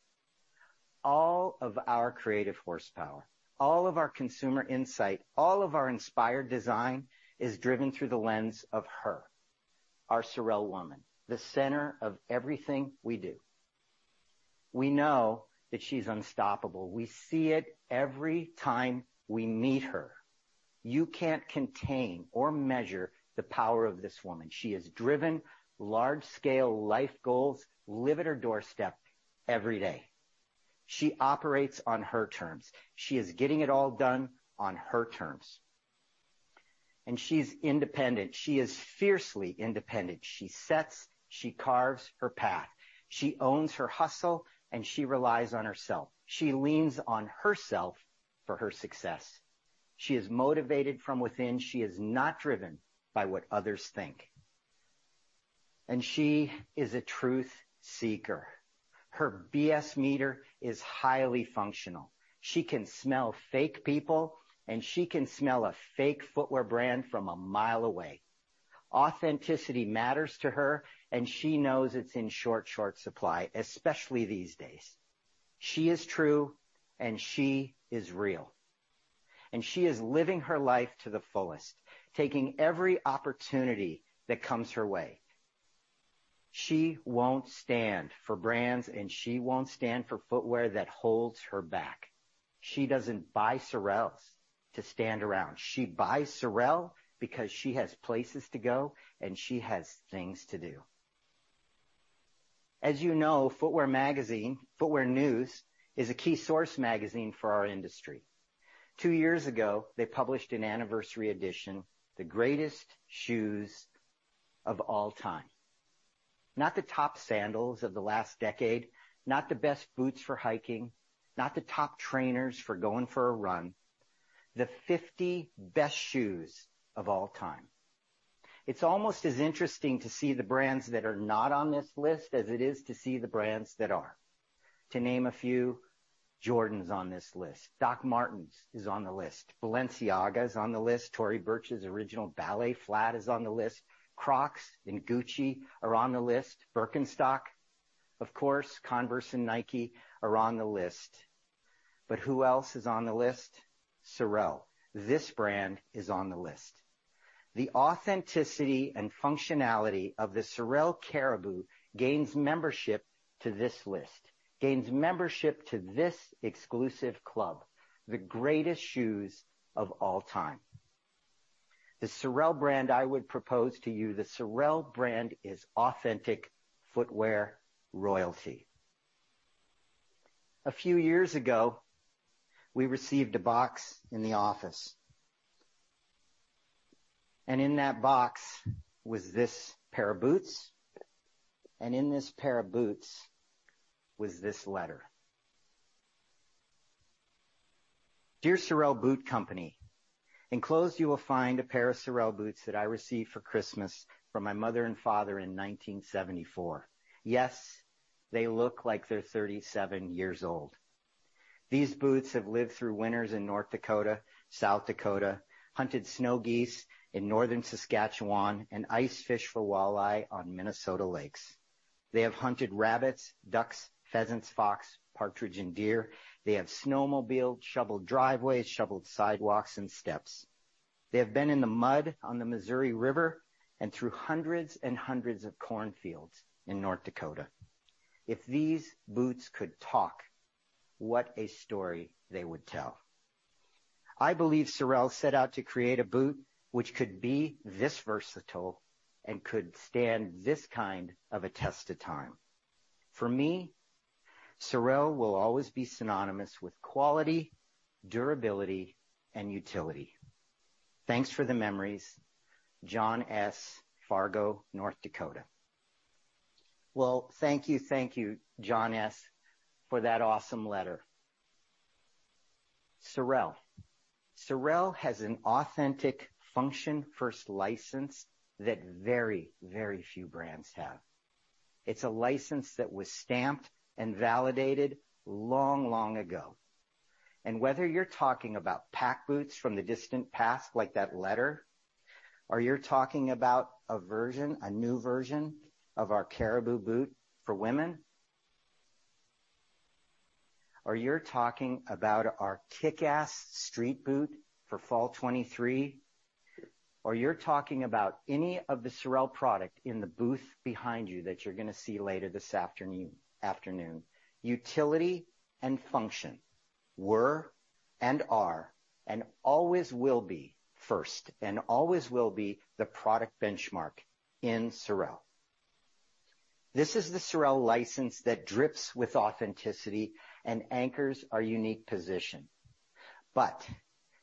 All of our creative horsepower, all of our consumer insight, all of our inspired design is driven through the lens of her, our SOREL woman, the center of everything we do. We know that she's unstoppable. We see it every time we meet her. You can't contain or measure the power of this woman. She is driven, large scale life goals live at her doorstep every day. She operates on her terms. She is getting it all done on her terms. She's independent. She is fiercely independent. She sets, she carves her path. She owns her hustle, and she relies on herself. She leans on herself for her success. She is motivated from within. She is not driven by what others think. She is a truth seeker. Her BS meter is highly functional. She can smell fake people, and she can smell a fake footwear brand from a mile away. Authenticity matters to her, and she knows it's in short supply, especially these days. She is true, and she is real. She is living her life to the fullest, taking every opportunity that comes her way. She won't stand for brands, and she won't stand for footwear that holds her back. She doesn't buy SOREL's to stand around. She buys SOREL because she has places to go and she has things to do. As you know, Footwear News is a key source magazine for our industry. Two years ago, they published an anniversary edition, The Greatest Shoes of All Time. Not the top sandals of the last decade, not the best boots for hiking, not the top trainers for going for a run. The 50 best shoes of all time. It's almost as interesting to see the brands that are not on this list as it is to see the brands that are. To name a few, Jordan is on this list. Dr. Martens is on the list. Balenciaga is on the list. Tory Burch's original ballet flat is on the list. Crocs and Gucci are on the list. Birkenstock, of course, Converse and Nike are on the list. Who else is on the list? SOREL. This brand is on the list. The authenticity and functionality of the SOREL Caribou gains membership to this exclusive club, The Greatest Shoes of All Time. The SOREL brand, I would propose to you, the SOREL brand is authentic footwear royalty. A few years ago, we received a box in the office. In that box was this pair of boots, and in this pair of boots was this letter. "Dear SOREL Boot Company. Enclosed, you will find a pair of SOREL boots that I received for Christmas from my mother and father in 1974. Yes, they look like they're 37 years old. These boots have lived through winters in North Dakota, South Dakota, hunted snow geese in northern Saskatchewan, and ice fish for walleye on Minnesota lakes. They have hunted rabbits, ducks, pheasants, fox, partridge, and deer. They have snowmobiled, shoveled driveways, shoveled sidewalks and steps. They have been in the mud on the Missouri River and through hundreds and hundreds of cornfields in North Dakota. If these boots could talk, what a story they would tell. I believe SOREL set out to create a boot which could be this versatile and could stand this kind of a test of time. For me, SOREL will always be synonymous with quality, durability, and utility. Thanks for the memories, John S., Fargo, North Dakota." Well, thank you, thank you, John S., for that awesome letter. SOREL. SOREL has an authentic function-first license that very, very few brands have. It's a license that was stamped and validated long, long ago. Whether you're talking about Pac boots from the distant past like that letter, or you're talking about a version, a new version of our Caribou boot for women, or you're talking about our kick-ass street boot for fall 2023, or you're talking about any of the SOREL product in the booth behind you that you're gonna see later this afternoon. Utility and function were, and are, and always will be first, and always will be the product benchmark in SOREL. This is the SOREL license that drips with authenticity and anchors our unique position.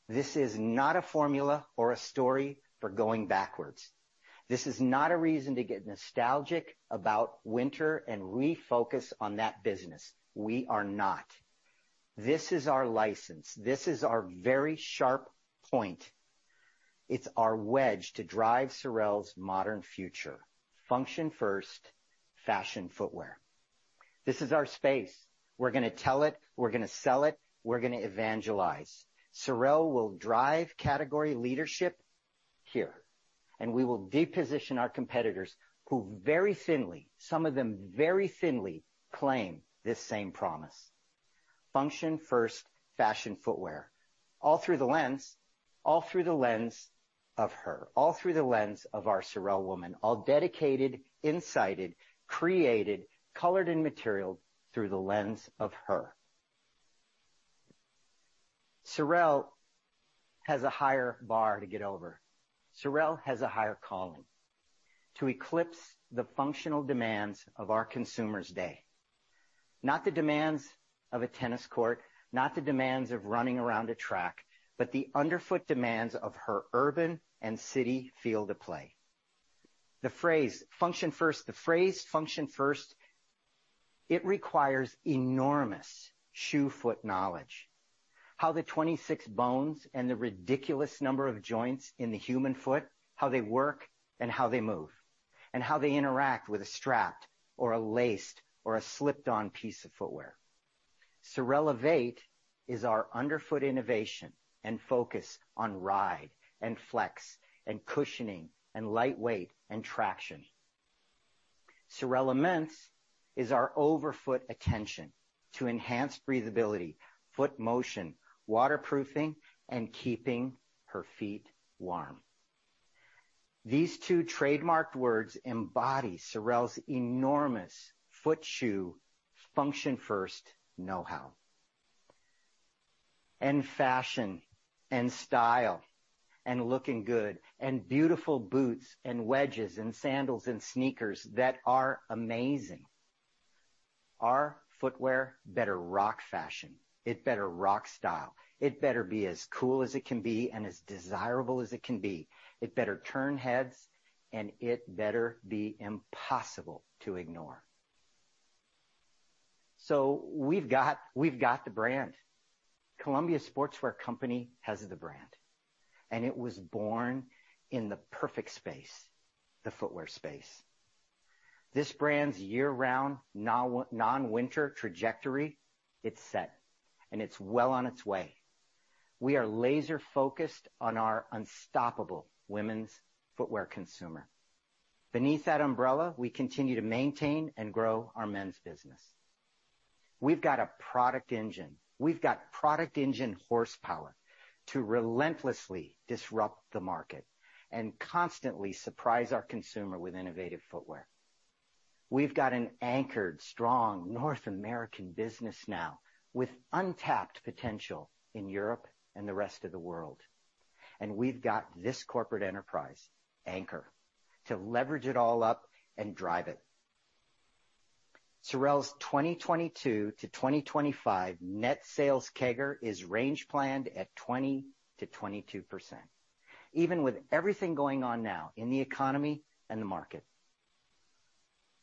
This is not a formula or a story for going backwards. This is not a reason to get nostalgic about winter and refocus on that business. We are not. This is our license. This is our very sharp point. It's our wedge to drive SOREL's modern future. Function first, fashion footwear. This is our space. We're gonna tell it, we're gonna sell it, we're gonna evangelize. SOREL will drive category leadership here, and we will reposition our competitors who very thinly, some of them very thinly claim this same promise. Function first fashion footwear. All through the lens, all through the lens of her. All through the lens of our SOREL woman. All dedicated, designed, created, colored, and materialized through the lens of her. SOREL has a higher bar to get over. SOREL has a higher calling to eclipse the functional demands of our consumer's day. Not the demands of a tennis court, not the demands of running around a track, but the underfoot demands of her urban and city field of play. The phrase function first. The phrase function first, it requires enormous shoe-to-foot knowledge. How the 26 bones and the ridiculous number of joints in the human foot, how they work and how they move, and how they interact with a strapped or a laced or a slipped-on piece of footwear. SOREL Evate is our underfoot innovation and focus on ride and flex and cushioning and lightweight and traction. SOREL Immense is our overfoot attention to enhance breathability, foot motion, waterproofing, and keeping her feet warm. These two trademarked words embody SOREL's enormous footwear function-first know-how. Fashion and style and looking good and beautiful boots and wedges and sandals and sneakers that are amazing. Our footwear better rock fashion. It better rock style. It better be as cool as it can be and as desirable as it can be. It better turn heads, and it better be impossible to ignore. We've got the brand. Columbia Sportswear Company has the brand, and it was born in the perfect space, the footwear space. This brand's year-round non-winter trajectory, it's set, and it's well on its way. We are laser-focused on our unstoppable women's footwear consumer. Beneath that umbrella, we continue to maintain and grow our men's business. We've got a product engine. We've got product engine horsepower to relentlessly disrupt the market and constantly surprise our consumer with innovative footwear. We've got an anchored, strong North American business now with untapped potential in Europe and the rest of the world. We've got this corporate enterprise anchor to leverage it all up and drive it. SOREL's 2022-2025 net sales CAGR is range planned at 20%-22%, even with everything going on now in the economy and the market.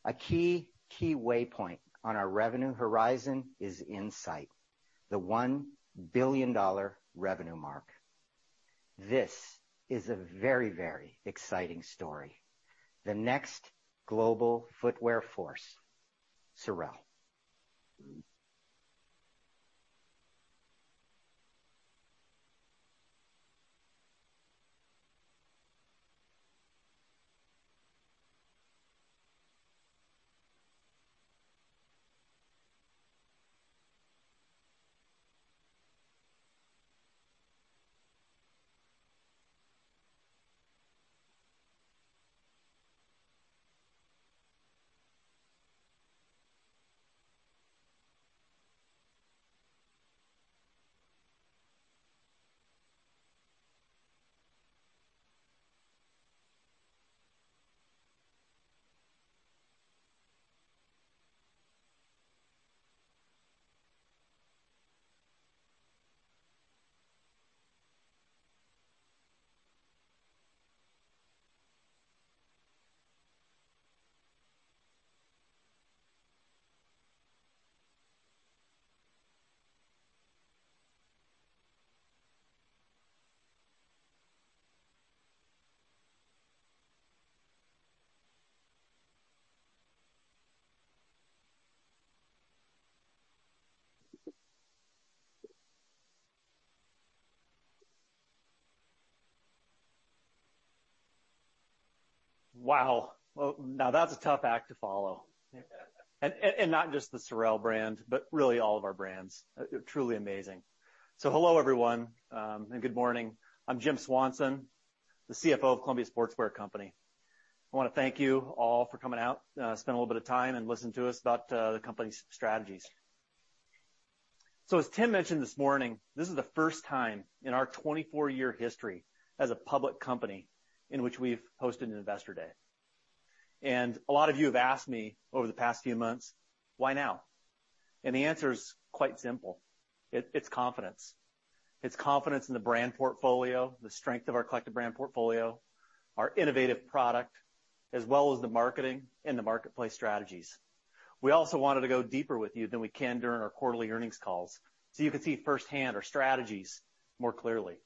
A key waypoint on our revenue horizon is hitting the $1 billion revenue mark. This is a very exciting story. The next global footwear force, SOREL. Wow. Well, now that's a tough act to follow. Not just the SOREL brand, but really all of our brands. Truly amazing. Hello, everyone, and good morning. I'm Jim Swanson, the CFO of Columbia Sportswear Company. I wanna thank you all for coming out, spend a little bit of time and listen to us about the company's strategies. As Tim mentioned this morning, this is the first time in our 24-year history as a public company in which we've hosted an investor day. A lot of you have asked me over the past few months, "Why now?" The answer is quite simple. It's confidence. It's confidence in the brand portfolio, the strength of our collective brand portfolio, our innovative product, as well as the marketing and the marketplace strategies. We also wanted to go deeper with you than we can during our quarterly earnings calls, so you can see firsthand our strategies more clearly.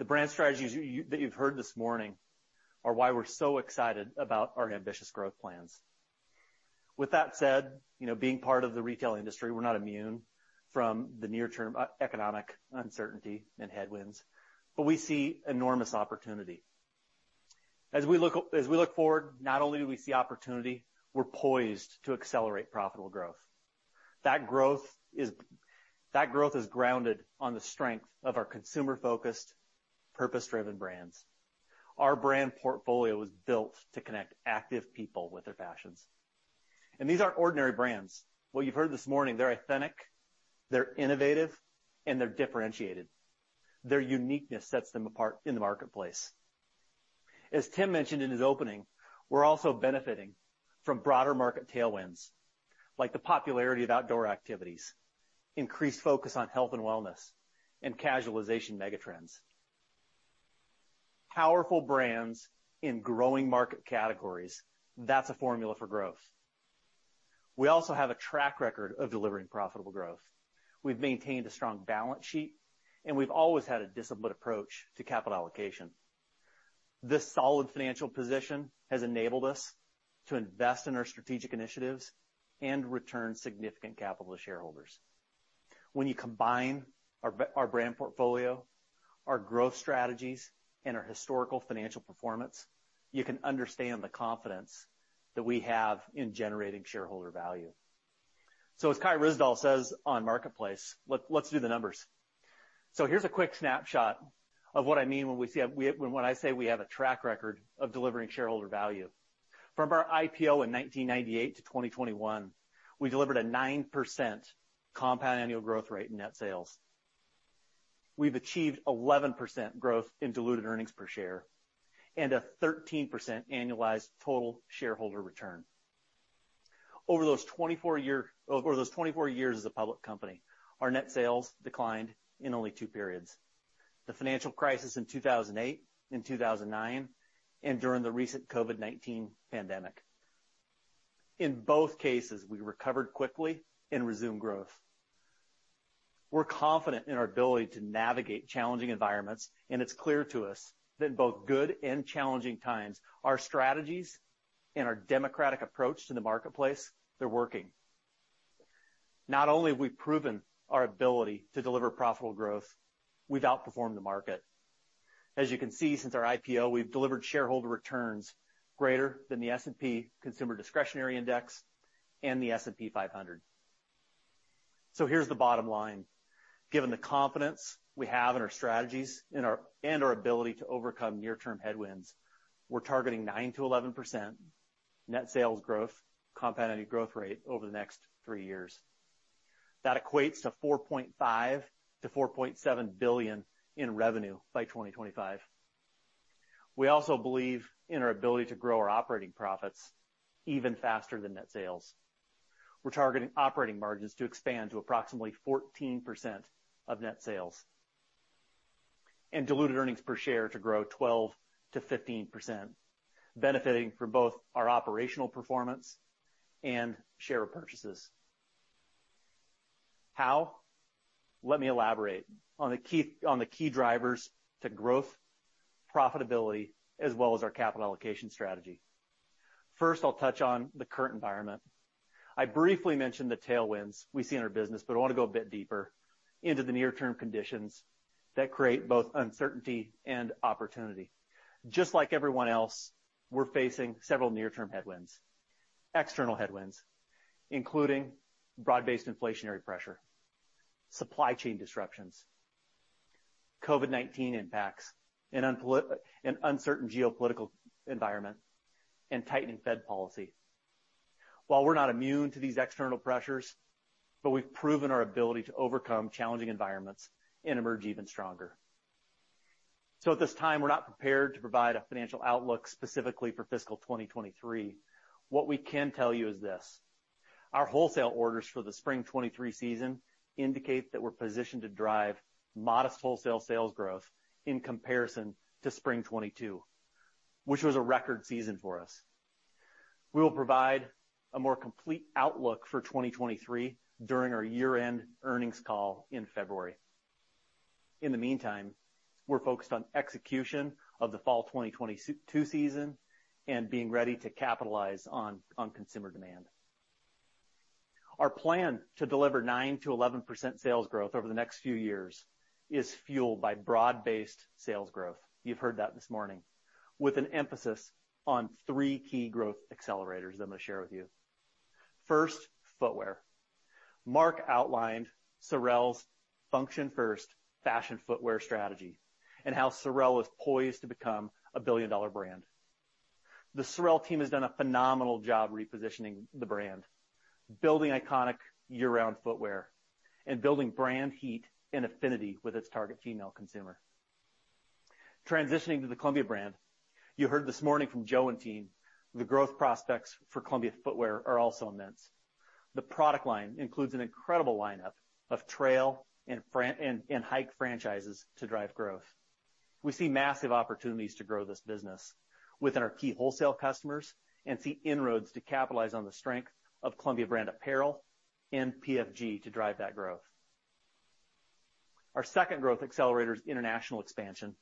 The brand strategies that you've heard this morning are why we're so excited about our ambitious growth plans. With that said, you know, being part of the retail industry, we're not immune from the near-term economic uncertainty and headwinds, but we see enormous opportunity. As we look forward, not only do we see opportunity, we're poised to accelerate profitable growth. That growth is grounded on the strength of our consumer-focused, purpose-driven brands. Our brand portfolio was built to connect active people with their passions. These aren't ordinary brands. What you've heard this morning, they're authentic, they're innovative, and they're differentiated. Their uniqueness sets them apart in the marketplace. As Tim mentioned in his opening, we're also benefiting from broader market tailwinds, like the popularity of outdoor activities, increased focus on health and wellness, and casualization megatrends. Powerful brands in growing market categories, that's a formula for growth. We also have a track record of delivering profitable growth. We've maintained a strong balance sheet, and we've always had a disciplined approach to capital allocation. This solid financial position has enabled us to invest in our strategic initiatives and return significant capital to shareholders. When you combine our brand portfolio, our growth strategies, and our historical financial performance, you can understand the confidence that we have in generating shareholder value. As Kai Ryssdal says on Marketplace, "Let's do the numbers." Here's a quick snapshot of what I mean when I say we have a track record of delivering shareholder value. From our IPO in 1998 to 2021, we delivered a 9% compound annual growth rate in net sales. We've achieved 11% growth in diluted earnings per share and a 13% annualized total shareholder return. Over those 24 years as a public company, our net sales declined in only two periods, the financial crisis in 2008 and 2009, and during the recent COVID-19 pandemic. In both cases, we recovered quickly and resumed growth. We're confident in our ability to navigate challenging environments, and it's clear to us that in both good and challenging times, our strategies and our democratic approach to the marketplace, they're working. Not only have we proven our ability to deliver profitable growth, we've outperformed the market. As you can see, since our IPO, we've delivered shareholder returns greater than the S&P Consumer Discretionary index and the S&P 500. Here's the bottom line. Given the confidence we have in our strategies and our ability to overcome near-term headwinds, we're targeting 9%-11% net sales growth compound annual growth rate over the next three years. That equates to $4.5 billion-$4.7 billion in revenue by 2025. We also believe in our ability to grow our operating profits even faster than net sales. We're targeting operating margins to expand to approximately 14% of net sales and diluted earnings per share to grow 12%-15%, benefiting from both our operational performance and share purchases. How? Let me elaborate on the key drivers to growth, profitability, as well as our capital allocation strategy. First, I'll touch on the current environment. I briefly mentioned the tailwinds we see in our business, but I wanna go a bit deeper into the near-term conditions that create both uncertainty and opportunity. Just like everyone else, we're facing several near-term headwinds, external headwinds, including broad-based inflationary pressure, supply chain disruptions, COVID-19 impacts, an uncertain geopolitical environment, and tightening Fed policy. While we're not immune to these external pressures, but we've proven our ability to overcome challenging environments and emerge even stronger. At this time, we're not prepared to provide a financial outlook specifically for fiscal 2023. What we can tell you is this: our wholesale orders for the spring 2023 season indicate that we're positioned to drive modest wholesale sales growth in comparison to spring 2022, which was a record season for us. We will provide a more complete outlook for 2023 during our year-end earnings call in February. In the meantime, we're focused on execution of the fall 2022 season and being ready to capitalize on consumer demand. Our plan to deliver 9%-11% sales growth over the next few years is fueled by broad-based sales growth. You've heard that this morning, with an emphasis on three key growth accelerators that I'm gonna share with you. First, footwear. Mark outlined SOREL's function first fashion footwear strategy and how SOREL is poised to become a billion-dollar brand. The SOREL team has done a phenomenal job repositioning the brand, building iconic year-round footwear, and building brand heat and affinity with its target female consumer. Transitioning to the Columbia brand, you heard this morning from Joe and team, the growth prospects for Columbia footwear are also immense. The product line includes an incredible lineup of trail and franchise and hike franchises to drive growth. We see massive opportunities to grow this business within our key wholesale customers and see inroads to capitalize on the strength of Columbia brand apparel and PFG to drive that growth. Our second growth accelerator is international expansion.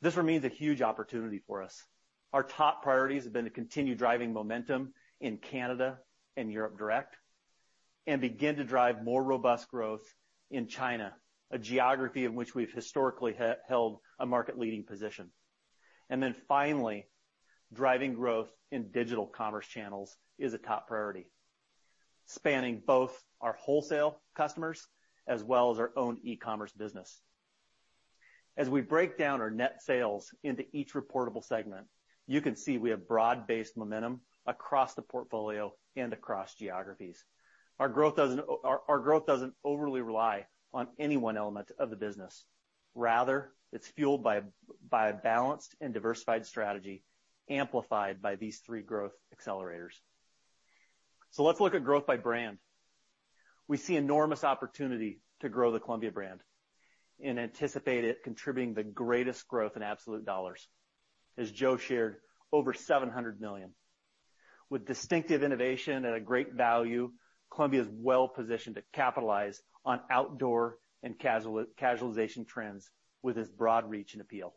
This remains a huge opportunity for us. Our top priorities have been to continue driving momentum in Canada and Europe direct. Begin to drive more robust growth in China, a geography in which we've historically held a market-leading position. Finally, driving growth in digital commerce channels is a top priority, spanning both our wholesale customers as well as our own e-commerce business. As we break down our net sales into each reportable segment, you can see we have broad-based momentum across the portfolio and across geographies. Our growth doesn't overly rely on any one element of the business. Rather, it's fueled by a balanced and diversified strategy amplified by these three growth accelerators. Let's look at growth by brand. We see enormous opportunity to grow the Columbia brand and anticipate it contributing the greatest growth in absolute dollars. As Joe shared, over $700 million. With distinctive innovation and a great value, Columbia is well-positioned to capitalize on outdoor and casual-casualization trends with its broad reach and appeal.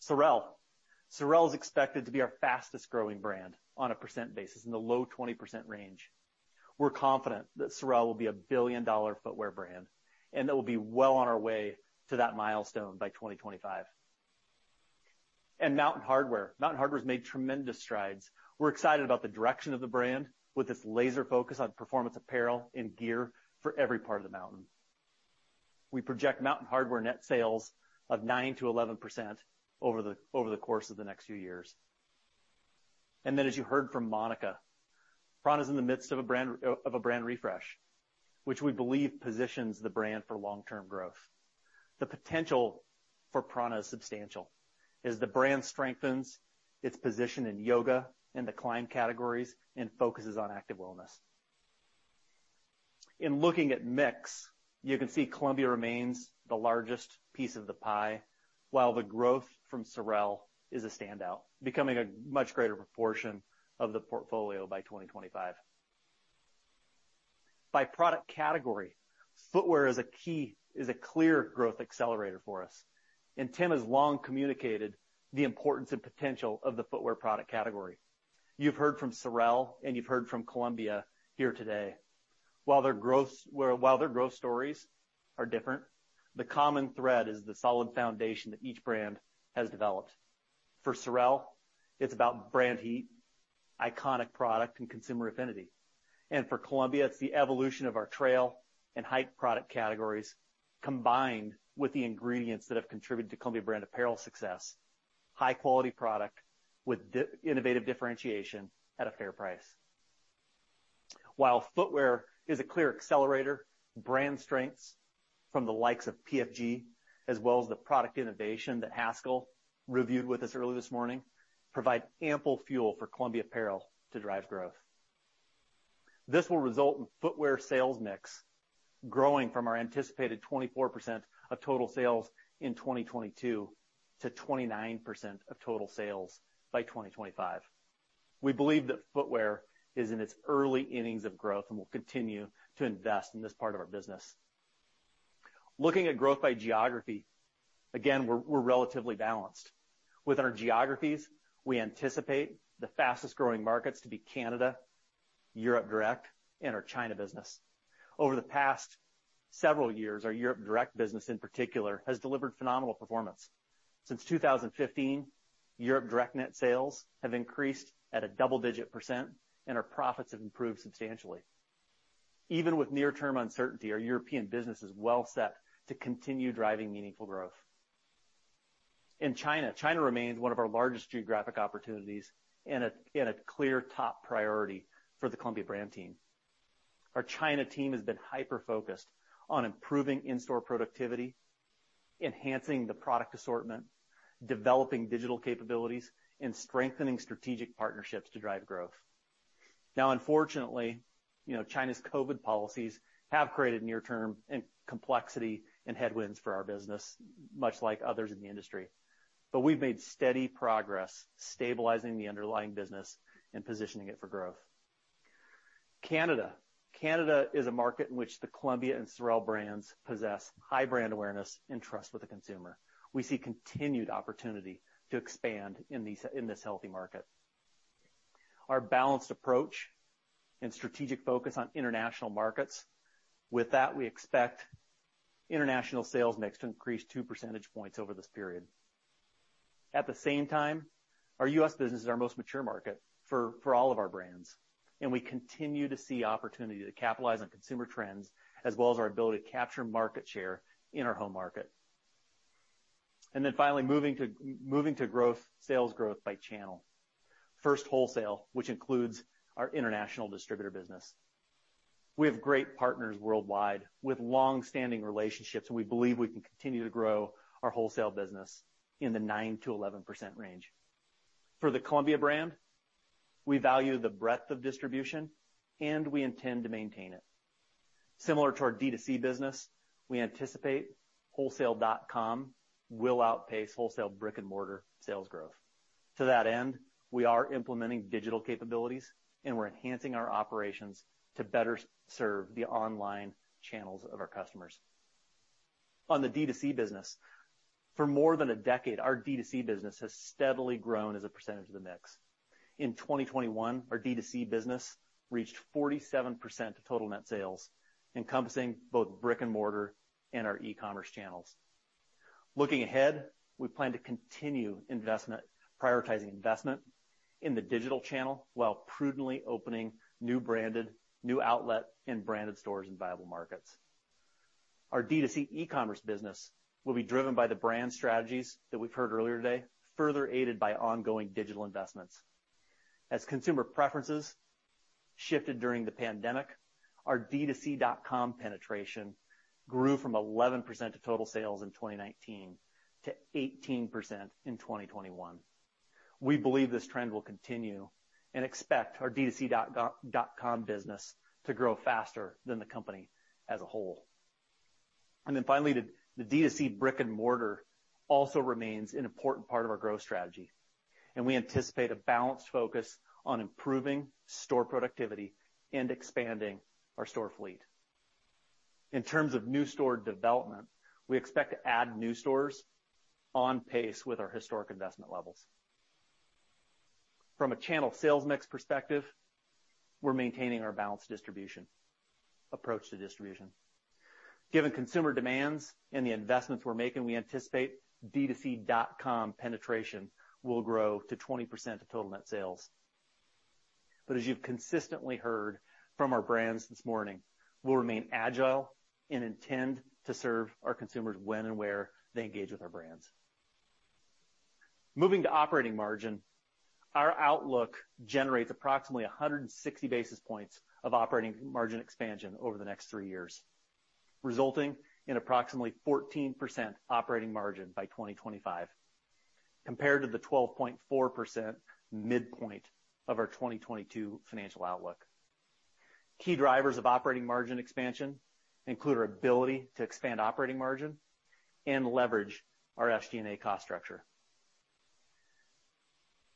SOREL. SOREL is expected to be our fastest-growing brand on a percent basis, in the low 20% range. We're confident that SOREL will be a billion-dollar footwear brand, and that we'll be well on our way to that milestone by 2025. Mountain Hardwear. Mountain Hardwear has made tremendous strides. We're excited about the direction of the brand with its laser focus on performance apparel and gear for every part of the mountain. We project Mountain Hardwear net sales of 9%-11% over the course of the next few years. As you heard from Monica, prAna's in the midst of a brand refresh, which we believe positions the brand for long-term growth. The potential for prAna is substantial as the brand strengthens its position in yoga and the climbing categories and focuses on active wellness. In looking at mix, you can see Columbia remains the largest piece of the pie, while the growth from SOREL is a standout, becoming a much greater proportion of the portfolio by 2025. By product category, footwear is a clear growth accelerator for us, and Tim has long communicated the importance and potential of the footwear product category. You've heard from SOREL and you've heard from Columbia here today. While their growth stories are different, the common thread is the solid foundation that each brand has developed. For SOREL, it's about brand heat, iconic product and consumer affinity. For Columbia, it's the evolution of our trail and hike product categories, combined with the ingredients that have contributed to Columbia Brand Apparel success, high-quality product with innovative differentiation at a fair price. While footwear is a clear accelerator, brand strengths from the likes of PFG, as well as the product innovation that Haskell reviewed with us early this morning, provide ample fuel for Columbia Apparel to drive growth. This will result in footwear sales mix growing from our anticipated 24% of total sales in 2022 to 29% of total sales by 2025. We believe that footwear is in its early innings of growth and will continue to invest in this part of our business. Looking at growth by geography, again, we're relatively balanced. Within our geographies, we anticipate the fastest-growing markets to be Canada, Europe direct, and our China business. Over the past several years, our Europe direct business in particular has delivered phenomenal performance. Since 2015, Europe direct net sales have increased at a double-digit percent, and our profits have improved substantially. Even with near-term uncertainty, our European business is well set to continue driving meaningful growth. In China remains one of our largest geographic opportunities and a clear top priority for the Columbia brand team. Our China team has been hyper-focused on improving in-store productivity, enhancing the product assortment, developing digital capabilities, and strengthening strategic partnerships to drive growth. Now, unfortunately, you know, China's COVID policies have created near-term and complexity and headwinds for our business, much like others in the industry. We've made steady progress stabilizing the underlying business and positioning it for growth. Canada. Canada is a market in which the Columbia and SOREL brands possess high brand awareness and trust with the consumer. We see continued opportunity to expand in this healthy market. Our balanced approach and strategic focus on international markets, with that, we expect international sales mix to increase two percentage points over this period. At the same time, our U.S. business is our most mature market for all of our brands, and we continue to see opportunity to capitalize on consumer trends as well as our ability to capture market share in our home market. Finally, moving to growth, sales growth by channel. First, wholesale, which includes our international distributor business. We have great partners worldwide with long-standing relationships, and we believe we can continue to grow our wholesale business in the 9%-11% range. For the Columbia brand, we value the breadth of distribution, and we intend to maintain it. Similar to our D2C business, we anticipate wholesale dot-com will outpace wholesale brick-and-mortar sales growth. To that end, we are implementing digital capabilities, and we're enhancing our operations to better serve the online channels of our customers. On the D2C business. For more than a decade, our D2C business has steadily grown as a percentage of the mix. In 2021, our D2C business reached 47% of total net sales, encompassing both brick-and-mortar and our e-commerce channels. Looking ahead, we plan to continue investment, prioritizing investment in the digital channel while prudently opening new outlet and branded stores in viable markets. Our D2C e-commerce business will be driven by the brand strategies that we've heard earlier today, further aided by ongoing digital investments. As consumer preferences shifted during the pandemic, our D2C.com penetration grew from 11% of total sales in 2019 to 18% in 2021. We believe this trend will continue and expect our D2C.com business to grow faster than the company as a whole. Finally, the D2C brick-and-mortar also remains an important part of our growth strategy, and we anticipate a balanced focus on improving store productivity and expanding our store fleet. In terms of new store development, we expect to add new stores on pace with our historic investment levels. From a channel sales mix perspective, we're maintaining our balanced distribution approach to distribution. Given consumer demands and the investments we're making, we anticipate D2C.com penetration will grow to 20% of total net sales. As you've consistently heard from our brands this morning, we'll remain agile and intend to serve our consumers when and where they engage with our brands. Moving to operating margin. Our outlook generates approximately 160 basis points of operating margin expansion over the next three years, resulting in approximately 14% operating margin by 2025, compared to the 12.4% midpoint of our 2022 financial outlook. Key drivers of operating margin expansion include our ability to expand operating margin and leverage our SG&A cost structure.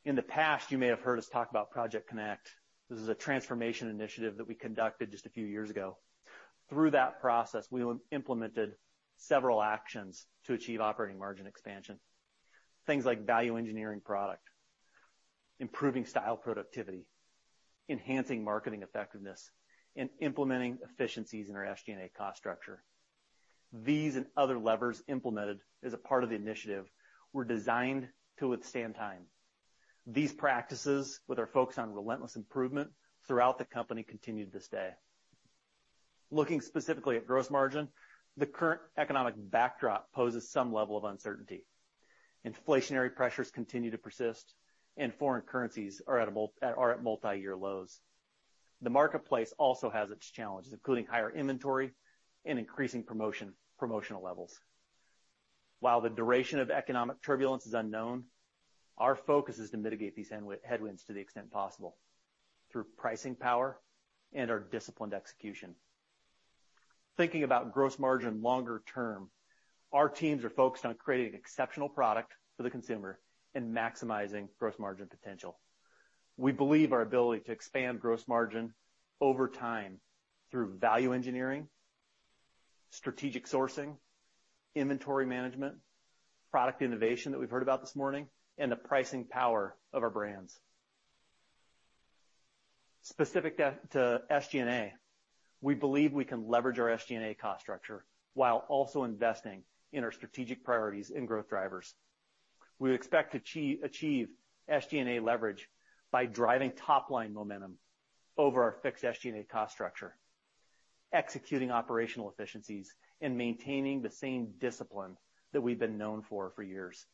In the past, you may have heard us talk about Project CONNECT. This is a transformation initiative that we conducted just a few years ago. Through that process, we implemented several actions to achieve operating margin expansion. Things like value engineering product, improving style productivity, enhancing marketing effectiveness, and implementing efficiencies in our SG&A cost structure. These and other levers implemented as a part of the initiative were designed to withstand time. These practices, with our focus on relentless improvement throughout the company, continue to this day. Looking specifically at gross margin, the current economic backdrop poses some level of uncertainty. Inflationary pressures continue to persist and foreign currencies are at multiyear lows. The marketplace also has its challenges, including higher inventory and increasing promotional levels. While the duration of economic turbulence is unknown, our focus is to mitigate these headwinds to the extent possible through pricing power and our disciplined execution. Thinking about gross margin longer term, our teams are focused on creating exceptional product for the consumer and maximizing gross margin potential. We believe our ability to expand gross margin over time through value engineering, strategic sourcing, inventory management, product innovation that we've heard about this morning, and the pricing power of our brands. Specific to SG&A, we believe we can leverage our SG&A cost structure while also investing in our strategic priorities and growth drivers. We expect to achieve SG&A leverage by driving top-line momentum over our fixed SG&A cost structure, executing operational efficiencies, and maintaining the same discipline that we've been known for years.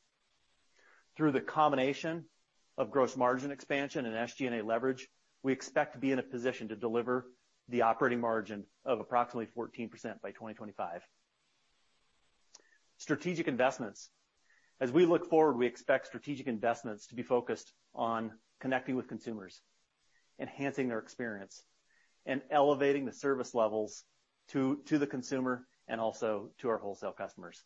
Through the combination of gross margin expansion and SG&A leverage, we expect to be in a position to deliver the operating margin of approximately 14% by 2025. Strategic investments. As we look forward, we expect strategic investments to be focused on connecting with consumers, enhancing their experience, and elevating the service levels to the consumer and also to our wholesale customers.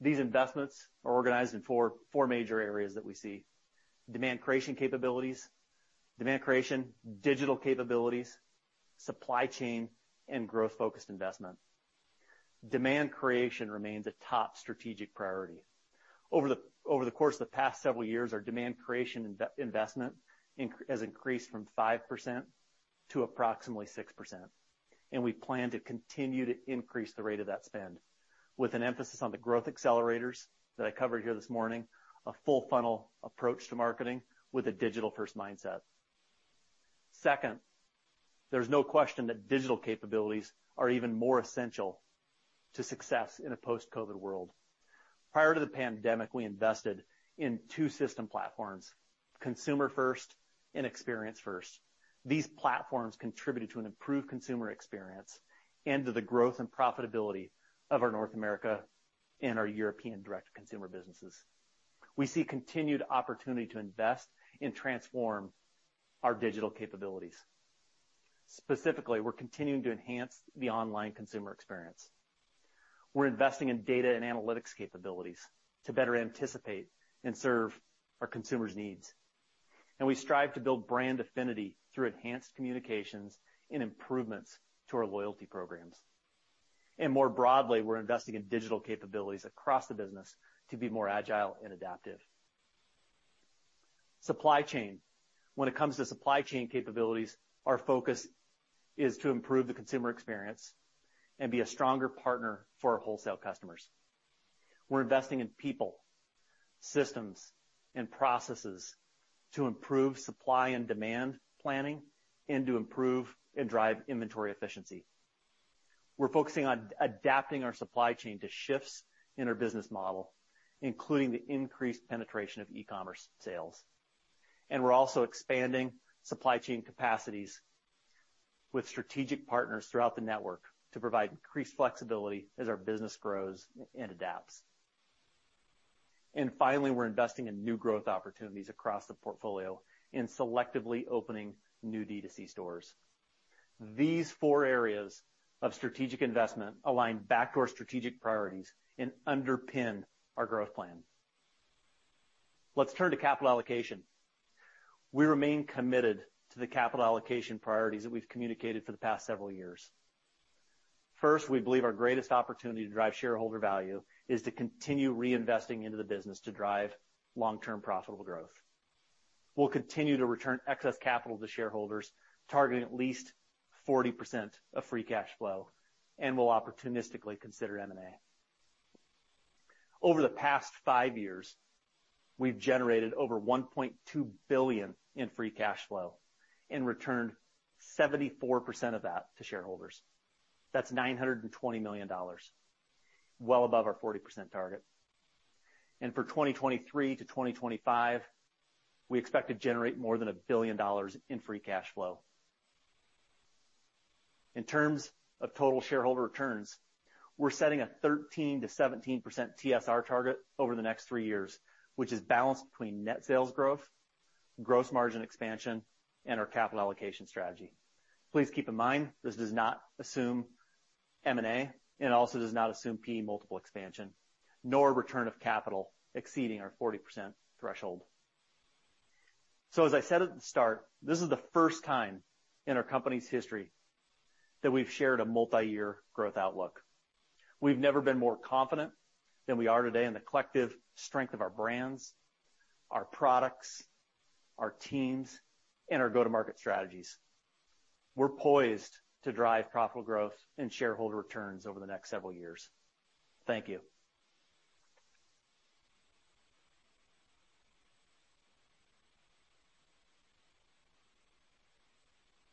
These investments are organized in four major areas that we see, demand creation, digital capabilities, supply chain, and growth-focused investment. Demand creation remains a top strategic priority. Over the course of the past several years, our demand creation investment has increased from 5% to approximately 6%, and we plan to continue to increase the rate of that spend with an emphasis on the growth accelerators that I covered here this morning, a full funnel approach to marketing with a digital-first mindset. Second, there's no question that digital capabilities are even more essential to success in a post-COVID world. Prior to the pandemic, we invested in two system platforms, consumer-first and experience-first. These platforms contributed to an improved consumer experience and to the growth and profitability of our North America and our European direct consumer businesses. We see continued opportunity to invest and transform our digital capabilities. Specifically, we're continuing to enhance the online consumer experience. We're investing in data and analytics capabilities to better anticipate and serve our consumers' needs. We strive to build brand affinity through enhanced communications and improvements to our loyalty programs. More broadly, we're investing in digital capabilities across the business to be more agile and adaptive. Supply chain. When it comes to supply chain capabilities, our focus is to improve the consumer experience and be a stronger partner for our wholesale customers. We're investing in people, systems, and processes to improve supply and demand planning and to improve and drive inventory efficiency. We're focusing on adapting our supply chain to shifts in our business model, including the increased penetration of e-commerce sales. We're also expanding supply chain capacities with strategic partners throughout the network to provide increased flexibility as our business grows and adapts. Finally, we're investing in new growth opportunities across the portfolio and selectively opening new D2C stores. These four areas of strategic investment align back to our strategic priorities and underpin our growth plan. Let's turn to capital allocation. We remain committed to the capital allocation priorities that we've communicated for the past several years. First, we believe our greatest opportunity to drive shareholder value is to continue reinvesting into the business to drive long-term profitable growth. We'll continue to return excess capital to shareholders, targeting at least 40% of free cash flow, and we'll opportunistically consider M&A. Over the past five years, we've generated over $1.2 billion in free cash flow and returned 74% of that to shareholders. That's $920 million, well above our 40% target. For 2023 to 2025, we expect to generate more than $1 billion in free cash flow. In terms of total shareholder returns, we're setting a 13%-17% TSR target over the next three years, which is balanced between net sales growth, gross margin expansion, and our capital allocation strategy. Please keep in mind, this does not assume M&A, and also does not assume P/E multiple expansion nor return of capital exceeding our 40% threshold. As I said at the start, this is the first time in our company's history that we've shared a multi-year growth outlook. We've never been more confident than we are today in the collective strength of our brands, our products, our teams, and our go-to-market strategies. We're poised to drive profitable growth and shareholder returns over the next several years. Thank you.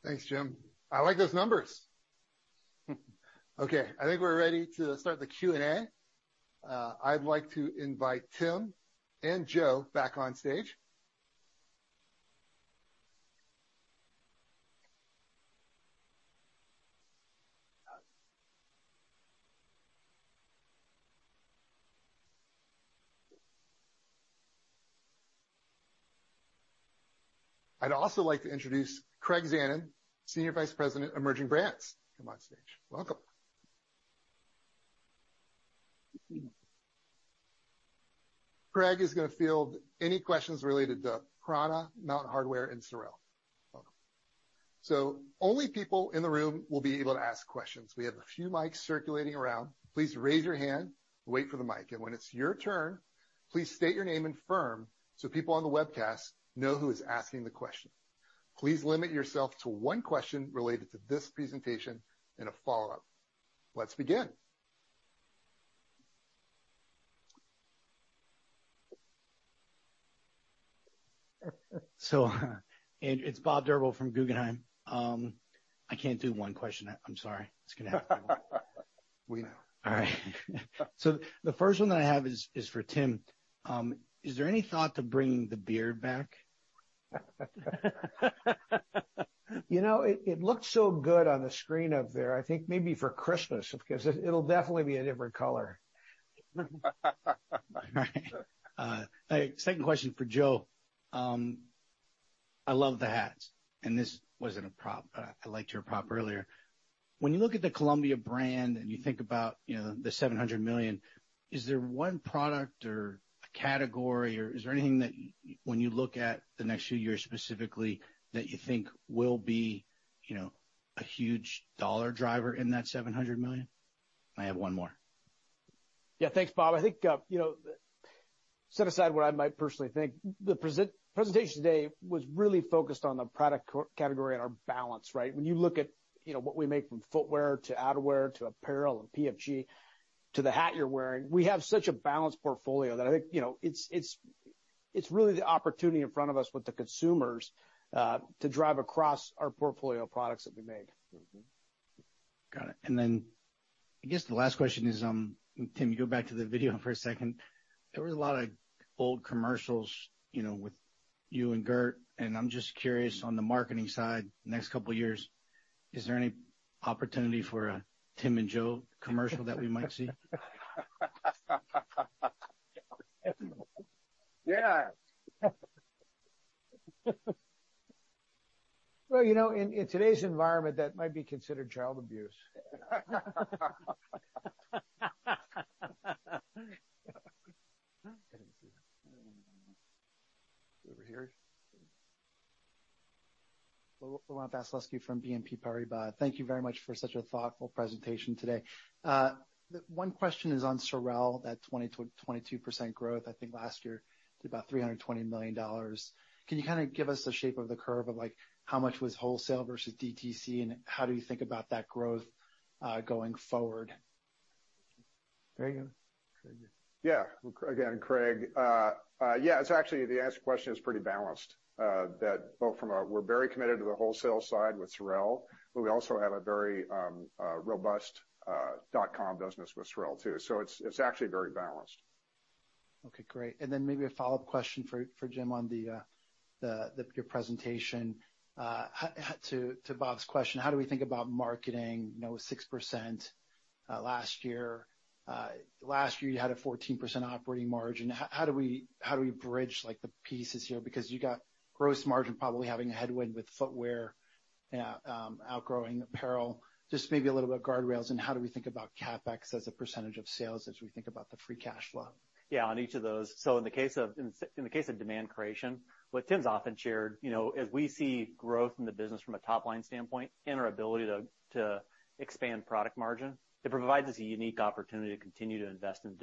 Thanks, Jim. I like those numbers. Okay, I think we're ready to start the Q&A. I'd like to invite Tim and Joe back on stage. I'd also like to introduce Craig Zanon, Senior Vice President, Emerging Brands, come on stage. Welcome. Craig is gonna field any questions related to prAna, Mountain Hardwear, and SOREL. Welcome. So only people in the room will be able to ask questions. We have a few mics circulating around. Please raise your hand, wait for the mic. When it's your turn, please state your name and firm so people on the webcast know who is asking the question. Please limit yourself to one question related to this presentation and a follow-up. Let's begin. It's Bob Drbul from Guggenheim. I can't do one question. I'm sorry. It's gonna happen. We know. All right. The first one that I have is for Tim. Is there any thought to bring the beard back? You know, it looked so good on the screen up there. I think maybe for Christmas, because it'll definitely be a different color. All right. A second question for Joe. I love the hats, and this wasn't a prop. I liked your prop earlier. When you look at the Columbia brand and you think about, you know, the $700 million, is there one product or a category, or is there anything that when you look at the next few years specifically, that you think will be, you know, a huge dollar driver in that $700 million? I have one more. Yeah. Thanks, Bob. I think, you know, set aside what I might personally think. The presentation today was really focused on the product category and our balance, right? When you look at, you know, what we make from footwear to outerwear to apparel and PFG to the hat you're wearing, we have such a balanced portfolio that I think, you know, it's really the opportunity in front of us with the consumers to drive across our portfolio of products that we make. Mm-hmm. Got it. I guess the last question is, Tim, you go back to the video for a second. There was a lot of old commercials, you know, with you and Gert, and I'm just curious on the marketing side, next couple of years, is there any opportunity for a Tim and Joe commercial that we might see? Yeah. Well, you know, in today's environment, that might be considered child abuse. Over here. Laurent Vasilescu from BNP Paribas. Thank you very much for such a thoughtful presentation today. One question is on SOREL, that 20%-22% growth, I think last year did about $320 million. Can you kinda give us the shape of the curve of, like, how much was wholesale versus DTC, and how do you think about that growth going forward? There you go. Craig. Yeah. Again, Craig. Yeah, it's actually the answer to your question is pretty balanced. We're very committed to the wholesale side with SOREL, but we also have a very robust dot-com business with SOREL too. It's actually very balanced. Okay, great. Maybe a follow-up question for Jim on your presentation. To Bob's question, how do we think about marketing? You know, 6% last year. Last year you had a 14% operating margin. How do we bridge, like, the pieces here? Because you got gross margin probably having a headwind with footwear outgrowing apparel. Just maybe a little bit of guardrails, and how do we think about CapEx as a percentage of sales as we think about the free cash flow? Yeah, on each of those. In the case of demand creation, what Tim's often shared, you know, as we see growth in the business from a top-line standpoint and our ability to expand product margin, it provides us a unique opportunity to continue to invest in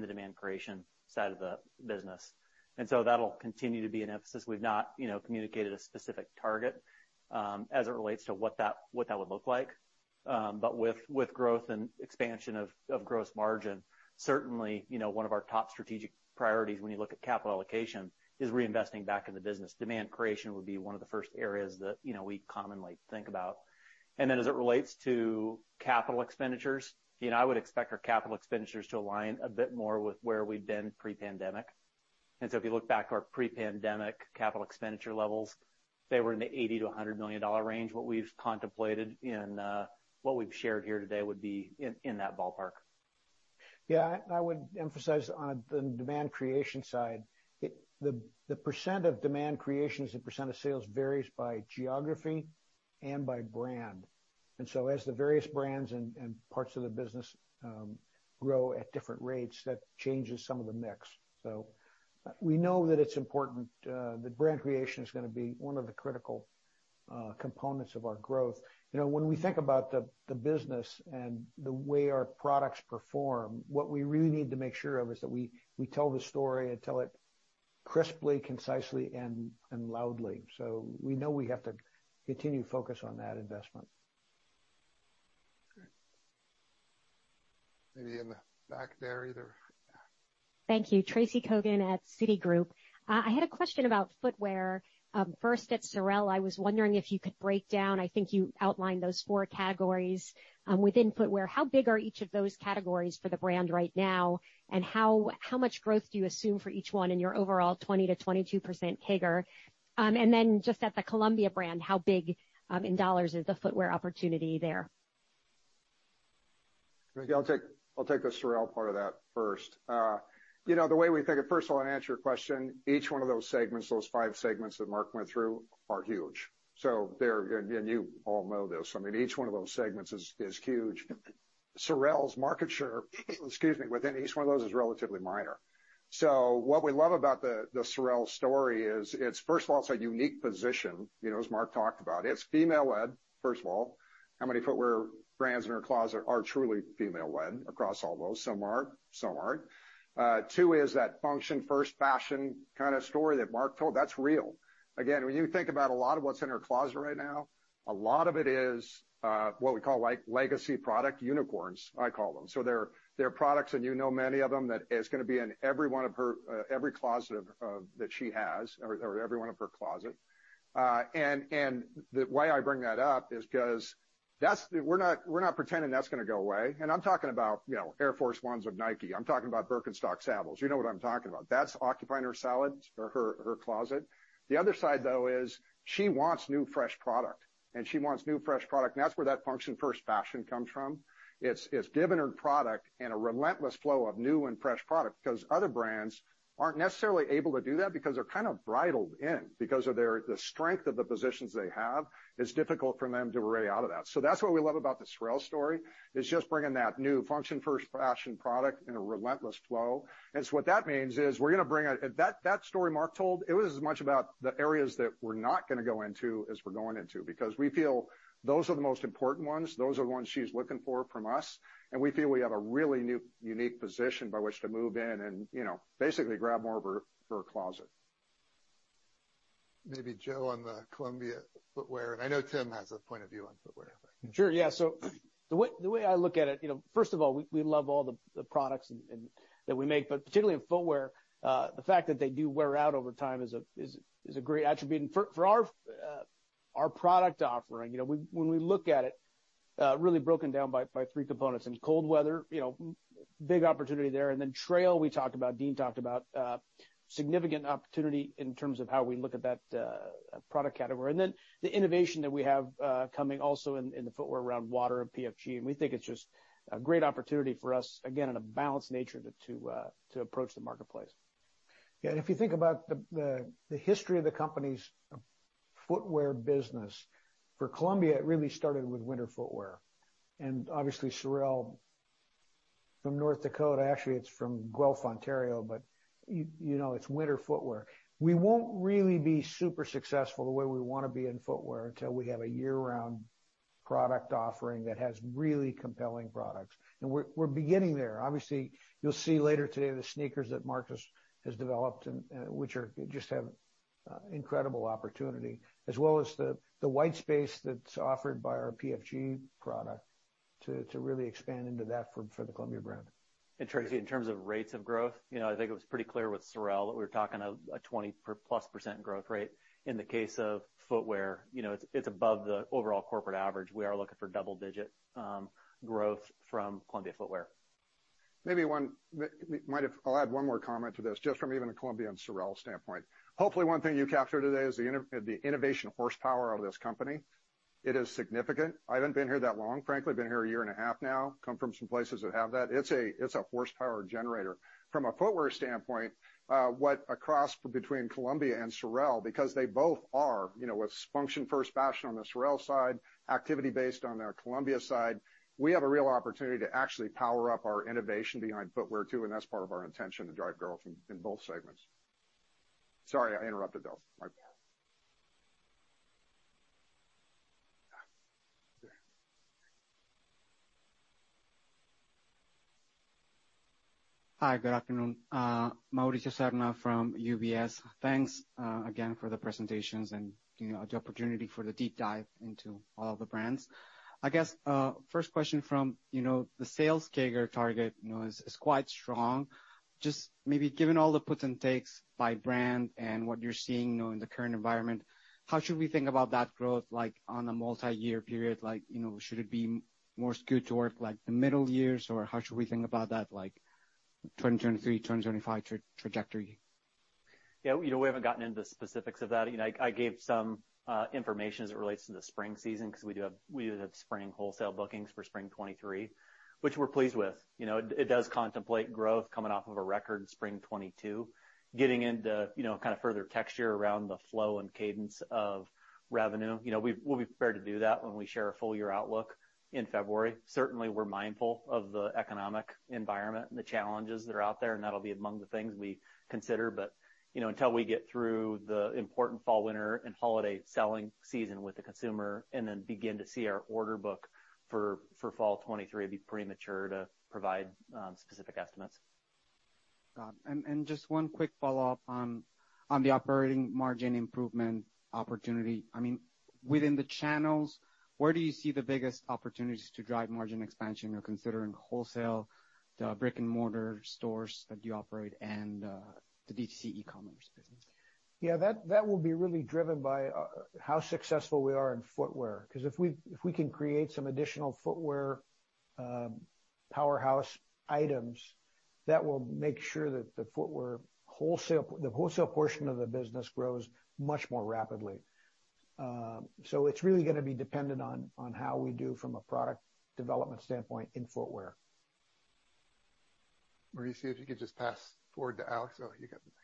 the demand creation side of the business. That'll continue to be an emphasis. We've not, you know, communicated a specific target as it relates to what that would look like. But with growth and expansion of gross margin, certainly, you know, one of our top strategic priorities when you look at capital allocation is reinvesting back in the business. Demand creation would be one of the first areas that, you know, we commonly think about. As it relates to capital expenditures, you know, I would expect our capital expenditures to align a bit more with where we've been pre-pandemic. If you look back to our pre-pandemic capital expenditure levels, they were in the $80 million-$100 million range. What we've contemplated and what we've shared here today would be in that ballpark. Yeah. I would emphasize on the demand creation side, the percent of demand creation as a percent of sales varies by geography and by brand. As the various brands and parts of the business grow at different rates, that changes some of the mix. We know that it's important that brand creation is gonna be one of the critical components of our growth. You know, when we think about the business and the way our products perform, what we really need to make sure of is that we tell the story and tell it crisply, concisely, and loudly. We know we have to continue to focus on that investment. Maybe in the back there either. Thank you. Tracy Kogan at Citigroup. I had a question about footwear. First at SOREL, I was wondering if you could break down. I think you outlined those four categories within footwear. How big are each of those categories for the brand right now? And how much growth do you assume for each one in your overall 20%-22% CAGR? Just at the Columbia brand, how big in dollars is the footwear opportunity there? I think I'll take the SOREL part of that first. You know, first of all, to answer your question, each one of those segments, those five segments that Mark went through are huge. They're huge. You all know this. I mean, each one of those segments is huge. SOREL's market share, excuse me, within each one of those is relatively minor. What we love about the SOREL story is it's first of all a unique position, you know, as Mark talked about. It's female-led, first of all. How many footwear brands in her closet are truly female-led across all those? Some are, some aren't. Two is that function first fashion kinda story that Mark told. That's real. Again, when you think about a lot of what's in her closet right now, a lot of it is what we call, like, legacy product unicorns, I call them. They're products, and you know many of them, that is gonna be in every one of her closets. The way I bring that up is 'cause we're not pretending that's gonna go away. I'm talking about, you know, Air Force 1s of Nike. I'm talking about Birkenstock sandals. You know what I'm talking about. That's occupying her shelves or her closet. The other side, though, is she wants new, fresh product, and she wants new, fresh product, and that's where that function first fashion comes from. It's giving her product and a relentless flow of new and fresh product 'cause other brands aren't necessarily able to do that because they're kind of bridled in because of their, the strength of the positions they have. It's difficult for them to stray out of that. That's what we love about the SOREL story, is just bringing that new function first fashion product in a relentless flow. What that means is we're gonna bring that story Mark told. It was as much about the areas that we're not gonna go into as we're going into, because we feel those are the most important ones. Those are the ones she's looking for from us, and we feel we have a really new, unique position by which to move in and, you know, basically grab more of her closet. Maybe Joe on the Columbia footwear, and I know Tim has a point of view on footwear. Sure, yeah. The way I look at it, you know, first of all, we love all the products and that we make, but particularly in footwear, the fact that they do wear out over time is a great attribute. For our product offering, you know, when we look at it, really broken down by three components. In cold weather, you know, big opportunity there. Then trail, we talked about, Dean talked about, significant opportunity in terms of how we look at that product category. Then the innovation that we have coming also in the footwear around water and PFG, and we think it's just a great opportunity for us, again, in a balanced nature to approach the marketplace. Yeah, if you think about the history of the company's footwear business, for Columbia, it really started with winter footwear. Obviously SOREL from North Dakota, actually it's from Guelph, Ontario, but you know, it's winter footwear. We won't really be super successful the way we wanna be in footwear until we have a year-round product offering that has really compelling products. We're beginning there. Obviously, you'll see later today the sneakers that Marcus has developed and which just have incredible opportunity, as well as the white space that's offered by our PFG product to really expand into that for the Columbia brand. In terms of rates of growth, you know, I think it was pretty clear with SOREL that we were talking a 20%+ growth rate. In the case of footwear, you know, it's above the overall corporate average. We are looking for double-digit growth from Columbia Footwear. I'll add one more comment to this, just from even a Columbia and SOREL standpoint. Hopefully, one thing you capture today is the innovation horsepower of this company. It is significant. I haven't been here that long. Frankly, been here a year and a half now. Come from some places that have that. It's a horsepower generator. From a footwear standpoint, what a cross between Columbia and SOREL, because they both are, you know, what's function first fashion on the SOREL side, activity based on our Columbia side. We have a real opportunity to actually power up our innovation behind footwear too, and that's part of our intention to drive growth in both segments. Sorry, I interrupted, Bill. My bad. Hi, good afternoon. Mauricio Serna from UBS. Thanks, again for the presentations and, you know, the opportunity for the deep dive into all the brands. I guess, first question from, you know, the sales CAGR target, you know, is quite strong. Just maybe given all the puts and takes by brand and what you're seeing, you know, in the current environment, how should we think about that growth, like, on a multi-year period? Like, you know, should it be more skewed toward, like, the middle years? Or how should we think about that, like, 2023, 2025 trajectory? Yeah, you know, we haven't gotten into the specifics of that. You know, I gave some information as it relates to the spring season 'cause we do have spring wholesale bookings for spring 2023, which we're pleased with. You know, it does contemplate growth coming off of a record spring 2022. Getting into, you know, kind of further texture around the flow and cadence of revenue. You know, we'll be prepared to do that when we share a full year outlook in February. Certainly, we're mindful of the economic environment and the challenges that are out there, and that'll be among the things we consider. You know, until we get through the important fall, winter, and holiday selling season with the consumer and then begin to see our order book for fall 2023, it'd be premature to provide specific estimates. Got it. Just one quick follow-up on the operating margin improvement opportunity. I mean, within the channels, where do you see the biggest opportunities to drive margin expansion, you know, considering wholesale, the brick-and-mortar stores that you operate and the DTC e-commerce business? Yeah, that will be really driven by how successful we are in footwear. 'Cause if we can create some additional footwear powerhouse items, that will make sure that the footwear wholesale, the wholesale portion of the business grows much more rapidly. It's really gonna be dependent on how we do from a product development standpoint in footwear. Mauricio, if you could just pass forward to Alex. Oh, you got the mic.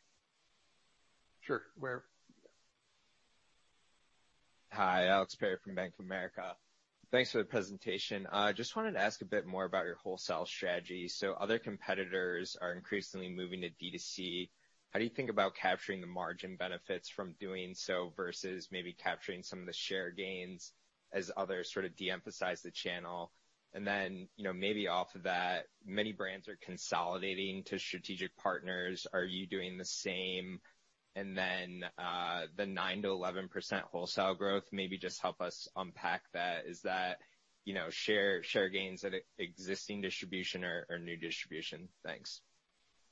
Sure. Where? Hi, Alex Perry from Bank of America. Thanks for the presentation. Just wanted to ask a bit more about your wholesale strategy. Other competitors are increasingly moving to D2C. How do you think about capturing the margin benefits from doing so versus maybe capturing some of the share gains as others sort of de-emphasize the channel? You know, maybe off of that, many brands are consolidating to strategic partners. Are you doing the same? The 9%-11% wholesale growth, maybe just help us unpack that. Is that, you know, share gains at existing distribution or new distribution? Thanks.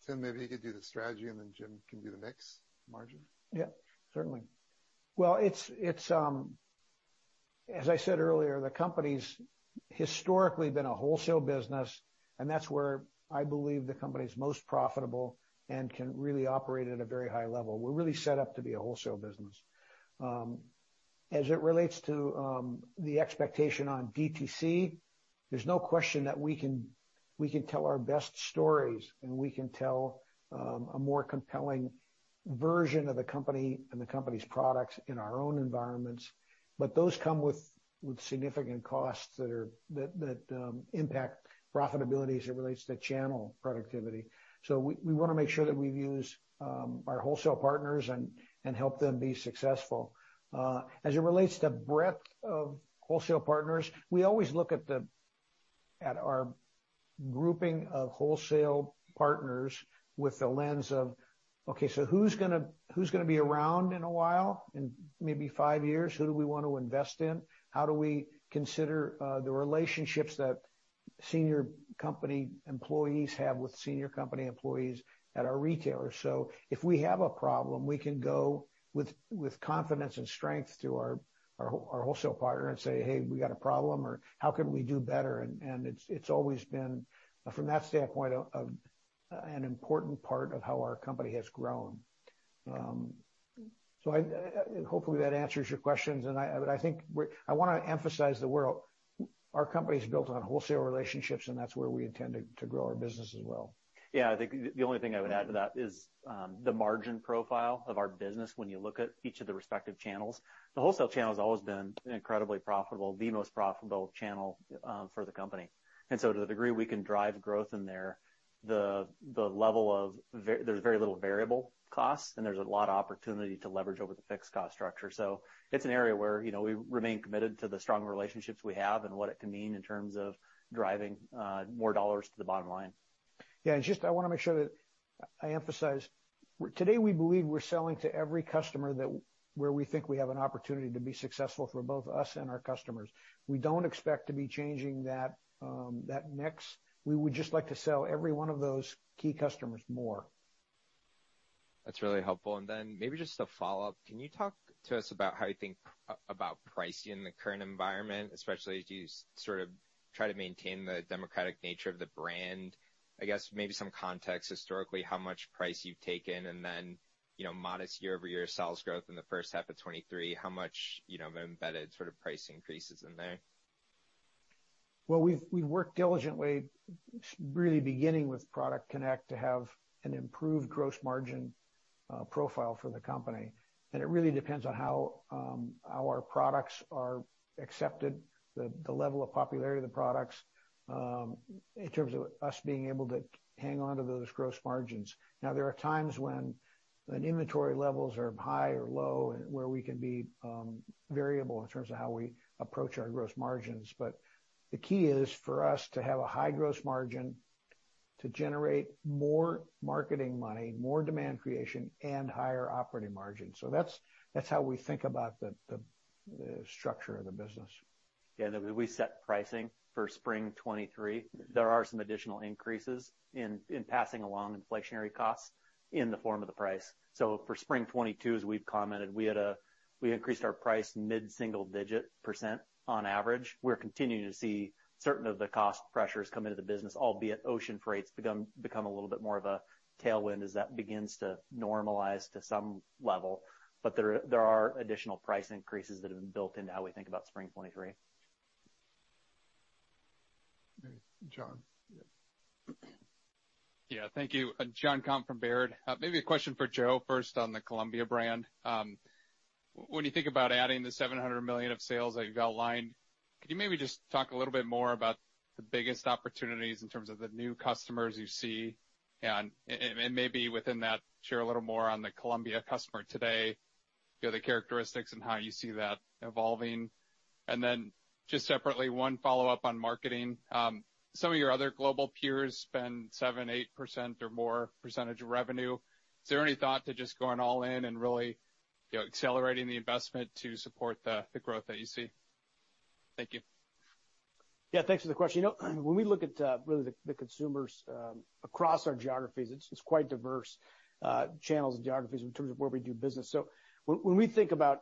Tim, maybe you could do the strategy, and then Jim can do the next margin. Yeah. Certainly. Well, it's as I said earlier, the company's historically been a wholesale business, and that's where I believe the company's most profitable and can really operate at a very high level. We're really set up to be a wholesale business. As it relates to the expectation on DTC, there's no question that we can tell our best stories and we can tell a more compelling version of the company and the company's products in our own environments. Those come with significant costs that impact profitability as it relates to channel productivity. We wanna make sure that we've used our wholesale partners and help them be successful. As it relates to breadth of wholesale partners, we always look at our grouping of wholesale partners with the lens of, okay, so who's gonna be around in a while, in maybe five years? Who do we want to invest in? How do we consider the relationships that senior company employees have with senior company employees at our retailers? If we have a problem, we can go with confidence and strength to our wholesale partner and say, "Hey, we got a problem," or, "How can we do better?" It's always been from that standpoint an important part of how our company has grown. Hopefully that answers your questions. I think. I wanna emphasize that our company is built on wholesale relationships, and that's where we intend to grow our business as well. Yeah. I think the only thing I would add to that is the margin profile of our business when you look at each of the respective channels. The wholesale channel has always been incredibly profitable, the most profitable channel, for the company. To the degree we can drive growth in there's very little variable costs, and there's a lot of opportunity to leverage over the fixed cost structure. It's an area where, you know, we remain committed to the strong relationships we have and what it can mean in terms of driving more dollars to the bottom line. Yeah. Just I wanna make sure that I emphasize, today we believe we're selling to every customer that where we think we have an opportunity to be successful for both us and our customers. We don't expect to be changing that that mix. We would just like to sell every one of those key customers more. That's really helpful. Maybe just a follow-up. Can you talk to us about how you think about pricing in the current environment, especially as you sort of try to maintain the democratic nature of the brand? I guess maybe some context historically, how much price you've taken, and then, you know, modest year-over-year sales growth in the first half of 2023, how much, you know, of embedded sort of price increases in there? We've worked diligently really beginning with Project CONNECT to have an improved gross margin profile for the company. It really depends on how our products are accepted, the level of popularity of the products, in terms of us being able to hang on to those gross margins. Now, there are times when inventory levels are high or low and where we can be variable in terms of how we approach our gross margins. The key is for us to have a high gross margin to generate more marketing money, more demand creation, and higher operating margins. That's how we think about the structure of the business. Yeah. When we set pricing for spring 2023, there are some additional increases in passing along inflationary costs in the form of the price. For spring 2022, as we've commented, we increased our price mid-single-digit % on average. We're continuing to see certain of the cost pressures come into the business, albeit ocean freight's become a little bit more of a tailwind as that begins to normalize to some level. There are additional price increases that have been built into how we think about spring 2023. Okay. Jon? Thank you. Jon Komp from Baird. Maybe a question for Joe first on the Columbia brand. When you think about adding the $700 million of sales that you've outlined, could you maybe just talk a little bit more about the biggest opportunities in terms of the new customers you see? And maybe within that, share a little more on the Columbia customer today, you know, the characteristics and how you see that evolving. Then just separately, one follow-up on marketing. Some of your other global peers spend 7%-8% or more of revenue. Is there any thought to just going all in and really, you know, accelerating the investment to support the growth that you see? Thank you. Yeah. Thanks for the question. You know, when we look at really the consumers across our geographies, it's quite diverse channels and geographies in terms of where we do business. When we think about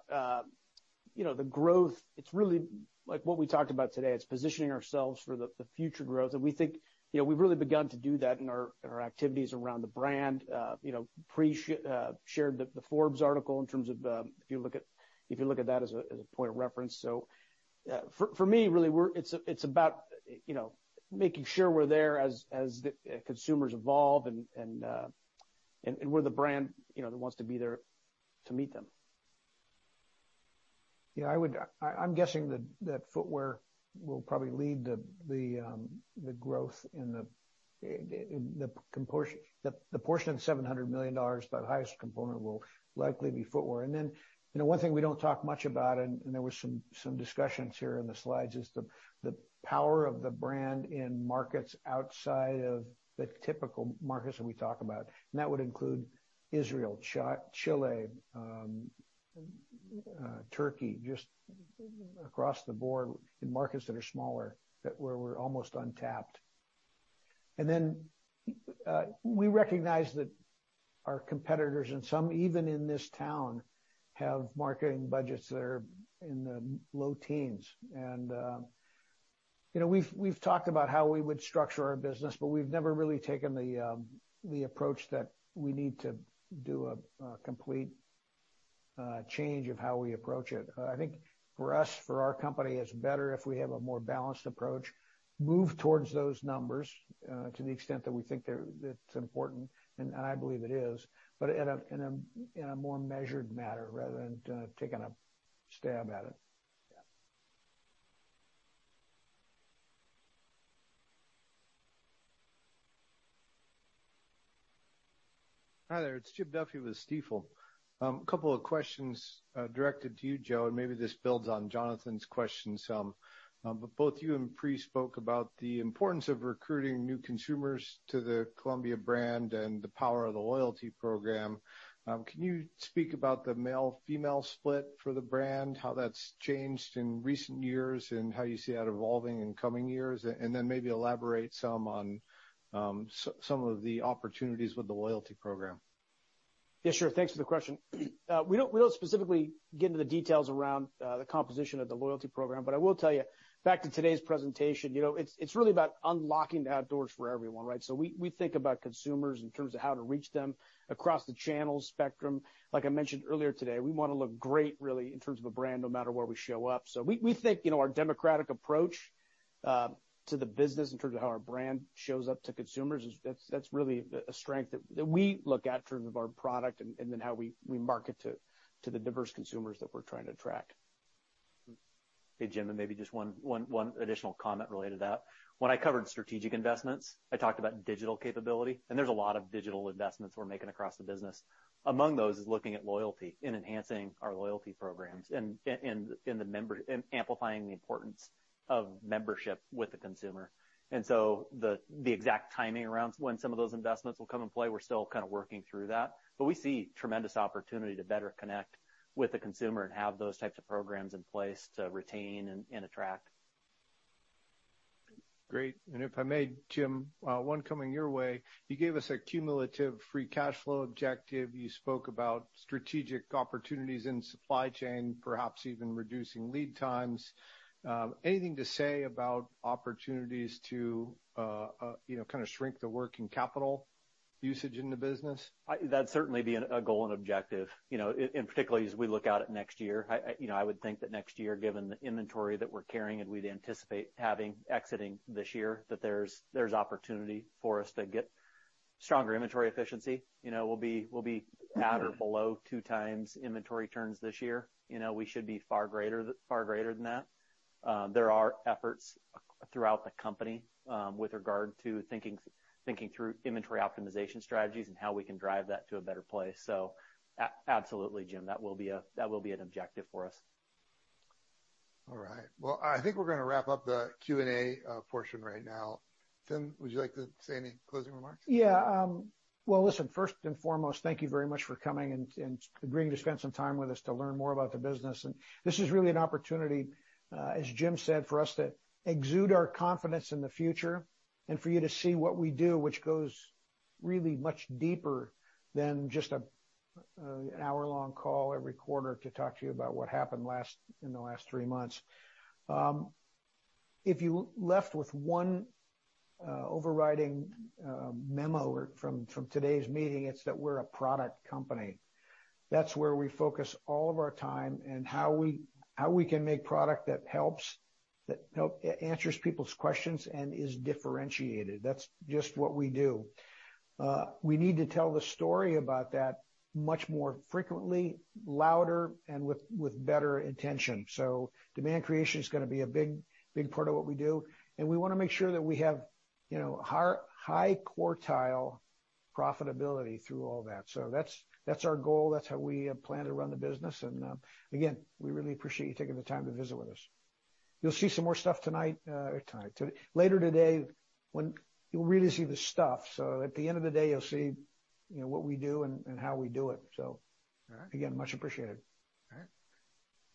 you know the growth, it's really like what we talked about today. It's positioning ourselves for the future growth. We think you know we've really begun to do that in our activities around the brand. You know, Pri shared the Forbes article in terms of if you look at that as a point of reference. For me, really, it's about, you know, making sure we're there as the consumers evolve and we're the brand, you know, that wants to be there to meet them. I'm guessing that footwear will probably lead the growth in the portion of $700 million, that highest component will likely be footwear. You know, one thing we don't talk much about, and there was some discussions here in the slides, is the power of the brand in markets outside of the typical markets that we talk about. That would include Israel, Chile, Turkey, just across the board in markets that are smaller, where we're almost untapped. We recognize that our competitors and some even in this town have marketing budgets that are in the low teens. You know, we've talked about how we would structure our business, but we've never really taken the approach that we need to do a complete change of how we approach it. I think for us, for our company, it's better if we have a more balanced approach, move towards those numbers, to the extent that we think that it's important, and I believe it is, but in a more measured manner rather than taking a stab at it. Yeah. Hi there. It's Jim Duffy with Stifel. A couple of questions, directed to you, Joe, and maybe this builds on Jonathan's question some. But both you and Pri spoke about the importance of recruiting new consumers to the Columbia brand and the power of the loyalty program. Can you speak about the male-female split for the brand, how that's changed in recent years, and how you see that evolving in coming years? And then maybe elaborate some on some of the opportunities with the loyalty program. Yeah, sure. Thanks for the question. We don't specifically get into the details around the composition of the loyalty program, but I will tell you back to today's presentation, you know, it's really about unlocking the outdoors for everyone, right? We think about consumers in terms of how to reach them across the channel spectrum. Like I mentioned earlier today, we wanna look great really in terms of a brand no matter where we show up. We think, you know, our democratic approach to the business in terms of how our brand shows up to consumers is that's really a strength that we look at in terms of our product and then how we market to the diverse consumers that we're trying to attract. Hey, Jim, and maybe just one additional comment related to that. When I covered strategic investments, I talked about digital capability, and there's a lot of digital investments we're making across the business. Among those is looking at loyalty and enhancing our loyalty programs and amplifying the importance of membership with the consumer. The exact timing around when some of those investments will come into play, we're still kind of working through that. We see tremendous opportunity to better connect with the consumer and have those types of programs in place to retain and attract. Great. If I may, Jim, one coming your way. You gave us a cumulative free cash flow objective. You spoke about strategic opportunities in supply chain, perhaps even reducing lead times. Anything to say about opportunities to, you know, kind of shrink the working capital usage in the business? That'd certainly be a goal and objective, you know, and particularly as we look out at next year. You know, I would think that next year, given the inventory that we're carrying and we'd anticipate having exiting this year, that there's opportunity for us to get stronger inventory efficiency. You know, we'll be at or below two times inventory turns this year. You know, we should be far greater than that. There are efforts throughout the company with regard to thinking through inventory optimization strategies and how we can drive that to a better place. Absolutely, Jim, that will be an objective for us. All right. Well, I think we're gonna wrap up the Q&A portion right now. Tim, would you like to say any closing remarks? Yeah. Well, listen, first and foremost, thank you very much for coming and agreeing to spend some time with us to learn more about the business. This is really an opportunity, as Jim said, for us to exude our confidence in the future and for you to see what we do, which goes really much deeper than just an hour-long call every quarter to talk to you about what happened in the last three months. If you left with one overriding memo from today's meeting, it's that we're a product company. That's where we focus all of our time and how we can make product that helps answers people's questions and is differentiated. That's just what we do. We need to tell the story about that much more frequently, louder, and with better intention. Demand creation is gonna be a big part of what we do, and we wanna make sure that we have, you know, high quartile profitability through all that. That's our goal. That's how we plan to run the business. Again, we really appreciate you taking the time to visit with us. You'll see some more stuff tonight or later today when you'll really see the stuff. At the end of the day, you'll see, you know, what we do and how we do it. All right. Again, much appreciated. All right.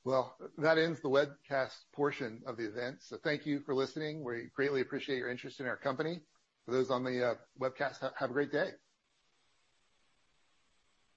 Well, that ends the webcast portion of the event. Thank you for listening. We greatly appreciate your interest in our company. For those on the webcast, have a great day.